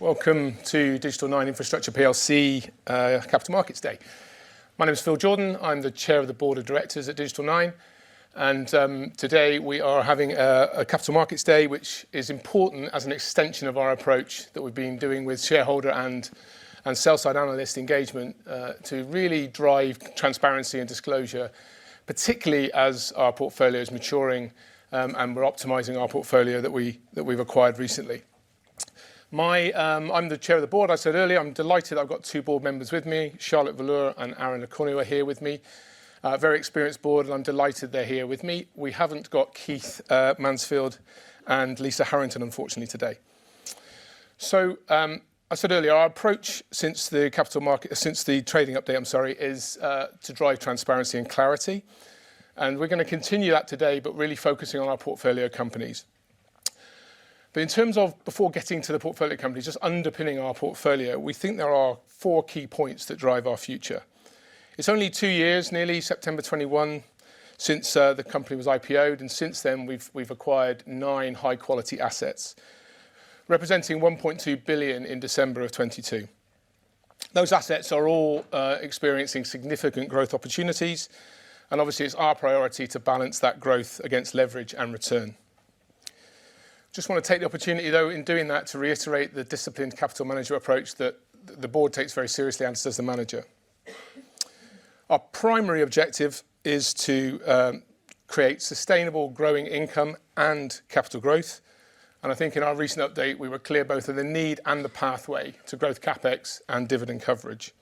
Welcome to Digital 9 Infrastructure plc, Capital Markets Day. My name is Phil Jordan. I'm the Chair of the Board of Directors at Digital 9. Today we are having a capital markets day, which is important as an extension of our approach that we've been doing with shareholder and sell-side analyst engagement to really drive transparency and disclosure, particularly as our portfolio is maturing and we're optimizing our portfolio that we've acquired recently. I'm the Chair of the Board, I said earlier. I'm delighted I've got two board members with me, Charlotte Valeur and Aaron Le Cornu are here with me. Very experienced board, I'm delighted they're here with me. We haven't got Keith Mansfield and Lisa Harrington unfortunately today. I said earlier, our approach since the trading update is to drive transparency and clarity. We're going to continue that today, but really focusing on our portfolio companies. In terms of before getting to the portfolio companies, just underpinning our portfolio, we think there are four key points that drive our future. It's only two years, nearly September 2021, since the company was IPO'd, and since then we've acquired nine high-quality assets, representing 1.2 billion in December 2022. Those assets are all experiencing significant growth opportunities, and obviously it's our priority to balance that growth against leverage and return. Just want to take the opportunity, though, in doing that, to reiterate the disciplined capital management approach that the board takes very seriously and so does the manager. Our primary objective is to create sustainable growing income and capital growth. I think in our recent update, we were clear both of the need and the pathway to growth CapEx and dividend coverage.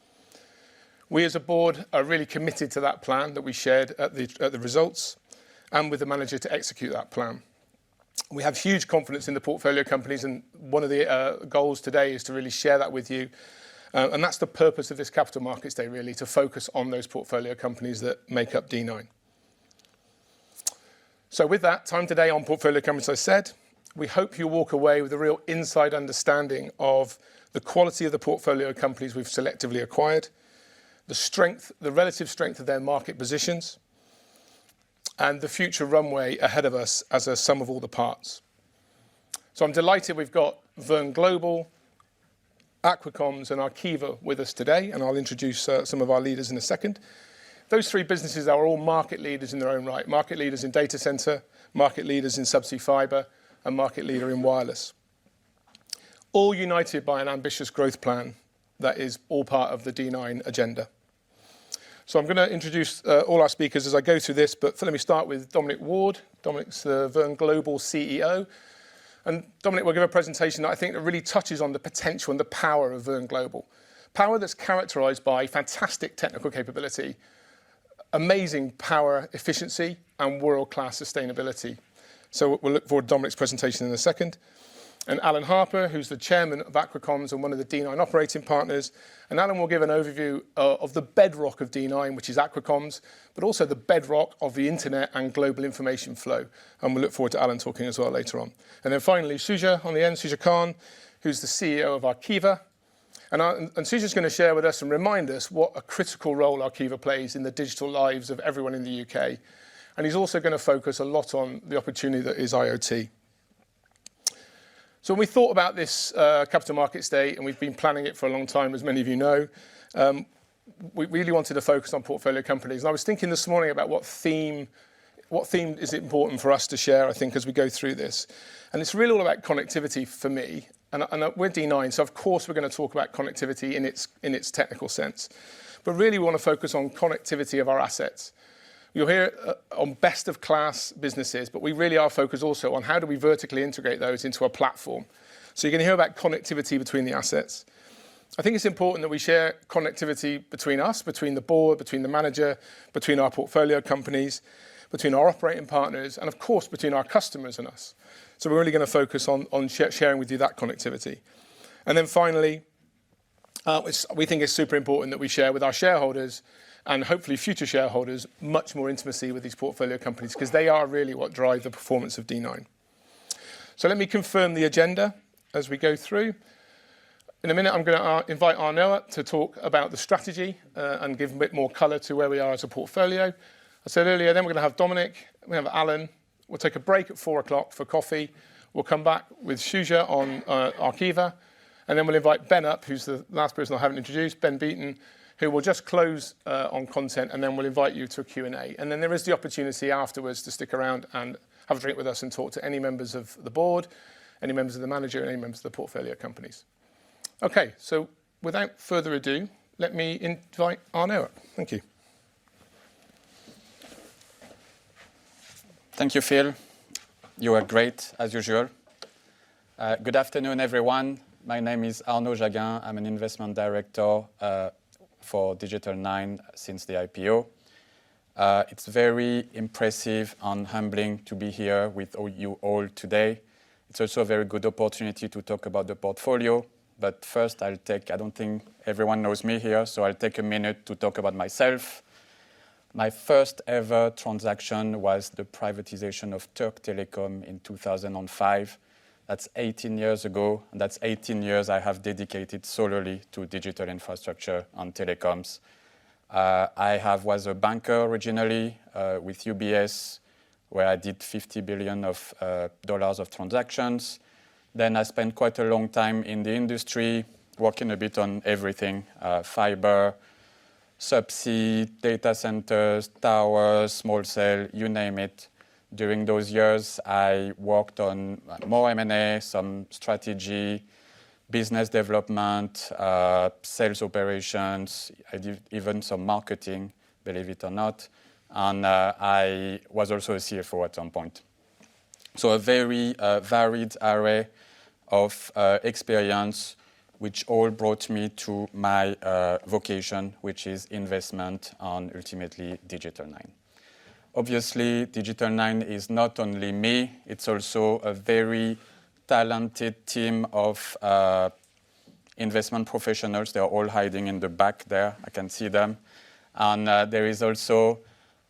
We as a board are really committed to that plan that we shared at the results, and with the manager to execute that plan. We have huge confidence in the portfolio companies. One of the goals today is to really share that with you. That's the purpose of this capital markets day, really, to focus on those portfolio companies that make up D9. With that, time today on portfolio companies, as I said, we hope you walk away with a real inside understanding of the quality of the portfolio companies we've selectively acquired, the relative strength of their market positions, and the future runway ahead of us as a sum of all the parts. I'm delighted we've got Verne Global, Aqua Comms, and Arqiva with us today, and I'll introduce some of our leaders in a second. Those three businesses are all market leaders in their own right, market leaders in data center, market leaders in subsea fiber, and market leader in wireless. All united by an ambitious growth plan that is all part of the D9 agenda. I'm gonna introduce all our speakers as I go through this, but let me start with Dominic Ward. Dominic's the Verne Global CEO. Dominic will give a presentation that I think that really touches on the potential and the power of Verne Global. Power that's characterized by fantastic technical capability, amazing power efficiency, and world-class sustainability. We'll look for Dominic's presentation in a second. Alan Harper, who's the Chairman of Aqua Comms and one of the D9 operating partners. Alan will give an overview of the bedrock of D9, which is Aqua Comms, but also the bedrock of the internet and global information flow. We look forward to Alan talking as well later on. Finally, Shuja on the end, Shuja Khan, who's the CEO of Arqiva. Shuja's gonna share with us and remind us what a critical role Arqiva plays in the digital lives of everyone in the U.K. He's also gonna focus a lot on the opportunity that is IoT. We thought about this capital markets day, and we've been planning it for a long time, as many of you know. We really wanted to focus on portfolio companies, and I was thinking this morning about what theme is important for us to share, I think, as we go through this. It's really all about connectivity for me, and we're D9, so of course we're gonna talk about connectivity in its technical sense. Really we wanna focus on connectivity of our assets. You'll hear on best in class businesses, but we really are focused also on how do we vertically integrate those into a platform. You're gonna hear about connectivity between the assets. I think it's important that we share connectivity between us, between the board, between the manager, between our portfolio companies, between our operating partners, and of course, between our customers and us. We're really gonna focus on sharing with you that connectivity. And then finally, we think it's super important that we share with our shareholders, and hopefully future shareholders, much more intimacy with these portfolio companies, 'cause they are really what drive the performance of D9. Let me confirm the agenda as we go through. In a minute, I'm gonna invite Arnaud to talk about the strategy, and give a bit more color to where we are as a portfolio. I said earlier, then we're gonna have Dominic, then we have Alan. We'll take a break at four o'clock for coffee. We'll come back with Shuja on Arqiva. We'll invite Ben up, who's the last person I haven't introduced, Ben Beaton, who will just close on content. We'll invite you to a Q&A. There is the opportunity afterwards to stick around and have a drink with us and talk to any members of the board, any members of the manager, any members of the portfolio companies. Okay. Without further ado, let me invite Arnaud. Thank you. Thank you, Phil. You were great as usual. Good afternoon, everyone. My name is Arnaud Jaguin. I'm an investment director for Digital 9 since the IPO. It's very impressive and humbling to be here with all you all today. It's also a very good opportunity to talk about the portfolio. First, I don't think everyone knows me here, so I'll take a minute to talk about myself. My first ever transaction was the privatization of Türk Telekom in 2005. That's 18 years ago. That's 18 years I have dedicated solely to digital infrastructure on telecoms. I have was a banker originally with UBS, where I did $50 billion of transactions. I spent quite a long time in the industry, working a bit on everything: fiber, subsea, data centers, towers, small cell, you name it. During those years, I worked on more M&A, some strategy, business development, sales operations, I did even some marketing, believe it or not. I was also a CFO at one point. A very varied array of experience which all brought me to my vocation, which is investment on ultimately Digital 9. Obviously, Digital 9 is not only me, it's also a very talented team of investment professionals. They are all hiding in the back there. I can see them. There is also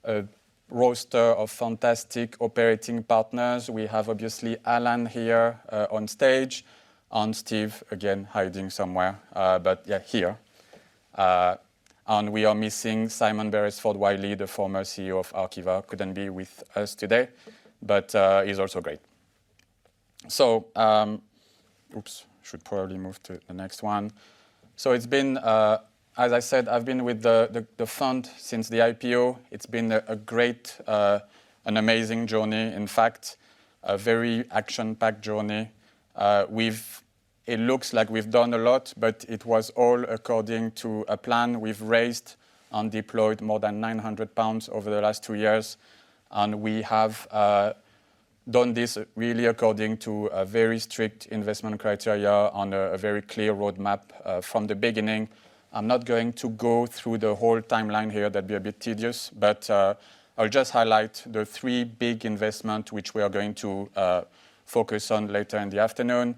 a roster of fantastic operating partners. We have obviously Alan here on stage, and Steve again hiding somewhere, yeah, here. We are missing Simon Beresford-Wylie, the former CEO of Arqiva, couldn't be with us today, he's also great. Oops, should probably move to the next one. It's been, as I said, I've been with the, the fund since the IPO. It's been a great, an amazing journey. In fact, a very action-packed journey. It looks like we've done a lot, but it was all according to a plan. We've raised and deployed more than 900 pounds over the last two years, and we have, done this really according to a very strict investment criteria on a very clear roadmap, from the beginning. I'm not going to go through the whole timeline here. That'd be a bit tedious, but, I'll just highlight the three big investment which we are going to, focus on later in the afternoon.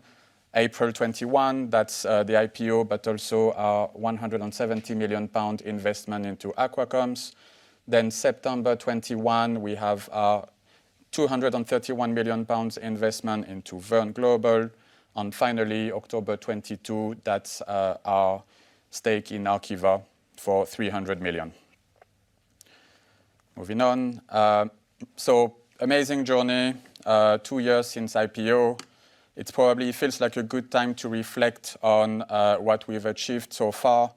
April 2021, that's, the IPO, but also our 170 million pound investment into Aqua Comms. September 2021, we have our 231 million pounds investment into Verne Global. Finally, October 2022, that's our stake in Arqiva for 300 million. Moving on. Amazing journey, two years since IPO. It's probably feels like a good time to reflect on what we've achieved so far,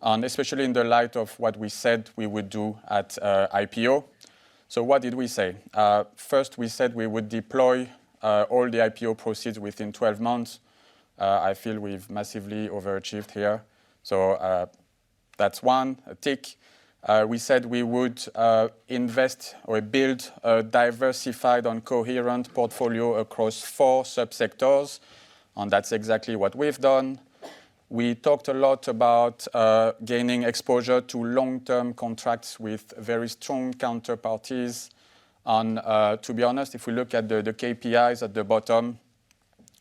and especially in the light of what we said we would do at IPO. What did we say? First, we said we would deploy all the IPO proceeds within 12 months. I feel we've massively overachieved here. That's one, a tick. We said we would invest or build a diversified and coherent portfolio across four subsectors, and that's exactly what we've done. We talked a lot about gaining exposure to long-term contracts with very strong counterparties. To be honest, if we look at the KPIs at the bottom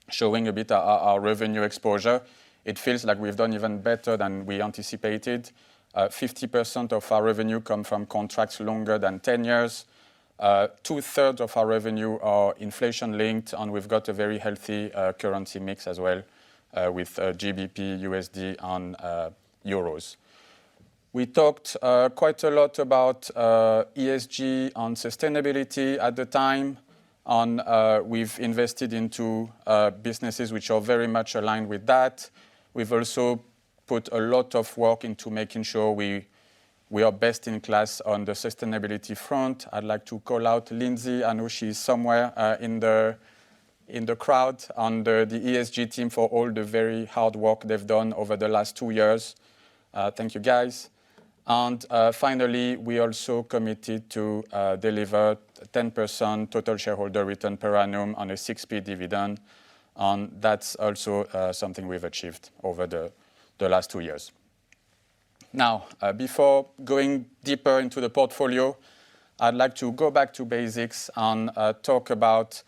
showing a bit our revenue exposure, it feels like we've done even better than we anticipated. 50% of our revenue come from contracts longer than 10 years. 2/3 of our revenue are inflation-linked, and we've got a very healthy currency mix as well, with GBP, USD and euros. We talked quite a lot about ESG and sustainability at the time, we've invested into businesses which are very much aligned with that. We've also put a lot of work into making sure we are best in class on the sustainability front. I'd like to call out Lindsay. I know she's somewhere in the crowd, the ESG team for all the very hard work they've done over the last two years. Thank you, guys. Finally, we also committed to deliver 10% total shareholder return per annum on a 6p dividend, and that's also something we've achieved over the last two years. Before going deeper into the portfolio, I'd like to go back to basics and talk about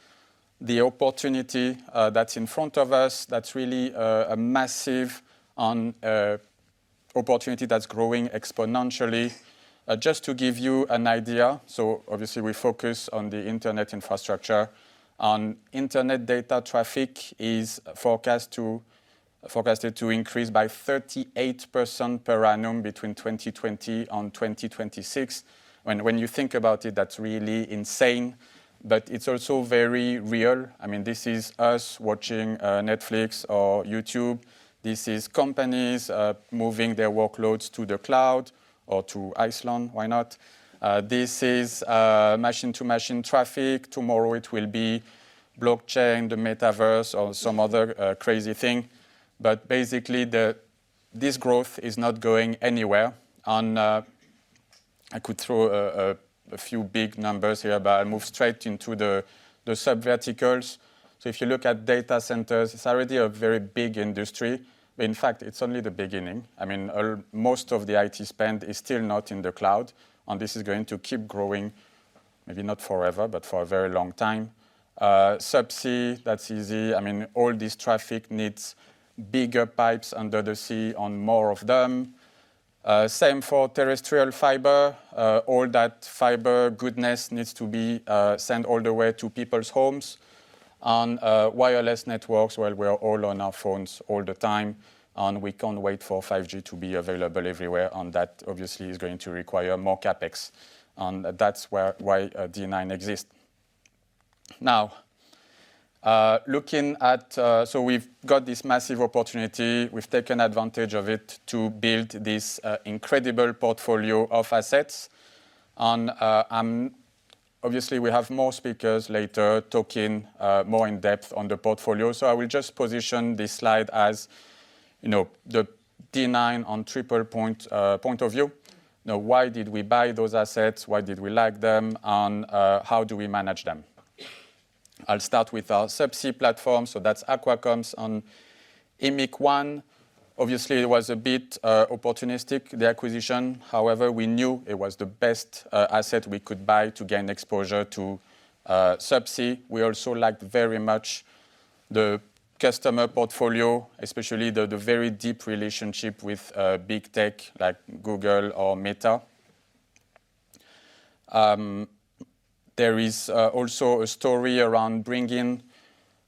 the opportunity that's in front of us that's really a massive and opportunity that's growing exponentially. Just to give you an idea, obviously we focus on the internet infrastructure, internet data traffic is forecasted to increase by 38% per annum between 2020 and 2026. When you think about it, that's really insane, but it's also very real. I mean, this is us watching Netflix or YouTube. This is companies moving their workloads to the cloud or to Iceland. Why not? This is machine-to-machine traffic. Tomorrow it will be blockchain, the metaverse or some other crazy thing. Basically this growth is not going anywhere, and I could throw a few big numbers here, but I'll move straight into the subverticals. If you look at data centers, it's already a very big industry. In fact, it's only the beginning. I mean, most of the IT spend is still not in the cloud, and this is going to keep growing, maybe not forever, but for a very long time. Subsea, that's easy. I mean, all this traffic needs bigger pipes under the sea and more of them. Same for terrestrial fiber. All that fiber goodness needs to be sent all the way to people's homes. On wireless networks, while we're all on our phones all the time, and we can't wait for 5G to be available everywhere. That obviously is going to require more CapEx, and that's why D9 exists. Now, we've got this massive opportunity. We've taken advantage of it to build this incredible portfolio of assets. Obviously, we have more speakers later talking more in depth on the portfolio. I will just position this slide, as, you know, the D9 on Triple Point point of view. Now, why did we buy those assets? Why did we like them? How do we manage them? I'll start with our subsea platform. So that's Aqua Comms on EMIC-1. Obviously, it was a bit opportunistic, the acquisition. However, we knew it was the best asset we could buy to gain exposure to subsea. We also liked very much the customer portfolio, especially the very deep relationship with big tech like Google or Meta. There is also a story around bringing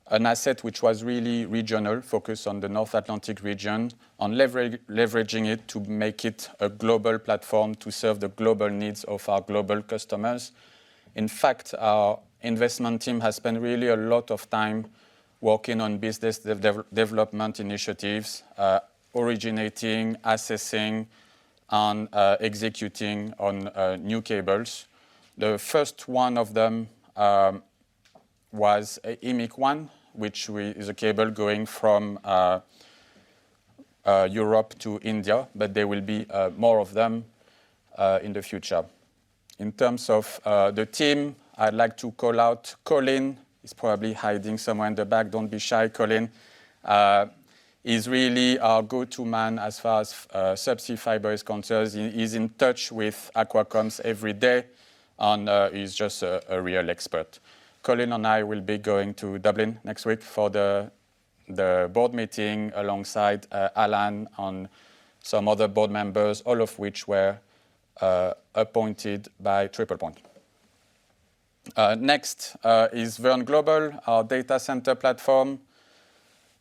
an asset which was really regional, focused on the North Atlantic region, on leveraging it to make it a global platform to serve the global needs of our global customers. In fact, our investment team has spent really a lot of time working on business development initiatives, originating, assessing on executing on new cables. The first one of them was EMIC-1, which is a cable going from Europe to India, but there will be more of them in the future. In terms of the team, I'd like to call out Colin. He's probably hiding somewhere in the back. Don't be shy, Colin. He's really our go-to man as far as subsea fiber is concerned. He's in touch with Aqua Comms every day, and he's just a real expert. Colin and I will be going to Dublin next week for the board meeting alongside Alan and some other board members, all of which were appointed by Triple Point. Next is Verne Global, our data center platform.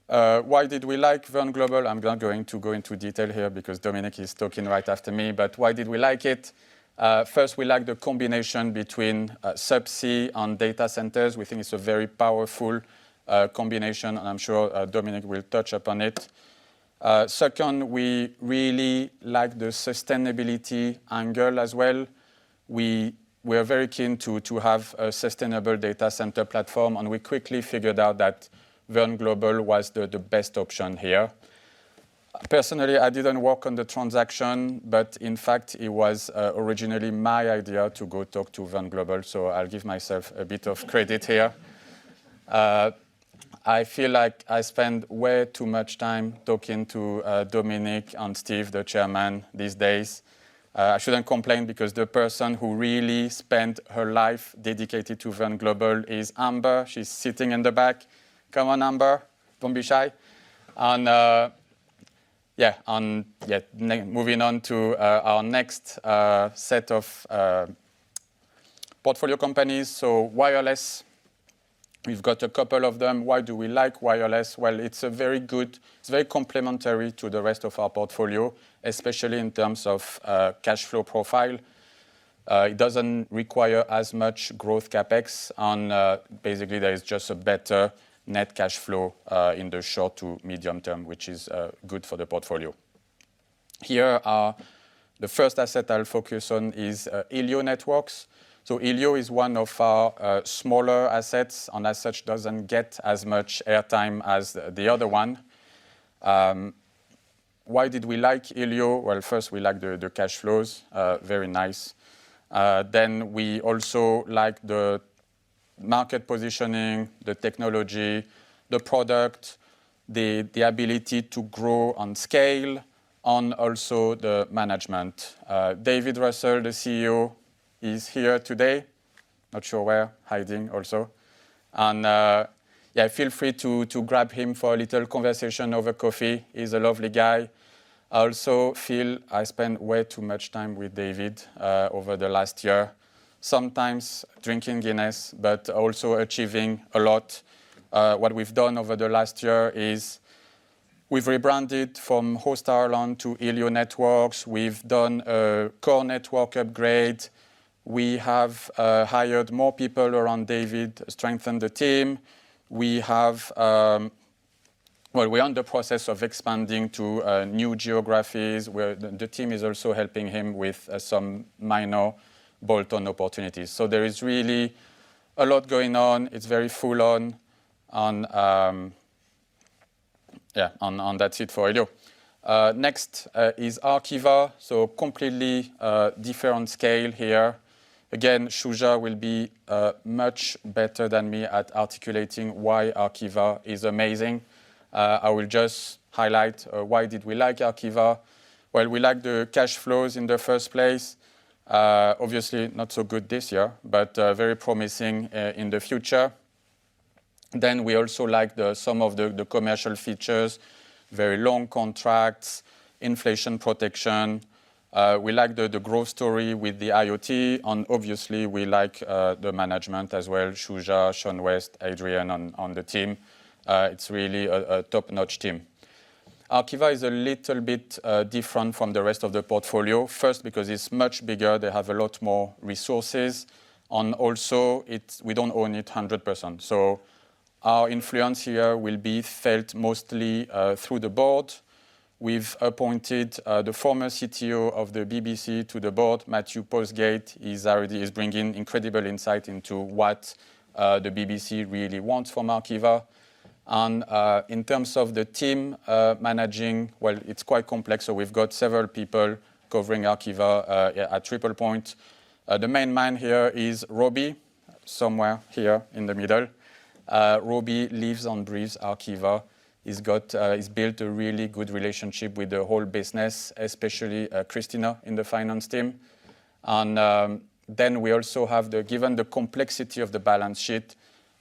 Why did we like Verne Global? I'm not going to go into detail here because Dominic is talking right after me. Why did we like it? First, we liked the combination between subsea and data centers. We think it's a very powerful combination, and I'm sure Dominic will touch upon it. Second, we really like the sustainability angle as well. We are very keen to have a sustainable data center platform, and we quickly figured out that Verne Global was the best option here. Personally, I didn't work on the transaction, but in fact, it was originally my idea to go talk to Verne Global, so I'll give myself a bit of credit here. I feel like I spend way too much time talking to Dominic and Steve, the chairman, these days. I shouldn't complain because the person who really spent her life dedicated to Verne Global is Amber. She's sitting in the back. Come on, Amber. Don't be shy. Yeah. Moving on to our next set of portfolio companies. Wireless, we've got a couple of them. Why do we like wireless? Well, it's very complementary to the rest of our portfolio, especially in terms of cash flow profile. It doesn't require as much growth CapEx, and basically, there is just a better net cash flow in the short to medium term, which is good for the portfolio. Here are the first asset I'll focus on is Elio Networks. Elio is one of our smaller assets, and as such, doesn't get as much air time as the other one. Why did we like Elio? Well, first we like the cash flows. Very nice. We also like the market positioning, the technology, the product, the ability to grow and scale, and also the management. David Russell, the CEO, is here today. Not sure where. Hiding also. Yeah, feel free to grab him for a little conversation over coffee. He's a lovely guy. I also feel I spent way too much time with David over the last year, sometimes drinking Guinness, but also achieving a lot. What we've done over the last year is we've rebranded from Host Ireland to Elio Networks. We've done a core network upgrade. We have hired more people around David, strengthened the team. We have, Well, we're in the process of expanding to new geographies, where the team is also helping him with some minor bolt-on opportunities. There is really a lot going on. It's very full on. Yeah. That's it for Elio. Next is Arqiva. Completely different scale here. Again, Shuja will be much better than me at articulating why Arqiva is amazing. I will just highlight why did we like Arqiva. We like the cash flows in the first place. Obviously not so good this year, but very promising in the future. We also like some of the commercial features, very long contracts, inflation protection. We like the growth story with the IoT, and obviously we like the management as well. Shuja, Sean West, Adrian, and the team. It's really a top-notch team. Arqiva is a little bit different from the rest of the portfolio. because it's much bigger, they have a lot more resources, and also we don't own it 100%. Our influence here will be felt mostly through the board. We've appointed the former CTO of the BBC to the board. Matthew Postgate is already bringing incredible insight into what the BBC really wants from Arqiva. in terms of the team managing, well, it's quite complex, we've got several people covering Arqiva at Triple Point. The main man here is Robbie, somewhere here in the middle. Robbie lives and breathes Arqiva. He's built a really good relationship with the whole business, especially Christina in the finance team. Then we also have the-- Given the complexity of the balance sheet,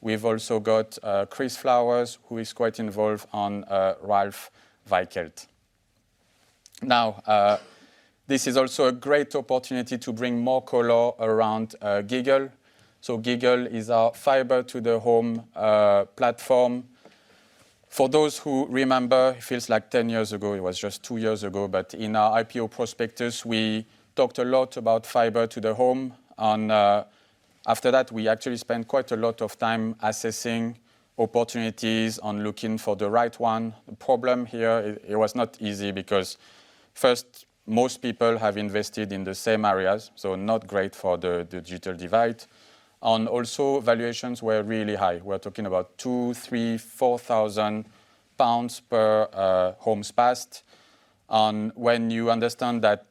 we've also got Chris Flowers, who is quite involved, and Ralph Weikelt. This is also a great opportunity to bring more color around Giggle. Giggle is our fiber to the home platform. For those who remember, it feels like 10 years ago, it was just two years ago. In our IPO prospectus, we talked a lot about fiber to the home and after that, we actually spent quite a lot of time assessing opportunities and looking for the right one. The problem here, it was not easy because first, most people have invested in the same areas, so not great for the digital divide. Valuations were really high. We're talking about 2,000-4,000 pounds per homes passed. When you understand that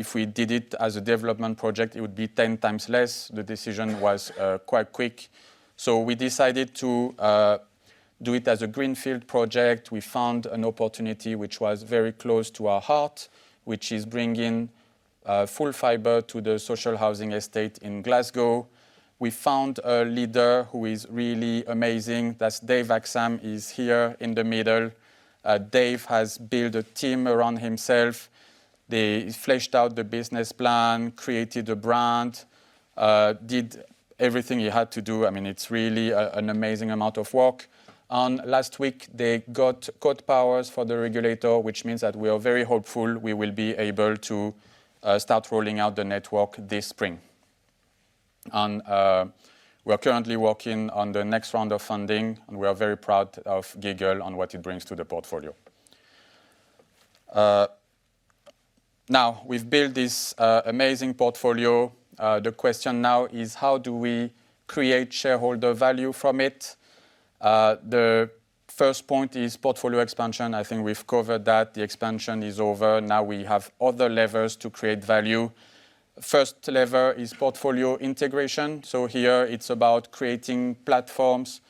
if we did it as a development project, it would be 10x less. The decision was quite quick. We decided to do it as a greenfield project. We found an opportunity which was very close to our heart, which is bringing full fiber to the social housing estate in Glasgow. We found a leader who is really amazing. That's Dave Axam, he's here in the middle. Dave has built a team around himself. They fleshed out the business plan, created a brand, did everything he had to do. I mean, it's really an amazing amount of work. Last week, they got Code Powers for the regulator, which means that we are very hopeful we will be able to start rolling out the network this spring. We are currently working on the next round of funding, and we are very proud of Giggle and what it brings to the portfolio. Now, we've built this amazing portfolio. The question now is: how do we create shareholder value from it? The first point is portfolio expansion. I think we've covered that. The expansion is over. Now we have other levers to create value. First lever is portfolio integration. Here it's about creating platforms.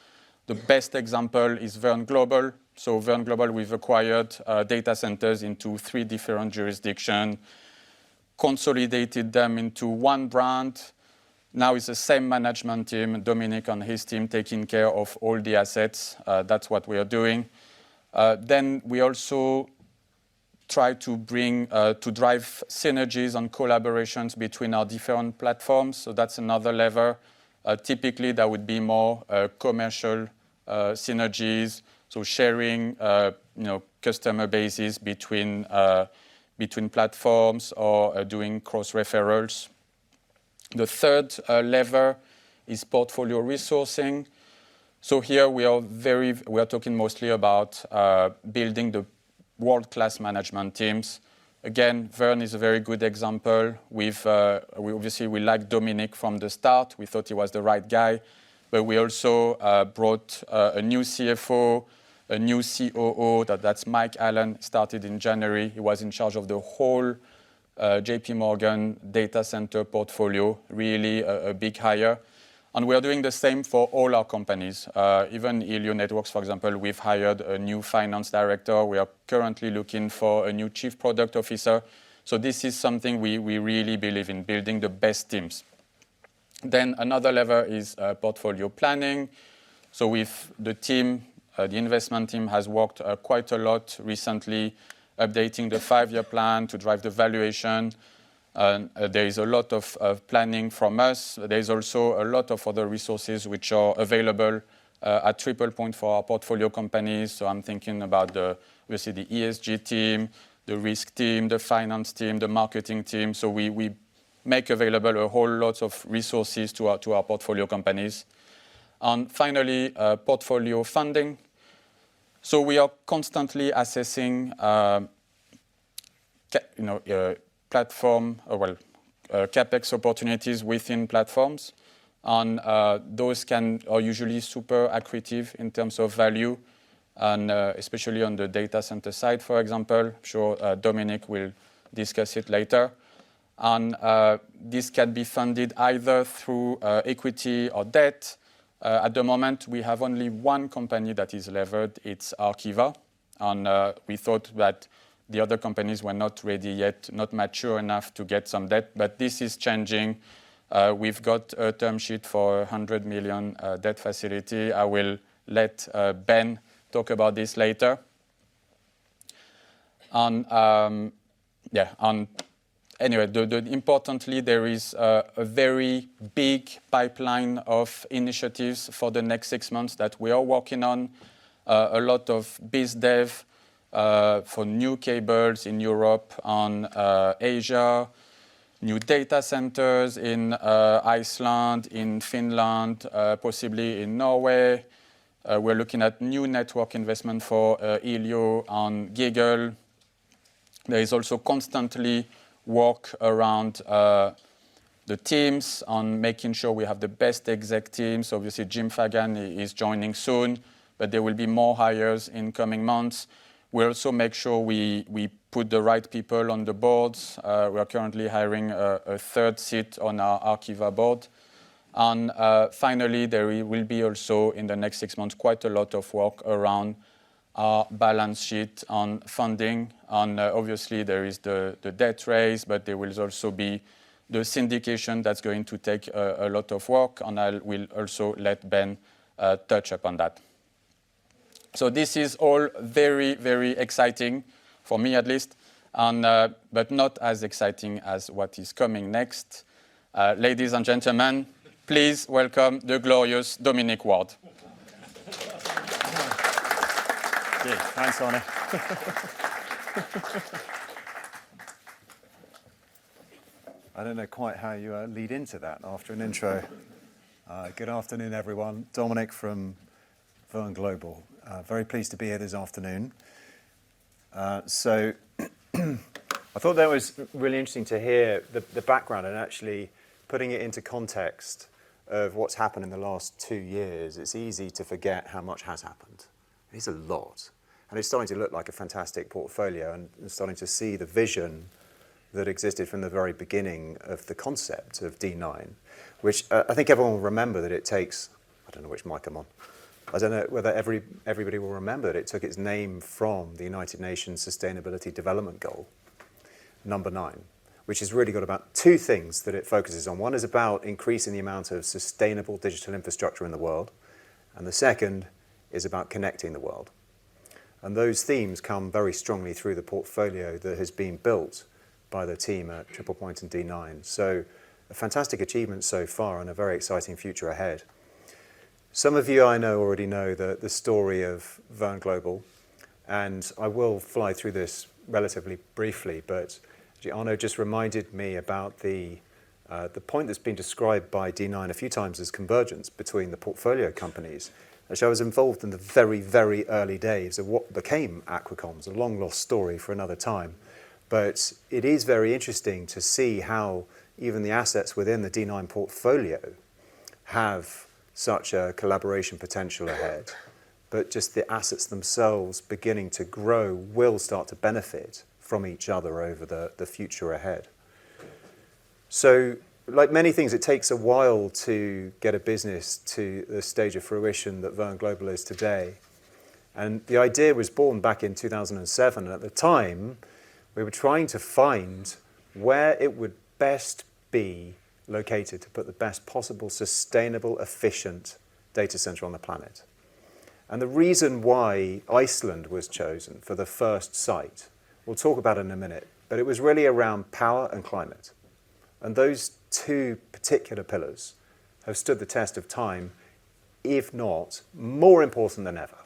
The best example is Verne Global. Verne Global, we've acquired data centers into three different jurisdiction, consolidated them into one brand. Now it's the same management team, Dominic and his team, taking care of all the assets. That's what we are doing. Then we also try to bring to drive synergies and collaborations between our different platforms. That's another lever. Typically, that would be more commercial synergies. Sharing, you know, customer bases between platforms or doing cross-referrals. The third lever is portfolio resourcing. Here we are talking mostly about building the world-class management teams. Again, Verne is a very good example. We've, we obviously, we liked Dominic from the start. We thought he was the right guy. We also brought a new CFO, a new COO. That's Mike Allen, started in January. He was in charge of the whole JP Morgan data center portfolio. Really a big hire. We are doing the same for all our companies. Even Elio Networks, for example, we've hired a new finance director. We are currently looking for a new chief product officer. This is something we really believe in building the best teams. Another lever is portfolio planning. With the team, the investment team has worked quite a lot recently, updating the five-year plan to drive the valuation. There is a lot of planning from us. There's also a lot of other resources which are available at Triple Point for our portfolio companies. I'm thinking about the obviously the ESG team, the risk team, the finance team, the marketing team. We make available a whole lot of resources to our portfolio companies. Finally, portfolio funding. We are constantly assessing, you know, platform or, well, CapEx opportunities within platforms. Those are usually super accretive in terms of value and especially on the data center side, for example. I'm sure Dominic will discuss it later. This can be funded either through equity or debt. At the moment, we have only one company that is levered. It's Arqiva. We thought that the other companies were not ready yet, not mature enough to get some debt. This is changing. We've got a term sheet for 100 million debt facility. I will let Ben talk about this later. Importantly, there is a very big pipeline of initiatives for the next six months that we are working on. A lot of biz dev for new cables in Europe, Asia, new data centers in Iceland, in Finland, possibly in Norway. We're looking at new network investment for Elio on Giggle. There is also constantly work around the teams on making sure we have the best exec teams. Obviously, Jim Fagan is joining soon. There will be more hires in coming months. We also make sure we put the right people on the boards. We are currently hiring a third seat on our Arqiva board. Finally, there will be also in the next six months, quite a lot of work around our balance sheet on funding. Obviously, there is the debt raise, but there will also be the syndication that's going to take a lot of work, and I will also let Ben touch upon that. This is all very, very exciting for me at least, and not as exciting as what is coming next. Ladies and gentlemen, please welcome the glorious Dominic Ward. Gee, thanks, Arnaud. I don't know quite how you lead into that after an intro. Good afternoon, everyone. Dominic from Verne Global. Very pleased to be here this afternoon. I thought that was really interesting to hear the background and actually putting it into context of what's happened in the last two years. It's easy to forget how much has happened. It's a lot, and it's starting to look like a fantastic portfolio and starting to see the vision that existed from the very beginning of the concept of D9, which I think everyone will remember that it takes. I don't know which mic I'm on. I don't know whether everybody will remember. It took its name from the United Nations Sustainability Development Goal 9, which has really got about two things that it focuses on. One is about increasing the amount of sustainable digital infrastructure in the world. The second is about connecting the world. Those themes come very strongly through the portfolio that has been built by the team at Triple Point and D9. A fantastic achievement so far and a very exciting future ahead. Some of you, I know, already know the story of Verne Global, and I will fly through this relatively briefly. Arnaud just reminded me about the point that's been described by D9 a few times as convergence between the portfolio companies, which I was involved in the very, very early days of what became Aqua Comms. It's a long, long story for another time. It is very interesting to see how even the assets within the D9 portfolio have such a collaboration potential ahead. Just the assets themselves beginning to grow will start to benefit from each other over the future ahead. Like many things, it takes a while to get a business to the stage of fruition that Verne Global is today. The idea was born back in 2007. At the time, we were trying to find where it would best be located to put the best possible, sustainable, efficient data center on the planet. The reason why Iceland was chosen for the first site, we'll talk about in a minute, but it was really around power and climate. Those two particular pillars have stood the test of time, if not more important than ever.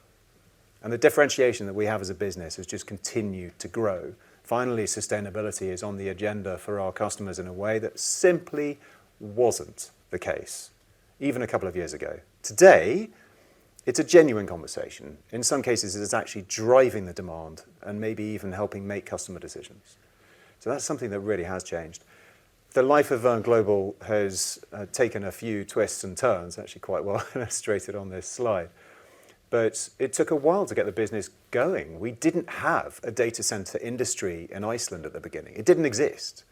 The differentiation that we have as a business has just continued to grow. Finally, sustainability is on the agenda for our customers in a way that simply wasn't the case even a couple of years ago. Today, it's a genuine conversation. In some cases, it is actually driving the demand and maybe even helping make customer decisions. That's something that really has changed. The life of Verne Global has taken a few twists and turns, actually quite well illustrated on this slide. It took a while to get the business going. We didn't have a data center industry in Iceland at the beginning. It didn't exist.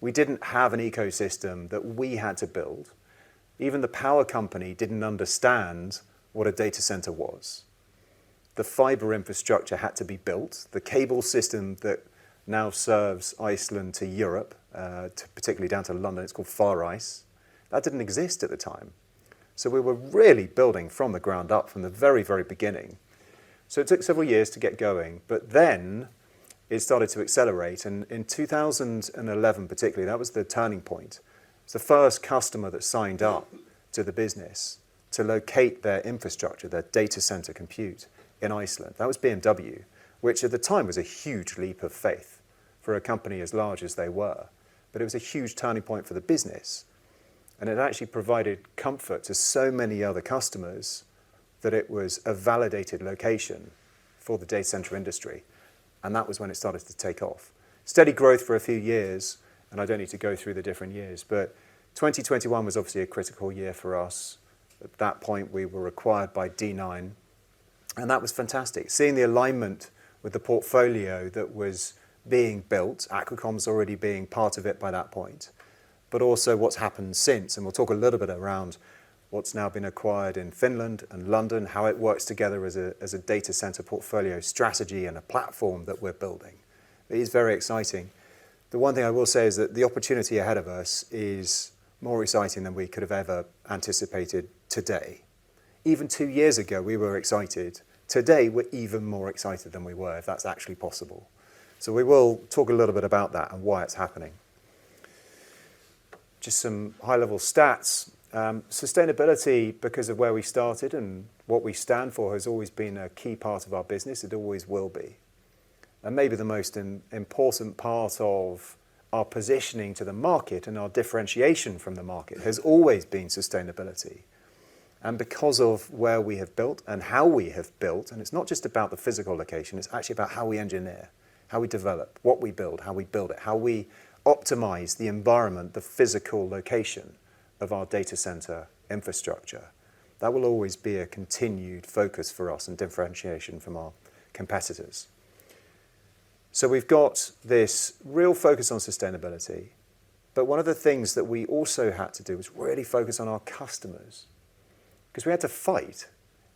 We didn't have an ecosystem that we had to build. Even the power company didn't understand what a data center was. The fiber infrastructure had to be built. The cable system that now serves Iceland to Europe, to particularly down to London, it's called FARICE-1. That didn't exist at the time. We were really building from the ground up from the very, very beginning. It took several years to get going, but then it started to accelerate. In 2011, particularly, that was the turning point. It's the first customer that signed up to the business to locate their infrastructure, their data center compute in Iceland. That was BMW, which at the time was a huge leap of faith for a company as large as they were. It was a huge turning point for the business, and it actually provided comfort to so many other customers that it was a validated location for the data center industry, and that was when it started to take off. Steady growth for a few years, I don't need to go through the different years, but 2021 was obviously a critical year for us. At that point, we were acquired by D9. That was fantastic. Seeing the alignment with the portfolio that was being built, Aqua Comms's already being part of it by that point. Also what's happened since, we'll talk a little bit around what's now been acquired in Finland and London, how it works together as a data center portfolio strategy and a platform that we're building. It is very exciting. The one thing I will say is that the opportunity ahead of us is more exciting than we could have ever anticipated today. Even two years ago, we were excited. Today, we're even more excited than we were, if that's actually possible. We will talk a little bit about that and why it's happening. Just some high-level stats. Sustainability, because of where we started and what we stand for, has always been a key part of our business. It always will be. Maybe the most important part of our positioning to the market and our differentiation from the market has always been sustainability. Because of where we have built and how we have built, and it's not just about the physical location, it's actually about how we engineer, how we develop, what we build, how we build it, how we optimize the environment, the physical location of our data center infrastructure, that will always be a continued focus for us and differentiation from our competitors. We've got this real focus on sustainability, but one of the things that we also had to do was really focus on our customers because we had to fight,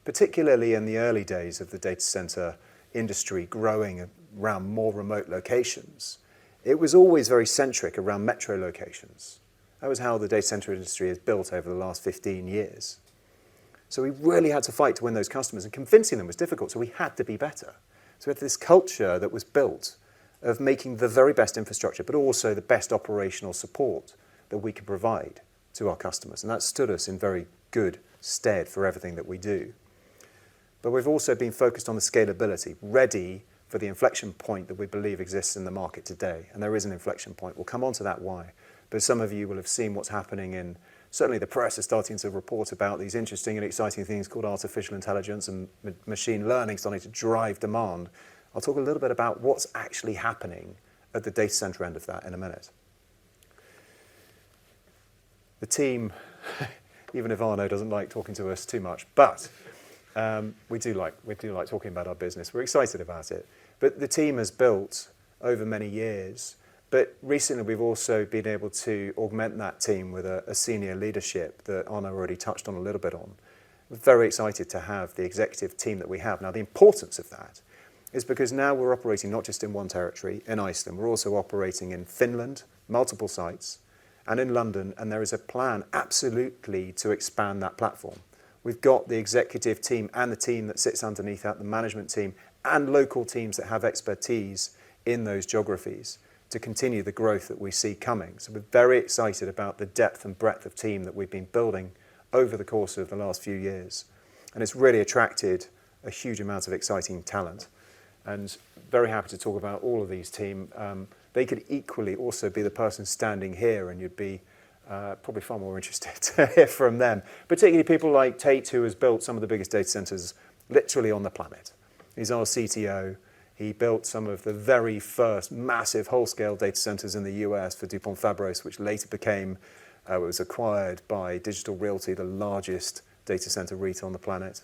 particularly in the early days of the data center industry growing around more remote locations. It was always very centric around metro locations. That was how the data center industry has built over the last 15 years. We really had to fight to win those customers, and convincing them was difficult, so we had to be better. We had this culture that was built of making the very best infrastructure, but also the best operational support that we could provide to our customers, and that stood us in very good stead for everything that we do. We've also been focused on the scalability, ready for the inflection point that we believe exists in the market today, and there is an inflection point. We'll come on to that why. Some of you will have seen what's happening, and certainly the press is starting to report about these interesting and exciting things called artificial intelligence and machine learning starting to drive demand. I'll talk a little bit about what's actually happening at the data center end of that in a minute. The team even if Arnar doesn't like talking to us too much, but we do like talking about our business. We're excited about it. The team has built over many years. Recently, we've also been able to augment that team with a senior leadership that Arnar already touched on a little bit on. We're very excited to have the executive team that we have. The importance of that is because now we're operating not just in one territory, in Iceland, we're also operating in Finland, multiple sites, and in London. There is a plan absolutely to expand that platform. We've got the executive team and the team that sits underneath that, the management team and local teams that have expertise in those geographies to continue the growth that we see coming. We're very excited about the depth and breadth of team that we've been building over the course of the last few years. It's really attracted a huge amount of exciting talent. Very happy to talk about all of these team. They could equally also be the person standing here, and you'd be probably far more interested to hear from them, particularly people like Tate, who has built some of the biggest data centers literally on the planet. He's our CTO. He built some of the very first massive whole-scale data centers in the US for DuPont Fabros, which later it was acquired by Digital Realty, the largest data center REIT on the planet.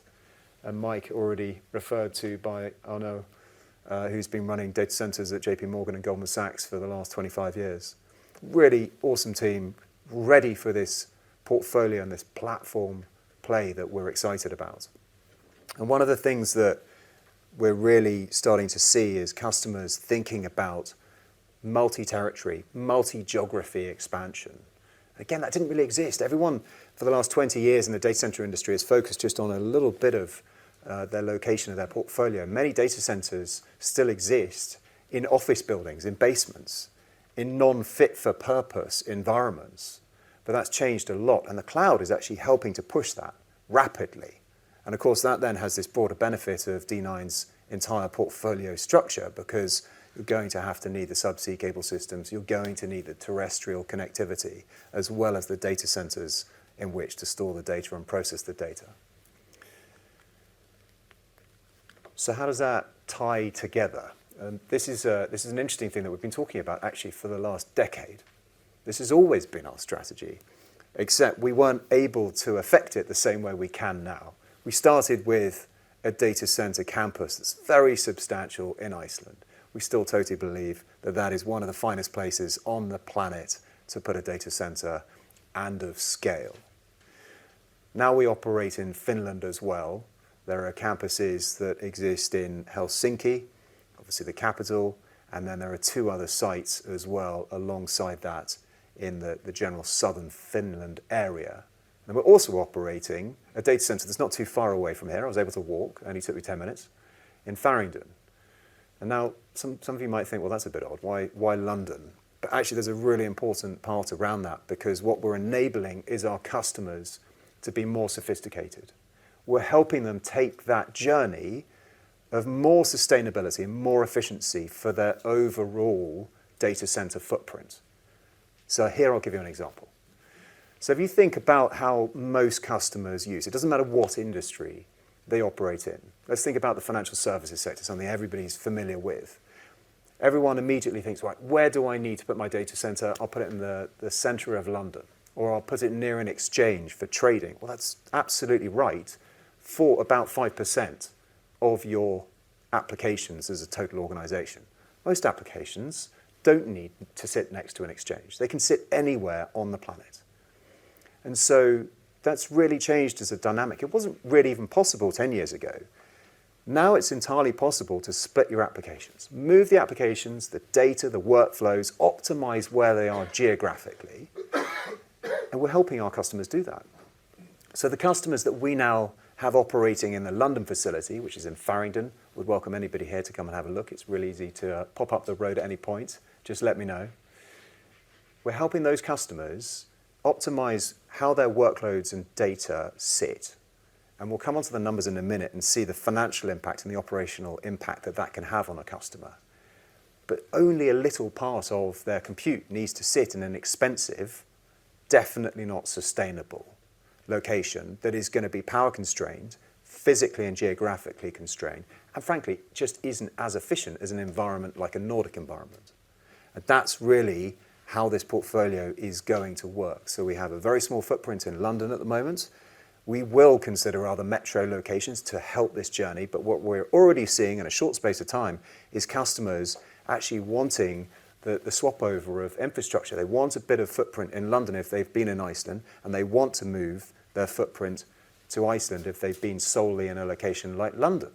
Mike, already referred to by Arnar, who's been running data centers at JP Morgan and Goldman Sachs for the last 25 years. Really awesome team ready for this portfolio and this platform play that we're excited about. One of the things that we're really starting to see is customers thinking about multi-territory, multi-geography expansion. Again, that didn't really exist. Everyone for the last 20 years in the data center industry has focused just on a little bit of their location and their portfolio. Many data centers still exist in office buildings, in basements, in non-fit for purpose environments. That's changed a lot, and the cloud is actually helping to push that rapidly. Of course, that then has this broader benefit of D9's entire portfolio structure, because you're going to have to need the subsea cable systems. You're going to need the terrestrial connectivity as well as the data centers in which to store the data and process the data. How does that tie together? This is an interesting thing that we've been talking about actually for the last decade. This has always been our strategy, except we weren't able to affect it the same way we can now. We started with a data center campus that's very substantial in Iceland. We still totally believe that that is one of the finest places on the planet to put a data center and of scale. We operate in Finland as well. There are campuses that exist in Helsinki, obviously the capital, and then there are two other sites as well alongside that in the general Southern Finland area. We're also operating a data center that's not too far away from here, I was able to walk, only took me 10 minutes, in Farringdon. Now some of you might think, "Well, that's a bit odd. Why London?" Actually, there's a really important part around that because what we're enabling is our customers to be more sophisticated. We're helping them take that journey of more sustainability and more efficiency for their overall data center footprint. Here I'll give you an example. If you think about how most customers use, it doesn't matter what industry they operate in. Let's think about the financial services sector, something everybody's familiar with. Everyone immediately thinks, "Right, where do I need to put my data center? I'll put it in the center of London, or I'll put it near an exchange for trading." Well, that's absolutely right for about 5% of your applications as a total organization. Most applications don't need to sit next to an exchange. They can sit anywhere on the planet. That's really changed as a dynamic. It wasn't really even possible 10 years ago. Now it's entirely possible to split your applications, move the applications, the data, the workflows, optimize where they are geographically, and we're helping our customers do that. The customers that we now have operating in the London facility, which is in Farringdon, we'd welcome anybody here to come and have a look. It's real easy to pop up the road at any point. Just let me know. We're helping those customers optimize how their workloads and data sit. We'll come onto the numbers in a minute and see the financial impact and the operational impact that that can have on a customer. Only a little part of their compute needs to sit in an expensive, definitely not sustainable location that is gonna be power constrained, physically and geographically constrained, and frankly, just isn't as efficient as an environment like a Nordic environment. That's really how this portfolio is going to work. We have a very small footprint in London at the moment. We will consider other metro locations to help this journey, but what we're already seeing in a short space of time is customers actually wanting the swap over of infrastructure. They want a bit of footprint in London if they've been in Iceland, and they want to move their footprint to Iceland if they've been solely in a location like London.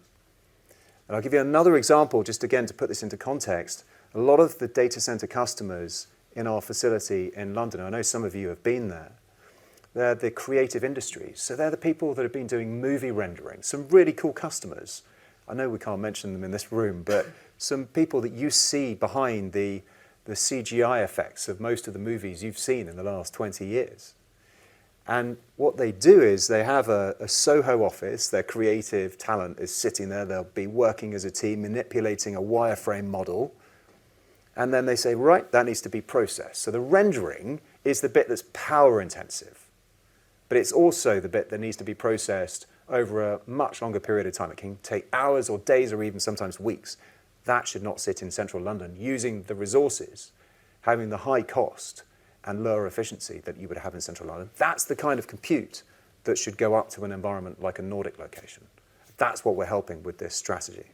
I'll give you another example just again to put this into context. A lot of the data center customers in our facility in London, I know some of you have been there, they're the creative industries, so they're the people that have been doing movie rendering, some really cool customers. I know we can't mention them in this room, but some people that you see behind the CGI effects of most of the movies you've seen in the last 20 years. What they do is they have a Soho office, their creative talent is sitting there. They'll be working as a team, manipulating a wireframe model, and then they say, "Right, that needs to be processed." The rendering is the bit that's power intensive, but it's also the bit that needs to be processed over a much longer period of time. It can take hours or days or even sometimes weeks. That should not sit in Central London using the resources, having the high cost and lower efficiency that you would have in Central London. That's the kind of compute that should go up to an environment like a Nordic location. That's what we're helping with this strategy.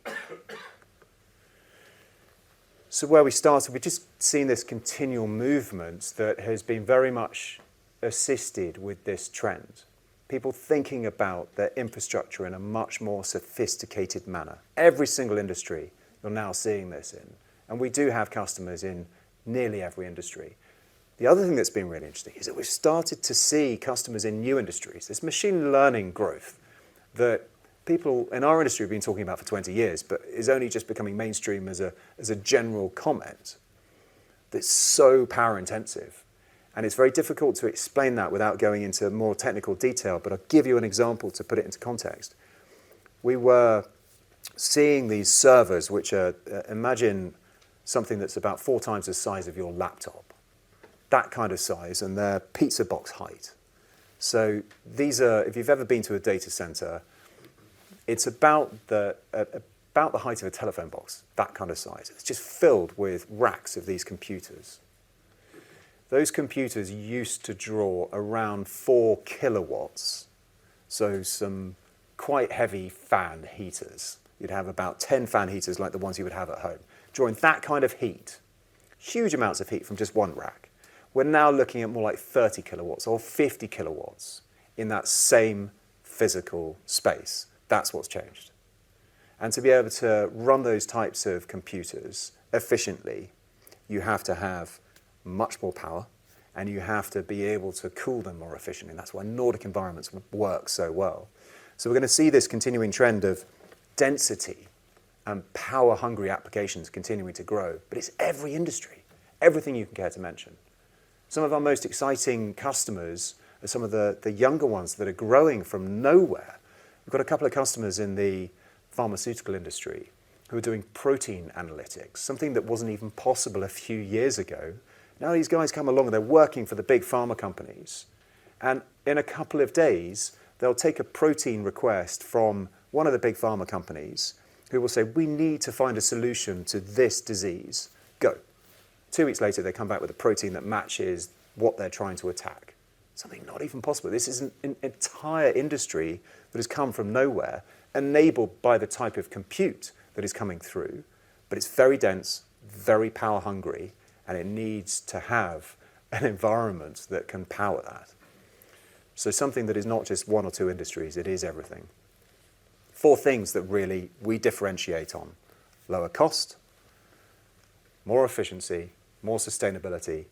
Where we started, we've just seen this continual movement that has been very much assisted with this trend, people thinking about their infrastructure in a much more sophisticated manner. Every single industry you're now seeing this in. We do have customers in nearly every industry. The other thing that's been really interesting is that we've started to see customers in new industries. This machine learning growth that people in our industry have been talking about for 20 years. Is only just becoming mainstream as a, as a general comment that's so power intensive. It's very difficult to explain that without going into more technical detail. I'll give you an example to put it into context. We were seeing these servers which are, imagine something that's about 4x the size of your laptop. That kind of size, and they're pizza box height. If you've ever been to a data center, it's about the height of a telephone box. That kind of size. It's just filled with racks of these computers. Those computers used to draw around 4 kW, so some quite heavy fan heaters. You'd have about 10 fan heaters like the ones you would have at home. Drawing that kind of heat, huge amounts of heat from just one rack, we're now looking at more like 30 kW or 50 kW in that same physical space. That's what's changed. To be able to run those types of computers efficiently, you have to have much more power, and you have to be able to cool them more efficiently, and that's why Nordic environments work so well. We're gonna see this continuing trend of density and power-hungry applications continuing to grow, but it's every industry, everything you can care to mention. Some of our most exciting customers are some of the younger ones that are growing from nowhere. We've got a couple of customers in the pharmaceutical industry who are doing protein analytics, something that wasn't even possible a few years ago. These guys come along, and they're working for the big pharma companies, and in a couple of days they'll take a protein request from one of the big pharma companies who will say, "We need to find a solution to this disease. Go." Two weeks later, they come back with a protein that matches what they're trying to attack, something not even possible. This is an entire industry that has come from nowhere enabled by the type of compute that is coming through, but it's very dense, very power hungry, and it needs to have an environment that can power that. Something that is not just one or two industries, it is everything. Four things that really we differentiate on: lower cost, more efficiency, more sustainability,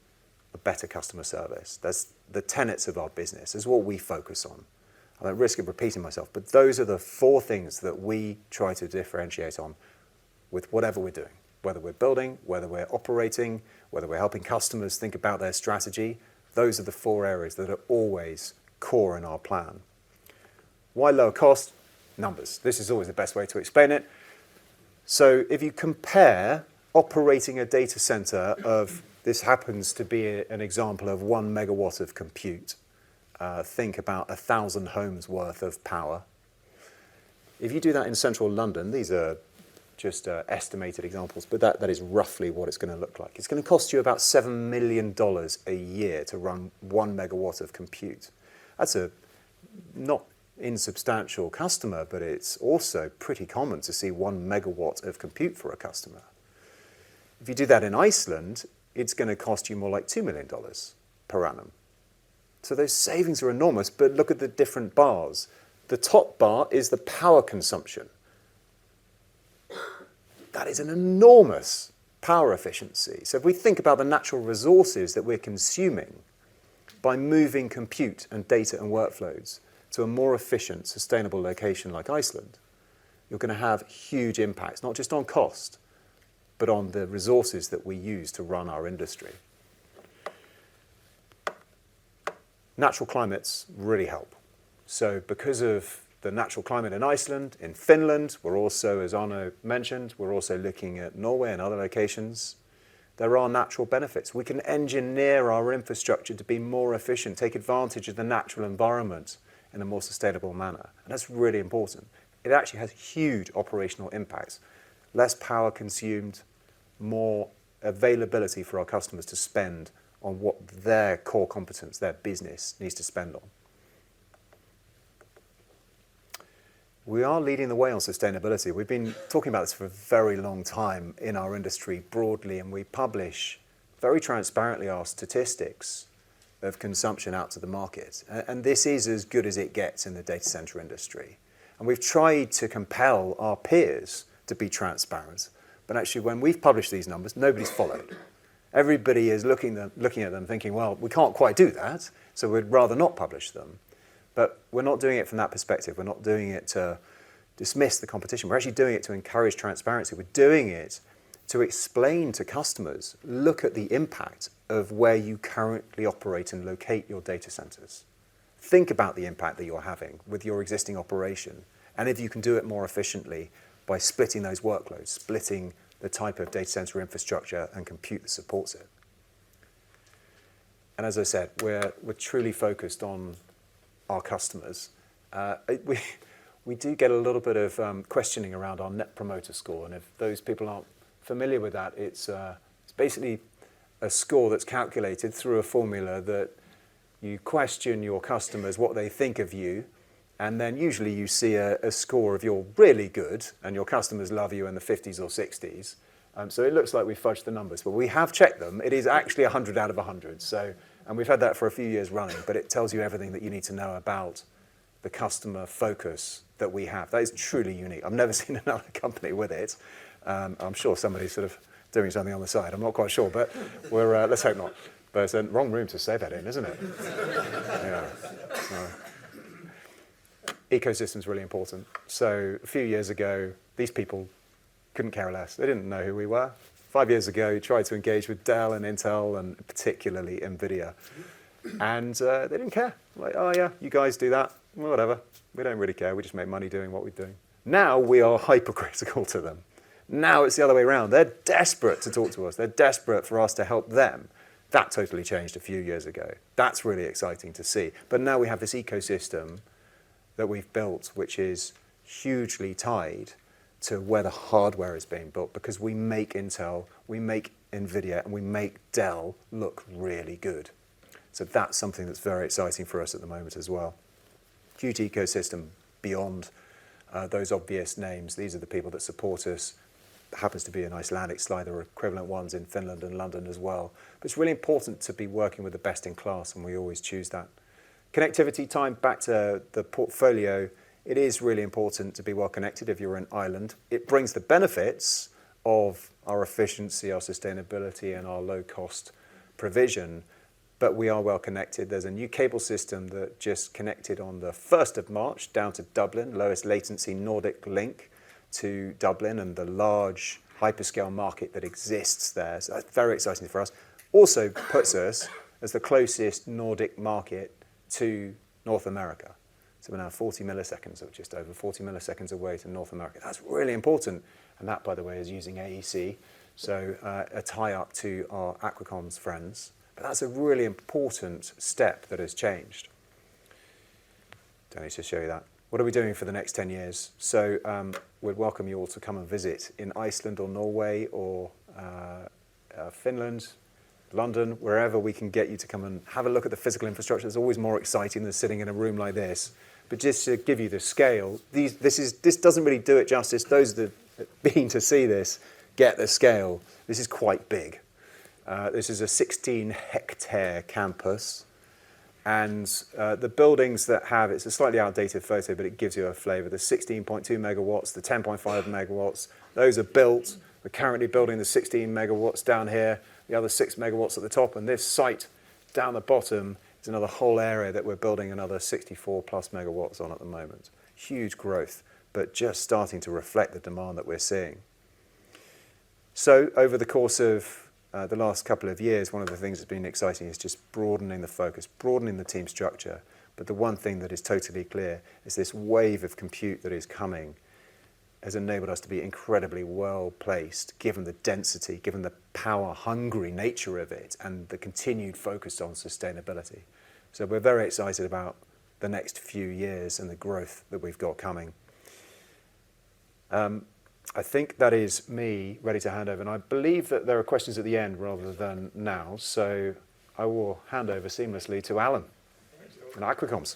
a better customer service. That's the tenets of our business. It's what we focus on. I'm at risk of repeating myself, but those are the four things that we try to differentiate on with whatever we're doing, whether we're building, whether we're operating, whether we're helping customers think about their strategy. Those are the four areas that are always core in our plan. Why lower cost? Numbers. This is always the best way to explain it. If you compare operating a data center of... This happens to be an example of 1 MW of compute, think about 1,000 homes' worth of power. If you do that in Central London, these are just, estimated examples, but that is roughly what it's gonna look like. It's gonna cost you about $7 million a year to run 1 MW of compute. That's a not insubstantial customer, but it's also pretty common to see 1 MW of compute for a customer. If you do that in Iceland, it's gonna cost you more like $2 million per annum. Those savings are enormous, but look at the different bars. The top bar is the power consumption. That is an enormous power efficiency. If we think about the natural resources that we're consuming by moving compute and data and workflows to a more efficient, sustainable location like Iceland, you're gonna have huge impacts, not just on cost, but on the resources that we use to run our industry. Natural climates really help. Because of the natural climate in Iceland, in Finland, we're also, as Arnaud mentioned, we're also looking at Norway and other locations. There are natural benefits. We can engineer our infrastructure to be more efficient, take advantage of the natural environment in a more sustainable manner, and that's really important. It actually has huge operational impacts. Less power consumed, more availability for our customers to spend on what their core competence, their business needs to spend on. We are leading the way on sustainability. We've been talking about this for a very long time in our industry broadly, we publish very transparently our statistics of consumption out to the market. This is as good as it gets in the data center industry, and we've tried to compel our peers to be transparent. Actually when we've published these numbers, nobody's followed. Everybody is looking at them thinking, "Well, we can't quite do that, so we'd rather not publish them." We're not doing it from that perspective. We're not doing it to dismiss the competition. We're actually doing it to encourage transparency. We're doing it to explain to customers, "Look at the impact of where you currently operate and locate your data centers. Think about the impact that you're having with your existing operation, and if you can do it more efficiently by splitting those workloads, splitting the type of data center infrastructure and compute that supports it." As I said, we're truly focused on our customers. We do get a little bit of questioning around our Net Promoter Score, and if those people aren't familiar with that, it's basically a score that's calculated through a formula that you question your customers what they think of you, and then usually you see a score of you're really good and your customers love you in the fifties or sixties. It looks like we fudged the numbers, but we have checked them. It is actually 100 out of 100. We've had that for a few years running. It tells you everything that you need to know about the customer focus that we have. That is truly unique. I've never seen another company with it. I'm sure somebody's sort of doing something on the side. I'm not quite sure. Let's hope not. It's the wrong room to say that in, isn't it? Yeah. Ecosystem's really important. A few years ago, these people couldn't care less. They didn't know who we were. five years ago, tried to engage with Dell and Intel and particularly NVIDIA. They didn't care. Like, "Oh yeah, you guys do that. Whatever. We don't really care. We just make money doing what we're doing." Now, we are hypercritical to them. Now, it's the other way around. They're desperate to talk to us. They're desperate for us to help them. That totally changed a few years ago. That's really exciting to see. Now we have this ecosystem that we've built, which is hugely tied to where the hardware is being built because we make Intel, we make NVIDIA, and we make Dell look really good. That's something that's very exciting for us at the moment as well. Huge ecosystem beyond those obvious names. These are the people that support us. Happens to be an Icelandic slide. There are equivalent ones in Finland and London as well. It's really important to be working with the best in class, and we always choose that. Connectivity time. Back to the portfolio. It is really important to be well connected if you're an island. It brings the benefits of our efficiency, our sustainability, and our low-cost provision. We are well connected. There's a new cable system that just connected on the 1st of March down to Dublin, lowest latency Nordic link to Dublin, and the large hyperscale market that exists there. That's very exciting for us. Also puts us as the closest Nordic market to North America. We're now 40 milliseconds or just over 40 milliseconds away to North America. That's really important. That, by the way, is using AEC, so a tie-up to our Aqua Comms friends. That's a really important step that has changed. Don't need to show you that. What are we doing for the next 10 years? We'd welcome you all to come and visit in Iceland or Norway or Finland, London, wherever we can get you to come and have a look at the physical infrastructure. It's always more exciting than sitting in a room like this. Just to give you the scale, this doesn't really do it justice. Those that have been to see this get the scale. This is quite big. This is a 16-hectare campus, and the buildings that have... It's a slightly outdated photo, but it gives you a flavor. The 16.2 MW, the 10.5 MW, those are built. We're currently building the 16 MW down here, the other 6 MW at the top, and this site down the bottom is another whole area that we're building another 64+ MW on at the moment. Huge growth, but just starting to reflect the demand that we're seeing. Over the course of the last couple of years, one of the things that's been exciting is just broadening the focus, broadening the team structure, but the one thing that is totally clear is this wave of compute that is coming has enabled us to be incredibly well-placed given the density, given the power-hungry nature of it, and the continued focus on sustainability. We're very excited about the next few years and the growth that we've got coming. I think that is me ready to hand over, and I believe that there are questions at the end rather than now. I will hand over seamlessly to Alan from Aqua Comms.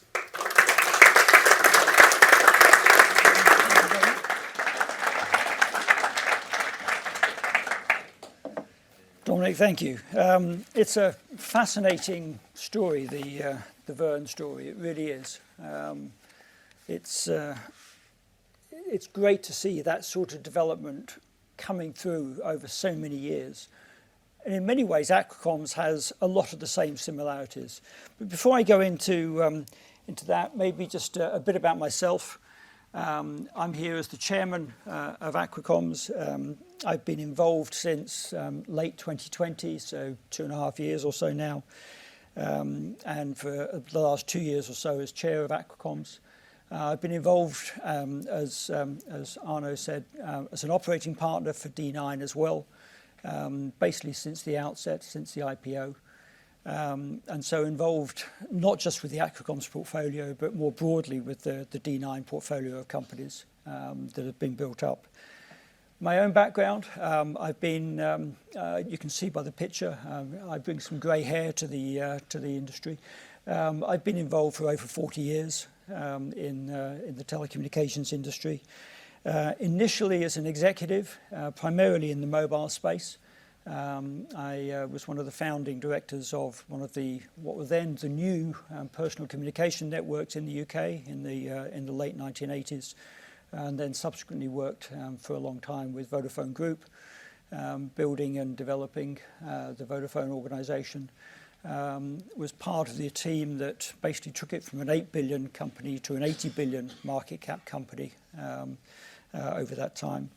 Dominic, thank you. It's a fascinating story, the Verne story. It really is. It's great to see that sort of development coming through over so many years. In many ways, Aqua Comms has a lot of the same similarities. Before I go into that, maybe just a bit about myself. I'm here as the chairman of Aqua Comms. I've been involved since late 2020, so two and a half years or so now, and for the last two years or so as chair of Aqua Comms. I've been involved as Arnaud said, as an operating partner for D9 as well, basically since the outset, since the IPO. Involved not just with the Aqua Comms portfolio, but more broadly with the D9 portfolio of companies that have been built up. My own background, I've been, you can see by the picture, I bring some gray hair to the industry. I've been involved for over 40 years in the telecommunications industry. Initially as an executive, primarily in the mobile space. I was one of the founding directors of one of the, what were then the new personal communication networks in the UK in the late 1980s, and then subsequently worked for a long time with Vodafone Group, building and developing the Vodafone organization. was part of the team that basically took it from a $8 billion company to a $80 billion market cap company over that time.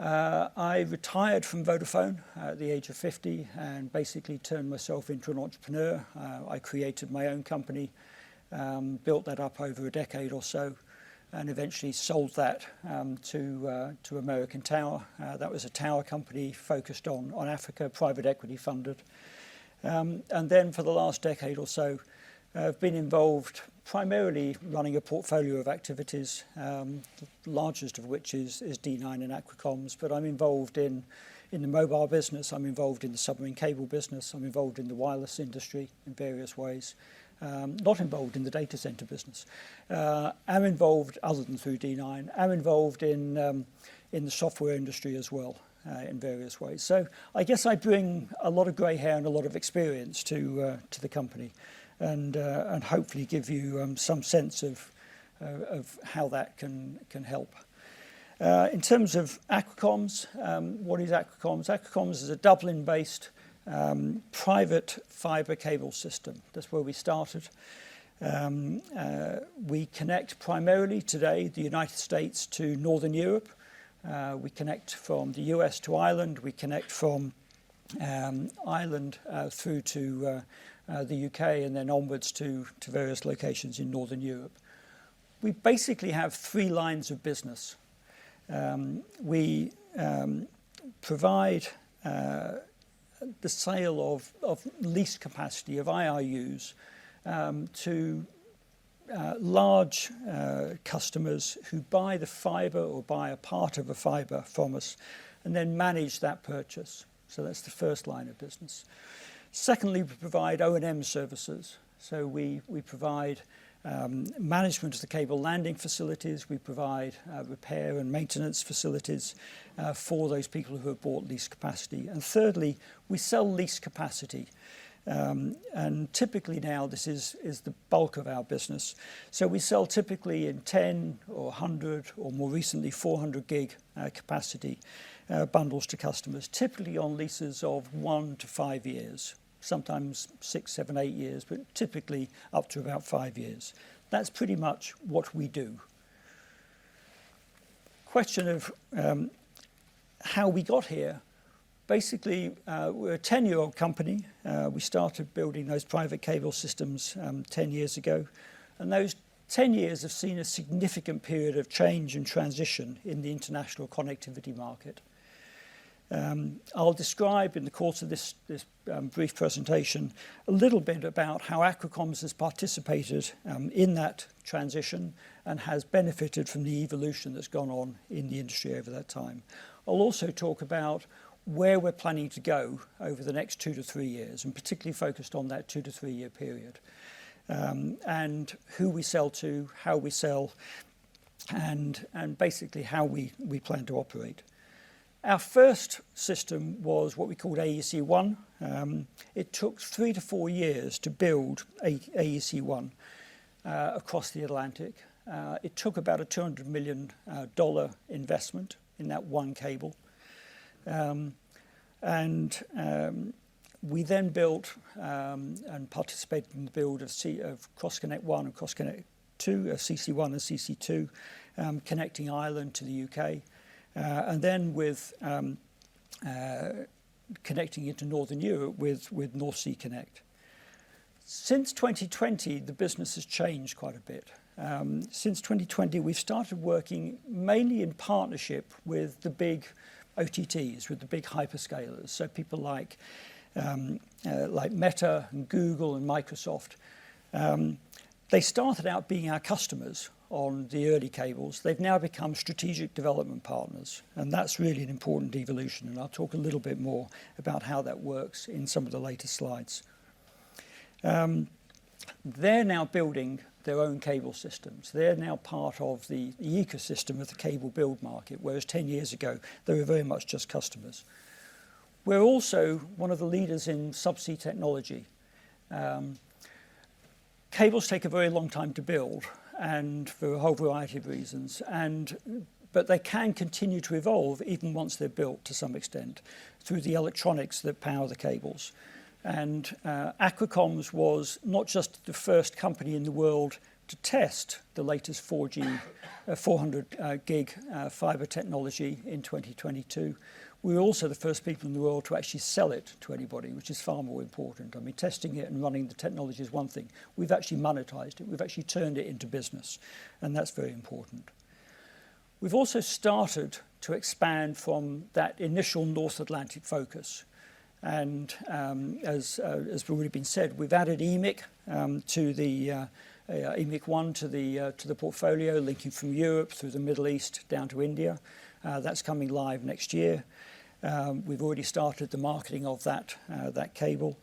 I retired from Vodafone at the age of 50 and basically turned myself into an entrepreneur. I created my own company, built that up over a decade or so and eventually sold that to American Tower. That was a tower company focused on Africa, private equity funded. For the last decade or so, I've been involved primarily running a portfolio of activities, largest of which is D9 and Aqua Comms. I'm involved in the mobile business. I'm involved in the submarine cable business. I'm involved in the wireless industry in various ways. Not involved in the data center business. am involved, other than through D9, am involved in the software industry as well, in various ways. I guess I bring a lot of gray hair and a lot of experience to the company and hopefully give you, some sense of how that can help. In terms of Aqua Comms, what is Aqua Comms? Aqua Comms is a Dublin-based, private fiber cable system. That's where we started. We connect primarily today the United States to Northern Europe. We connect from the US to Ireland. We connect from Ireland through to the UK and then onwards to various locations in Northern Europe. We basically have three lines of business. We provide the sale of lease capacity of IRUs to large customers who buy the fiber or buy a part of a fiber from us and then manage that purchase. That's the first line of business. Secondly, we provide O&M services. We provide management of the cable landing facilities. We provide repair and maintenance facilities for those people who have bought lease capacity. Thirdly, we sell lease capacity. Typically now this is the bulk of our business. We sell typically in 10 or 100 or more recently 400 gig capacity bundles to customers, typically on leases of one-five years, sometimes six, seven, eight years, but typically up to about five years. That's pretty much what we do. Question of how we got here. Basically, we're a 10-year-old company. We started building those private cable systems, 10 years ago. Those 10 years have seen a significant period of change and transition in the international connectivity market. I'll describe in the course of this brief presentation a little bit about how Aqua Comms has participated in that transition and has benefited from the evolution that's gone on in the industry over that time. I'll also talk about where we're planning to go over the next two to three years, particularly focused on that two to three-year period, and who we sell to, how we sell, and basically how we plan to operate. Our first system was what we called AEC-1. It took three to four years to build AEC-1 across the Atlantic. It took about a $200 million investment in that one cable. We then built and participated in the build of CeltixConnect-1 and CeltixConnect-2, CC-1 and CC-2, connecting Ireland to the UK, and then connecting it to Northern Europe with North Sea Connect. Since 2020, the business has changed quite a bit. Since 2020, we've started working mainly in partnership with the big OTTs, with the big hyperscalers. People like Meta and Google and Microsoft. They started out being our customers on the early cables. They've now become strategic development partners, and that's really an important evolution, and I'll talk a little bit more about how that works in some of the later slides. They're now building their own cable systems. They're now part of the ecosystem of the cable build market, whereas 10 years ago, they were very much just customers. We're also one of the leaders in subsea technology. Cables take a very long time to build and for a whole variety of reasons, and but they can continue to evolve even once they're built to some extent through the electronics that power the cables. Aqua Comms was not just the first company in the world to test the latest 4G 400 gig fiber technology in 2022. We're also the first people in the world to actually sell it to anybody, which is far more important. I mean, testing it and running the technology is one thing. We've actually monetized it. We've actually turned it into business, and that's very important. We've also started to expand from that initial North Atlantic focus. As has already been said, we've added EMIC to the EMIC-1 to the portfolio, linking from Europe through the Middle East down to India. That's coming live next year. We've already started the marketing of that cable.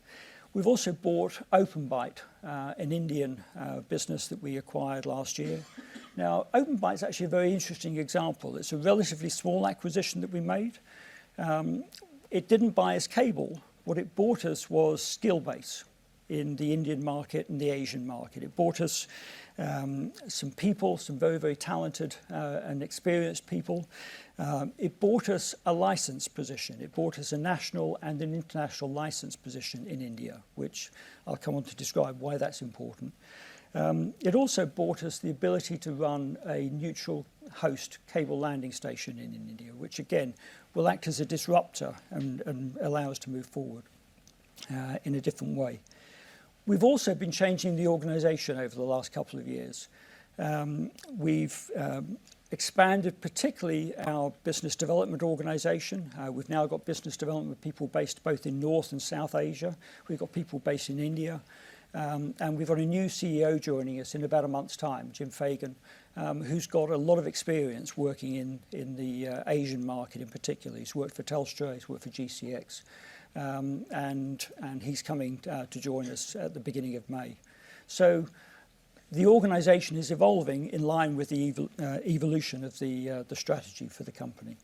We've also bought Openbyte, an Indian business that we acquired last year. Openbyte's actually a very interesting example. It's a relatively small acquisition that we made. It didn't buy us cable. What it bought us was skill base in the Indian market and the Asian market. It bought us some people, some very, very talented and experienced people. It bought us a license position. It bought us a national and an international license position in India, which I'll come on to describe why that's important. It also bought us the ability to run a neutral host cable landing station in India, which again, will act as a disruptor and allow us to move forward in a different way. We've also been changing the organization over the last couple of years. We've expanded particularly our business development organization. We've now got business development people based both in North and South Asia. We've got people based in India. We've got a new CEO joining us in about a month's time, Jim Fagan, who's got a lot of experience working in the Asian market in particular. He's worked for Telstra, he's worked for GCX. He's coming to join us at the beginning of May. The organization is evolving in line with the evolution of the strategy for the company.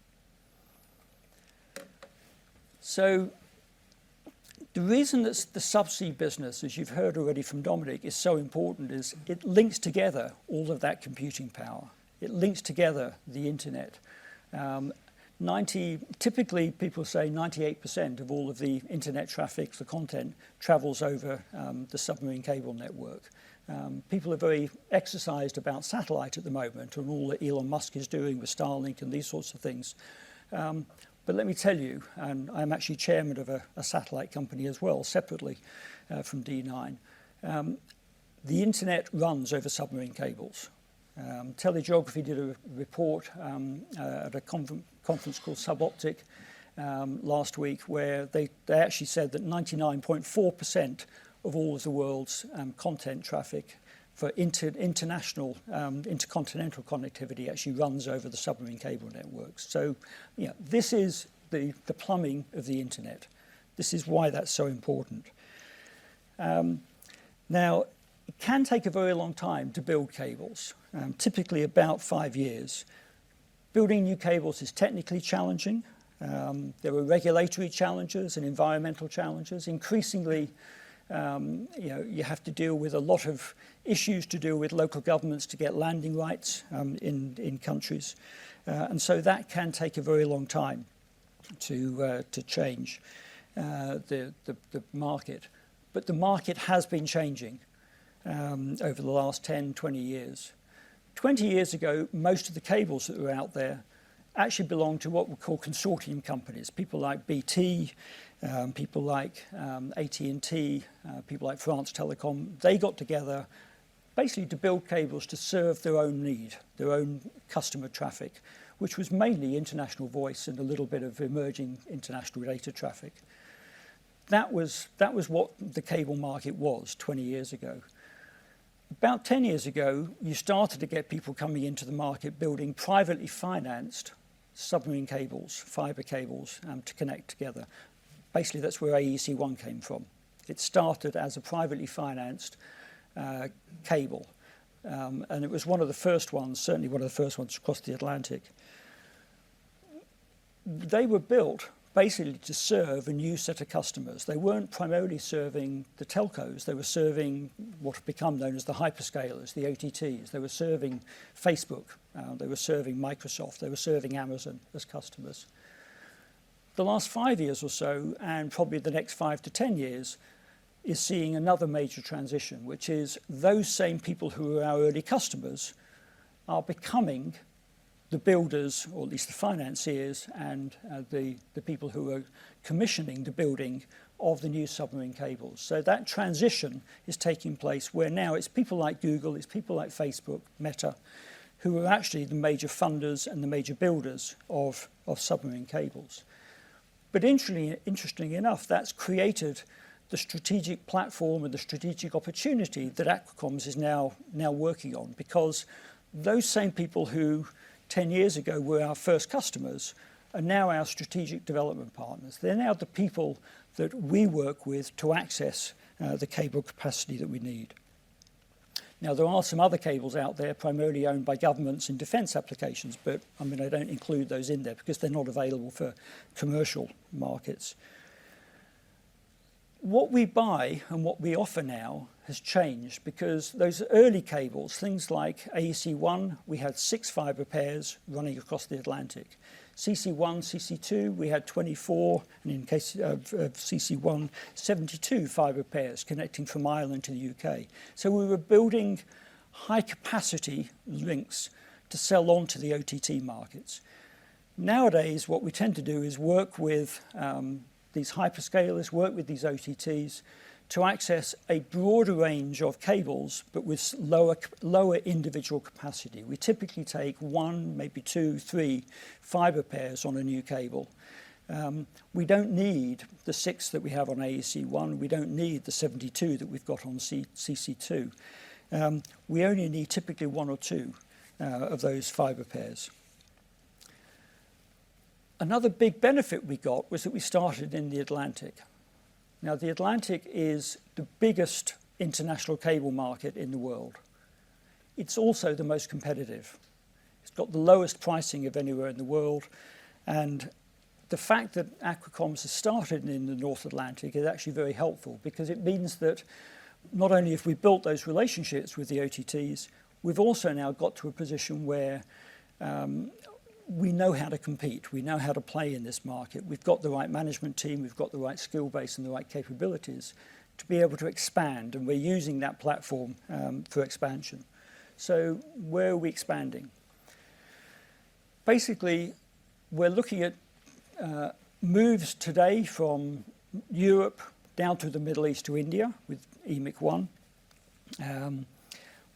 The reason that the subsea business, as you've heard already from Dominic, is so important is it links together all of that computing power. It links together the Internet. Typically, people say 98% of all of the Internet traffic, the content, travels over the submarine cable network. People are very exercised about satellite at the moment and all that Elon Musk is doing with Starlink and these sorts of things. Let me tell you, and I'm actually chairman of a satellite company as well, separately, from D9. The Internet runs over submarine cables. TeleGeography did a report at a conference called SubOptic last week, where they actually said that 99.4% of all of the world's content traffic for international intercontinental connectivity actually runs over the submarine cable networks. You know, this is the plumbing of the Internet. This is why that's so important. Now, it can take a very long time to build cables, typically about five years. Building new cables is technically challenging. There are regulatory challenges and environmental challenges. Increasingly, you know, you have to deal with a lot of issues to do with local governments to get landing rights in countries. That can take a very long time to change the market. The market has been changing over the last 10, 20 years. 20 years ago, most of the cables that were out there actually belonged to what we call consortium companies, people like BT, people like AT&T, people like France Télécom. They got together basically to build cables to serve their own need, their own customer traffic, which was mainly international voice and a little bit of emerging international data traffic. That was what the cable market was 20 years ago. About 10 years ago, you started to get people coming into the market building privately financed submarine cables, fiber cables, to connect together. Basically, that's where AEC-1 came from. It started as a privately financed cable. It was one of the first ones, certainly one of the first ones across the Atlantic. They were built basically to serve a new set of customers. They weren't primarily serving the telcos. They were serving what have become known as the hyperscalers, the OTTs. They were serving Facebook. They were serving Microsoft. They were serving Amazon as customers. The last five years or so, and probably the next five-10 years, is seeing another major transition, which is those same people who were our early customers are becoming the builders, or at least the financiers and the people who are commissioning the building of the new submarine cables. That transition is taking place where now it's people like Google, it's people like Facebook, Meta, who are actually the major funders and the major builders of submarine cables. Interestingly enough, that's created the strategic platform and the strategic opportunity that Aqua Comms is now working on, because those same people who 10 years ago were our first customers are now our strategic development partners. They're now the people that we work with to access the cable capacity that we need. There are some other cables out there primarily owned by governments in defense applications, but, I mean, I don't include those in there because they're not available for commercial markets. What we buy and what we offer now has changed because those early cables, things like AEC-1, we had 6 fiber pairs running across the Atlantic. CC-1, CC-2, we had 24, and in case of CC-1, 72 fiber pairs connecting from Ireland to the UK. We were building high capacity links to sell on to the OTT markets. Nowadays, what we tend to do is work with these hyperscalers, work with these OTTs to access a broader range of cables, but with lower individual capacity. We typically take one, maybe two, three fiber pairs on a new cable. We don't need the six that we have on AEC-1. We don't need the 72 that we've got on CC-2. We only need typically one or two of those fiber pairs. Another big benefit we got was that we started in the Atlantic. The Atlantic is the biggest international cable market in the world. It's also the most competitive. It's got the lowest pricing of anywhere in the world, and the fact that Aqua Comms has started in the North Atlantic is actually very helpful because it means that not only have we built those relationships with the OTTs, we've also now got to a position where we know how to compete. We know how to play in this market. We've got the right management team. We've got the right skill base and the right capabilities to be able to expand, and we're using that platform for expansion. Where are we expanding? Basically, we're looking at moves today from Europe down to the Middle East to India with EMIC-1.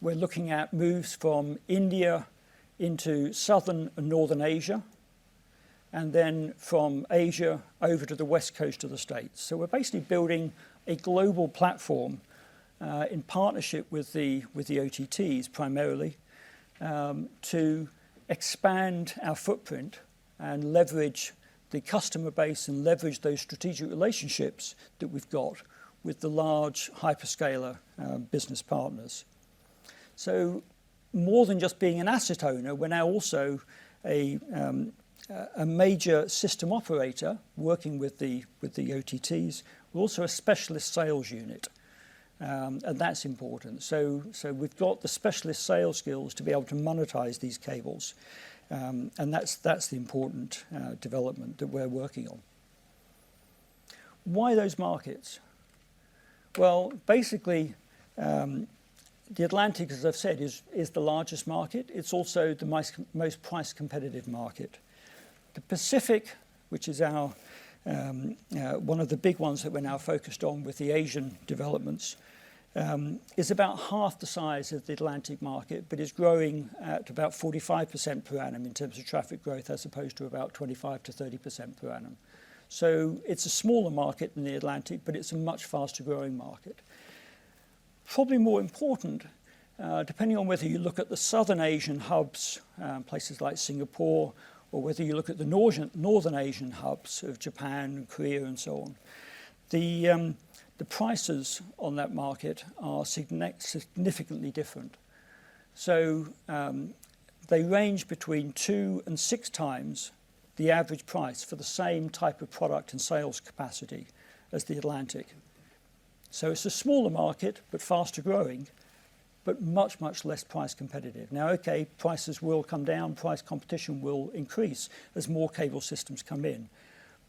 We're looking at moves from India into Southern and Northern Asia, and then from Asia over to the West Coast of the States. We're basically building a global platform, in partnership with the OTTs primarily, to expand our footprint and leverage the customer base and leverage those strategic relationships that we've got with the large hyperscaler business partners. More than just being an asset owner, we're now also a major system operator working with the OTTs. We're also a specialist sales unit, and that's important. We've got the specialist sales skills to be able to monetize these cables. And that's the important development that we're working on. Why those markets? Well, basically, the Atlantic, as I've said, is the largest market. It's also the most price competitive market. The Pacific, which is our, one of the big ones that we're now focused on with the Asian developments, is about half the size of the Atlantic market but is growing at about 45% per annum in terms of traffic growth, as opposed to about 25%-30% per annum. It's a smaller market than the Atlantic, but it's a much faster-growing market. Probably more important, depending on whether you look at the Southern Asian hubs, places like Singapore, or whether you look at the Northern Asian hubs of Japan and Korea and so on, the prices on that market are significantly different. They range between two and 6x the average price for the same type of product and sales capacity as the Atlantic. It's a smaller market but faster-growing, but much, much less price competitive. Okay, prices will come down. Price competition will increase as more cable systems come in,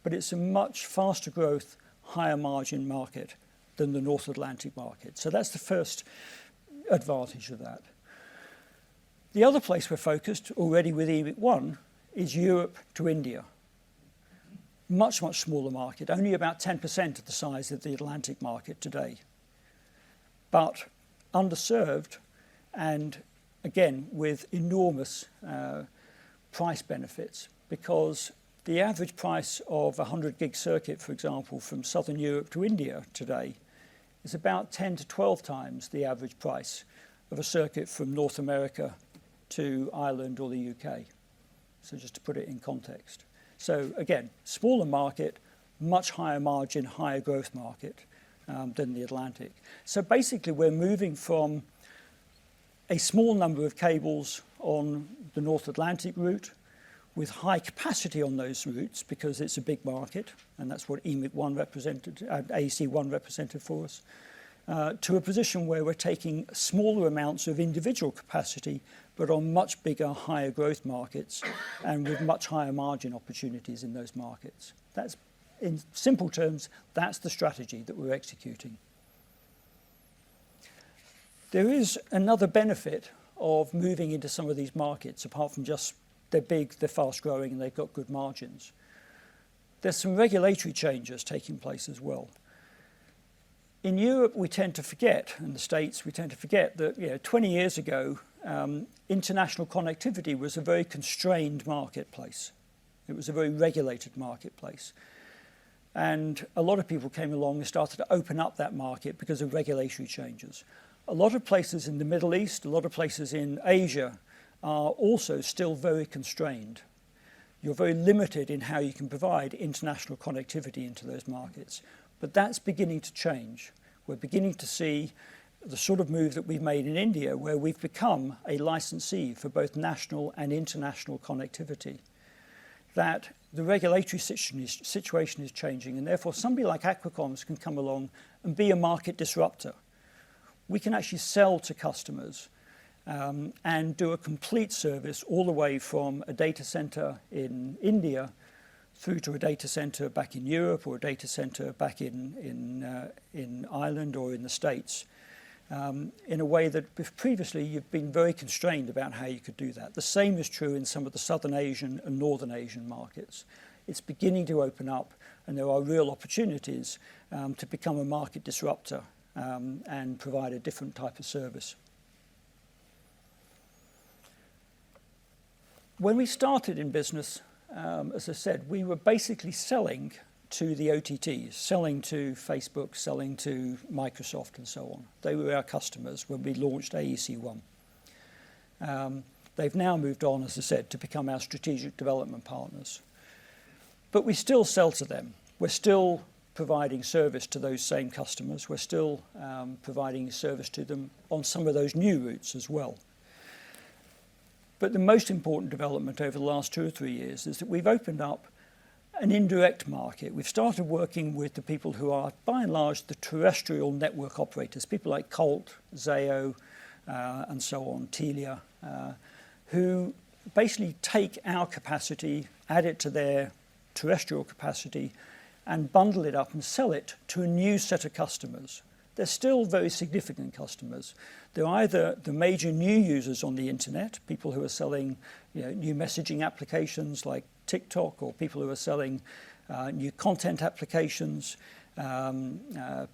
but it's a much faster growth, higher margin market than the North Atlantic market. That's the first advantage of that. The other place we're focused already with EMIC-1 is Europe to India. Much, much smaller market. Only about 10% of the size of the Atlantic market today, but underserved and again, with enormous price benefits because the average price of a 100 gig circuit, for example, from Southern Europe to India today is about 10-12x the average price of a circuit from North America to Ireland or the U.K. Just to put it in context. Again, smaller market, much higher margin, higher growth market than the Atlantic. Basically we're moving from a small number of cables on the North Atlantic route with high capacity on those routes because it's a big market, and that's what EMIC-1 represented, AEC-1 represented for us, to a position where we're taking smaller amounts of individual capacity, but on much bigger, higher growth markets and with much higher margin opportunities in those markets. In simple terms, that's the strategy that we're executing. There is another benefit of moving into some of these markets, apart from just they're big, they're fast-growing, and they've got good margins. There's some regulatory changes taking place as well. In Europe, we tend to forget, in the States, we tend to forget that, you know, 20 years ago, international connectivity was a very constrained marketplace. It was a very regulated marketplace. A lot of people came along and started to open up that market because of regulatory changes. A lot of places in the Middle East, a lot of places in Asia are also still very constrained. You're very limited in how you can provide international connectivity into those markets. That's beginning to change. We're beginning to see the sort of moves that we've made in India, where we've become a licensee for both national and international connectivity, that the regulatory situation is changing, and therefore, somebody like Aqua Comms can come along and be a market disruptor. We can actually sell to customers, and do a complete service all the way from a data center in India through to a data center back in Europe or a data center back in Ireland or in the States, in a way that previously you've been very constrained about how you could do that. The same is true in some of the Southern Asian and Northern Asian markets. It's beginning to open up, and there are real opportunities to become a market disruptor and provide a different type of service. When we started in business, as I said, we were basically selling to the OTTs, selling to Facebook, selling to Microsoft and so on. They were our customers when we launched AEC-1. They've now moved on, as I said, to become our strategic development partners. We still sell to them. We're still providing service to those same customers. We're still providing service to them on some of those new routes as well. The most important development over the last 2 or 3 years is that we've opened up an indirect market. We've started working with the people who are, by and large, the terrestrial network operators, people like Colt, Zayo, and so on, Telia, who basically take our capacity, add it to their terrestrial capacity, and bundle it up and sell it to a new set of customers. They're still very significant customers. They're either the major new users on the internet, people who are selling, you know, new messaging applications like TikTok or people who are selling new content applications,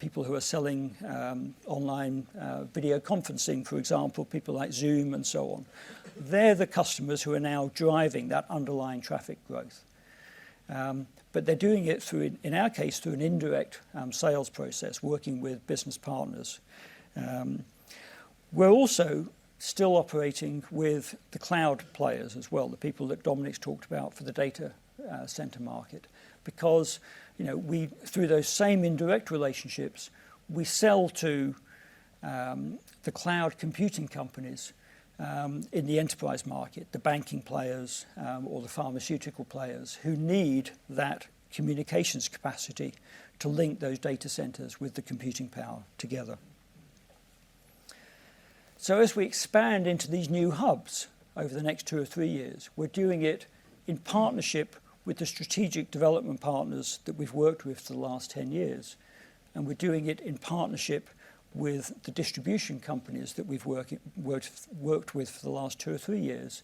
people who are selling online video conferencing, for example, people like Zoom and so on. They're the customers who are now driving that underlying traffic growth. They're doing it through, in our case, through an indirect sales process, working with business partners. We're also still operating with the cloud players as well, the people that Dominic's talked about for the data center market, because, you know, through those same indirect relationships, we sell to the cloud computing companies in the enterprise market, the banking players or the pharmaceutical players who need that communications capacity to link those data centers with the computing power together. As we expand into these new hubs over the next two or three years, we're doing it in partnership with the strategic development partners that we've worked with for the last 10 years. We're doing it in partnership with the distribution companies that we've worked with for the last two or three years.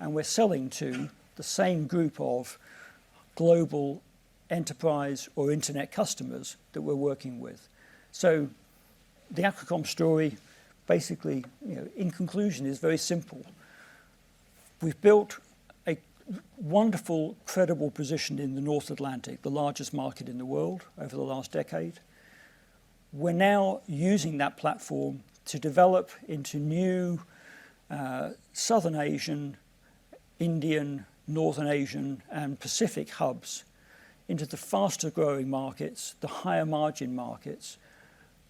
We're selling to the same group of global enterprise or internet customers that we're working with. The Aqua Comms story, basically, you know, in conclusion, is very simple. We've built a wonderful, credible position in the North Atlantic, the largest market in the world over the last decade. We're now using that platform to develop into new, Southern Asian, Indian, Northern Asian, and Pacific hubs into the faster-growing markets, the higher margin markets,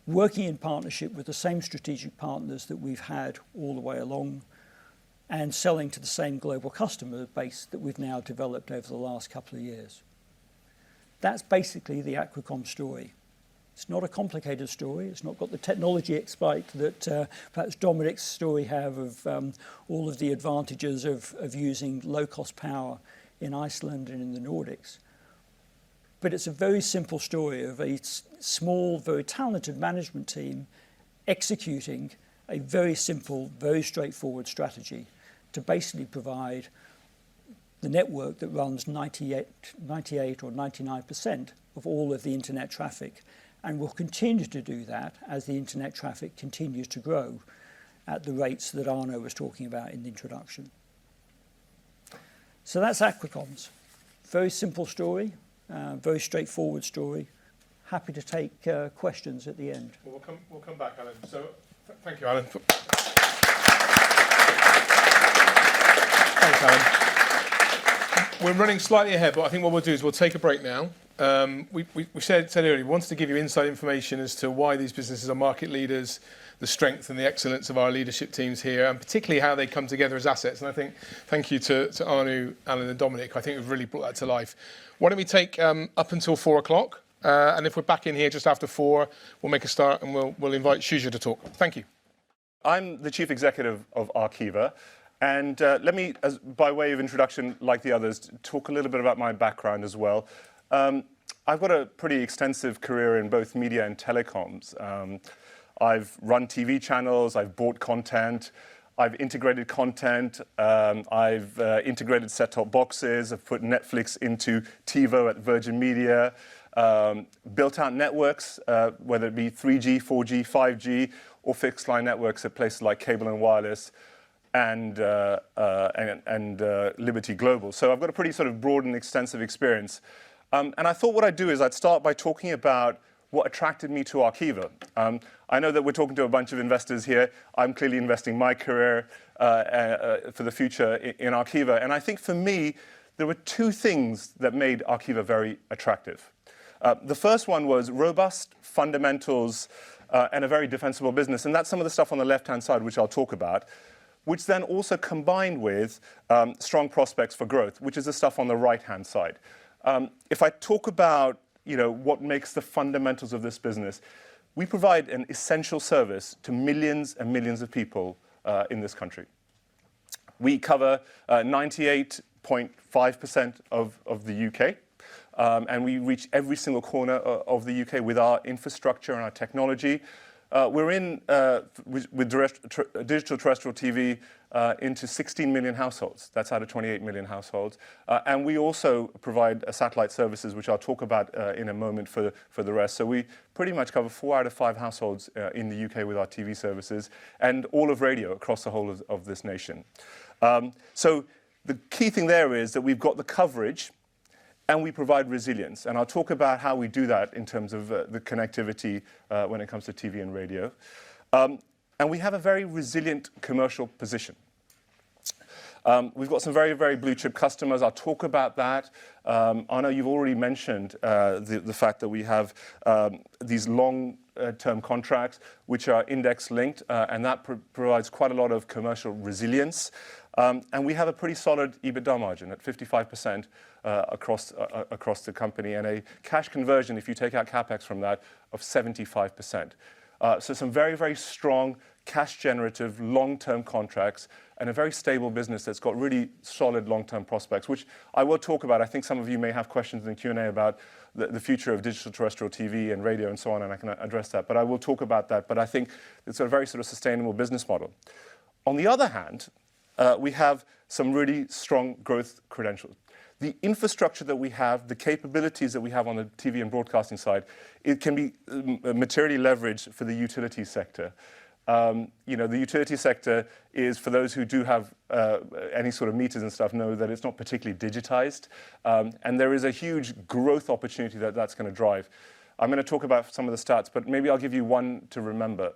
working in partnership with the same strategic partners that we've had all the way along and selling to the same global customer base that we've now developed over the last couple of years. That's basically the Aqua Comms story. It's not a complicated story. It's not got the technology aspect that, perhaps Dominic's story have of, all of the advantages of using low-cost power in Iceland and in the Nordics. It's a very simple story of a small, very talented management team executing a very simple, very straightforward strategy to basically provide the network that runs 98% or 99% of all of the internet traffic and will continue to do that as the internet traffic continues to grow at the rates that Anu was talking about in the introduction. That's Aqua Comms. Very simple story. Very straightforward story. Happy to take questions at the end. Well, we'll come back, Alan. Thank you, Alan. Thanks, Alan. We're running slightly ahead, but I think what we'll do is we'll take a break now. We said earlier, we wanted to give you inside information as to why these businesses are market leaders, the strength and the excellence of our leadership teams here, and particularly how they come together as assets. I think thank you to Anu, Alan, and Dominic. I think you've really brought that to life. Why don't we take up until four o'clock, and if we're back in here just after four, we'll make a start, and we'll invite Shuja to talk. Thank you. I'm the Chief Executive of Arqiva, and let me by way of introduction, like the others, talk a little bit about my background as well. I've got a pretty extensive career in both media and telecoms. I've run TV channels. I've bought content. I've integrated content. I've integrated set-top boxes. I've put Netflix into TiVo at Virgin Media. built out networks, whether it be 3G, 4G, 5G, or fixed line networks at places like Cable & Wireless. Liberty Global. I've got a pretty sort of broad and extensive experience. I thought what I'd do is I'd start by talking about what attracted me to Arqiva. I know that we're talking to a bunch of investors here. I'm clearly investing my career for the future in Arqiva. I think for me, there were two things that made Arqiva very attractive. The first one was robust fundamentals and a very defensible business, and that's some of the stuff on the left-hand side, which I'll talk about, which then also combined with strong prospects for growth, which is the stuff on the right-hand side. If I talk about, you know, what makes the fundamentals of this business, we provide an essential service to millions and millions of people in this country. We cover 98.5% of the UK, and we reach every single corner of the UK with our infrastructure and our technology. We're in with direct digital terrestrial TV into 16 million households. That's out of 28 million households. We also provide satellite services, which I'll talk about in a moment for the rest. We pretty much cover four out of five households in the UK with our TV services and all of radio across the whole of this nation. The key thing there is that we've got the coverage, and we provide resilience. I'll talk about how we do that in terms of the connectivity when it comes to TV and radio. We have a very resilient commercial position. We've got some very, very blue-chip customers. I'll talk about that. Arnaud, you've already mentioned the fact that we have these long-term contracts, which are index-linked, and that provides quite a lot of commercial resilience. We have a pretty solid EBITDA margin at 55% across the company, and a cash conversion, if you take out CapEx from that, of 75%. Some very, very strong cash generative long-term contracts and a very stable business that's got really solid long-term prospects, which I will talk about. I think some of you may have questions in the Q&A about the future of digital terrestrial TV and radio and so on, and I can address that. I will talk about that. I think it's a very sort of sustainable business model. On the other hand, we have some really strong growth credentials. The infrastructure that we have, the capabilities that we have on the TV and broadcasting side, it can be materially leveraged for the utility sector. You know, the utility sector is for those who do have any sort of meters and stuff know that it's not particularly digitized, and there is a huge growth opportunity that that's gonna drive. I'm gonna talk about some of the stats, but maybe I'll give you one to remember.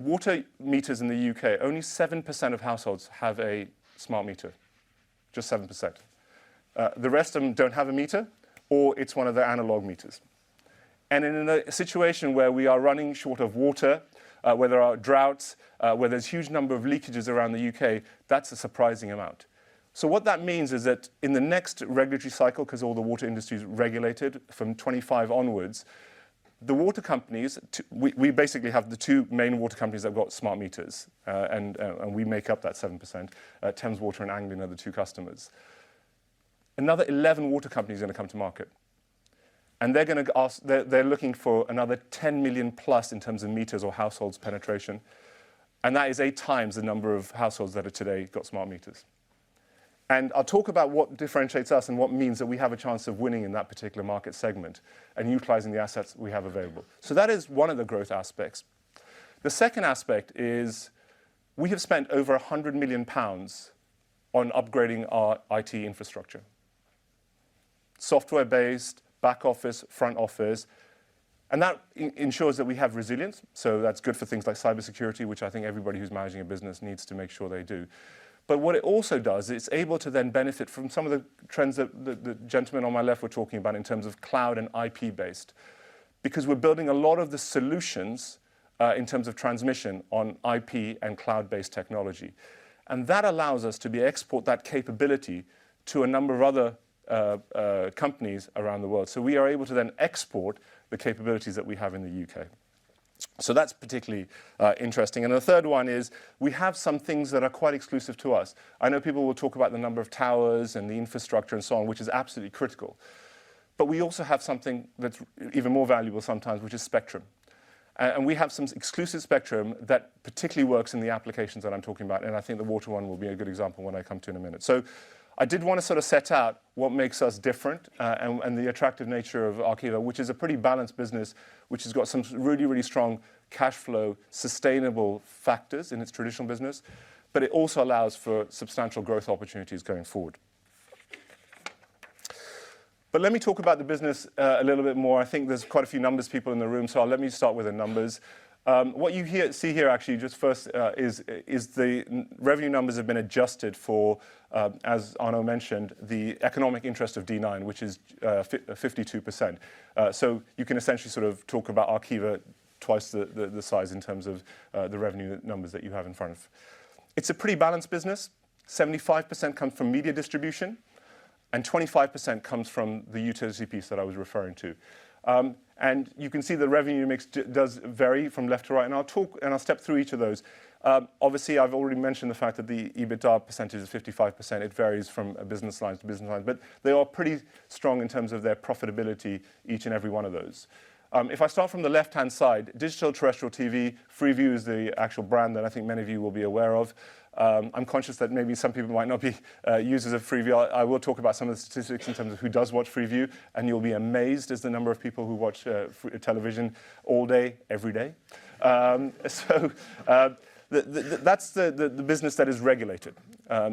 Water meters in the UK, only 7% of households have a smart meter. Just 7%. The rest of them don't have a meter, or it's one of their analog meters. In a situation where we are running short of water, where there are droughts, where there's huge number of leakages around the U.K., that's a surprising amount. What that means is that in the next regulatory cycle, 'cause all the water industry is regulated from 25 onwards, the water companies, we basically have the two main water companies that have got smart meters, and we make up that 7%. Thames Water and Anglian are the two customers. Another 11 water companies are gonna come to market, and they're gonna look for another 10 million+ in terms of meters or households penetration, and that is 8x the number of households that have today got smart meters. I'll talk about what differentiates us and what means that we have a chance of winning in that particular market segment and utilizing the assets we have available. That is one of the growth aspects. The second aspect is we have spent over 100 million pounds on upgrading our IT infrastructure. Software-based back office, front office, and that ensures that we have resilience, that's good for things like cybersecurity, which I think everybody who's managing a business needs to make sure they do. What it also does, it's able to then benefit from some of the trends that the gentleman on my left were talking about in terms of cloud and IP-based, because we're building a lot of the solutions in terms of transmission on IP and cloud-based technology. That allows us to export that capability to a number of other companies around the world. We are able to then export the capabilities that we have in the U.K. That's particularly interesting. The third one is we have some things that are quite exclusive to us. I know people will talk about the number of towers and the infrastructure and so on, which is absolutely critical. We also have something that's even more valuable sometimes, which is spectrum. And we have some exclusive spectrum that particularly works in the applications that I'm talking about, and I think the water one will be a good example when I come to in a minute. I did wanna sort of set out what makes us different, and the attractive nature of Arqiva, which is a pretty balanced business, which has got some really strong cash flow, sustainable factors in its traditional business, but it also allows for substantial growth opportunities going forward. Let me talk about the business a little bit more. I think there's quite a few numbers people in the room, so let me start with the numbers. What you here, see here, actually, just first, is the revenue numbers have been adjusted for, as Arnaud mentioned, the economic interest of D9, which is 52%. You can essentially sort of talk about Arqiva twice the size in terms of the revenue numbers that you have in front of. It's a pretty balanced business. 75% comes from media distribution, 25% comes from the utility piece that I was referring to. You can see the revenue mix does vary from left to right, and I'll talk, and I'll step through each of those. Obviously, I've already mentioned the fact that the EBITDA percentage is 55%. It varies from business lines to business lines, but they are pretty strong in terms of their profitability, each and every one of those. If I start from the left-hand side, digital terrestrial TV, Freeview is the actual brand that I think many of you will be aware of. I'm conscious that maybe some people might not be users of Freeview. I will talk about some of the statistics in terms of who does watch Freeview, and you'll be amazed as the number of people who watch television all day, every day. So, that's the business that is regulated.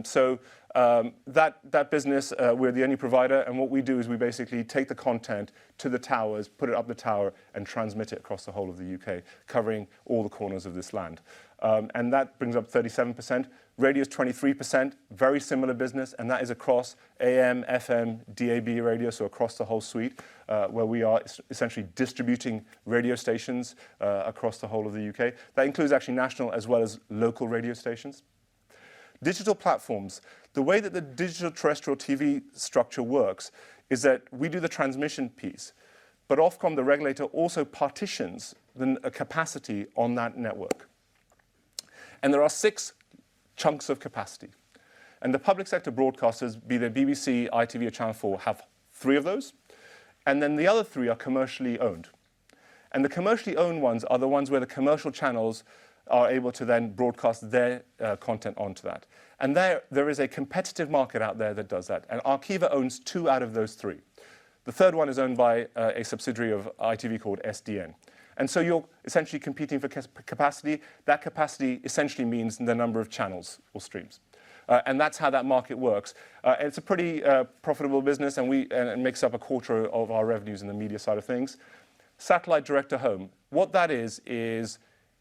So, that business, we're the only provider, and what we do is we basically take the content to the towers, put it up the tower and transmit it across the whole of the U.K., covering all the corners of this land. That brings up 37%. Radio is 23%. Very similar business, and that is across AM, FM, DAB radio, so across the whole suite, where we are essentially distributing radio stations across the whole of the U.K. That includes actually national as well as local radio stations. Digital platforms. The way that the digital terrestrial TV structure works is that we do the transmission piece, but Ofcom, the regulator, also partitions the a capacity on that network. There are six chunks of capacity, and the public sector broadcasters, be they BBC, ITV or Channel 4, have three of those, then the other three are commercially owned. The commercially owned ones are the ones where the commercial channels are able to then broadcast their content onto that. There, there is a competitive market out there that does that, and Arqiva owns two out of those three. The third one is owned by a subsidiary of ITV called SDN. You're essentially competing for capacity. That capacity essentially means the number of channels or streams. That's how that market works. It's a pretty profitable business, and makes up a quarter of our revenues in the media side of things. Satellite Direct to Home. What that is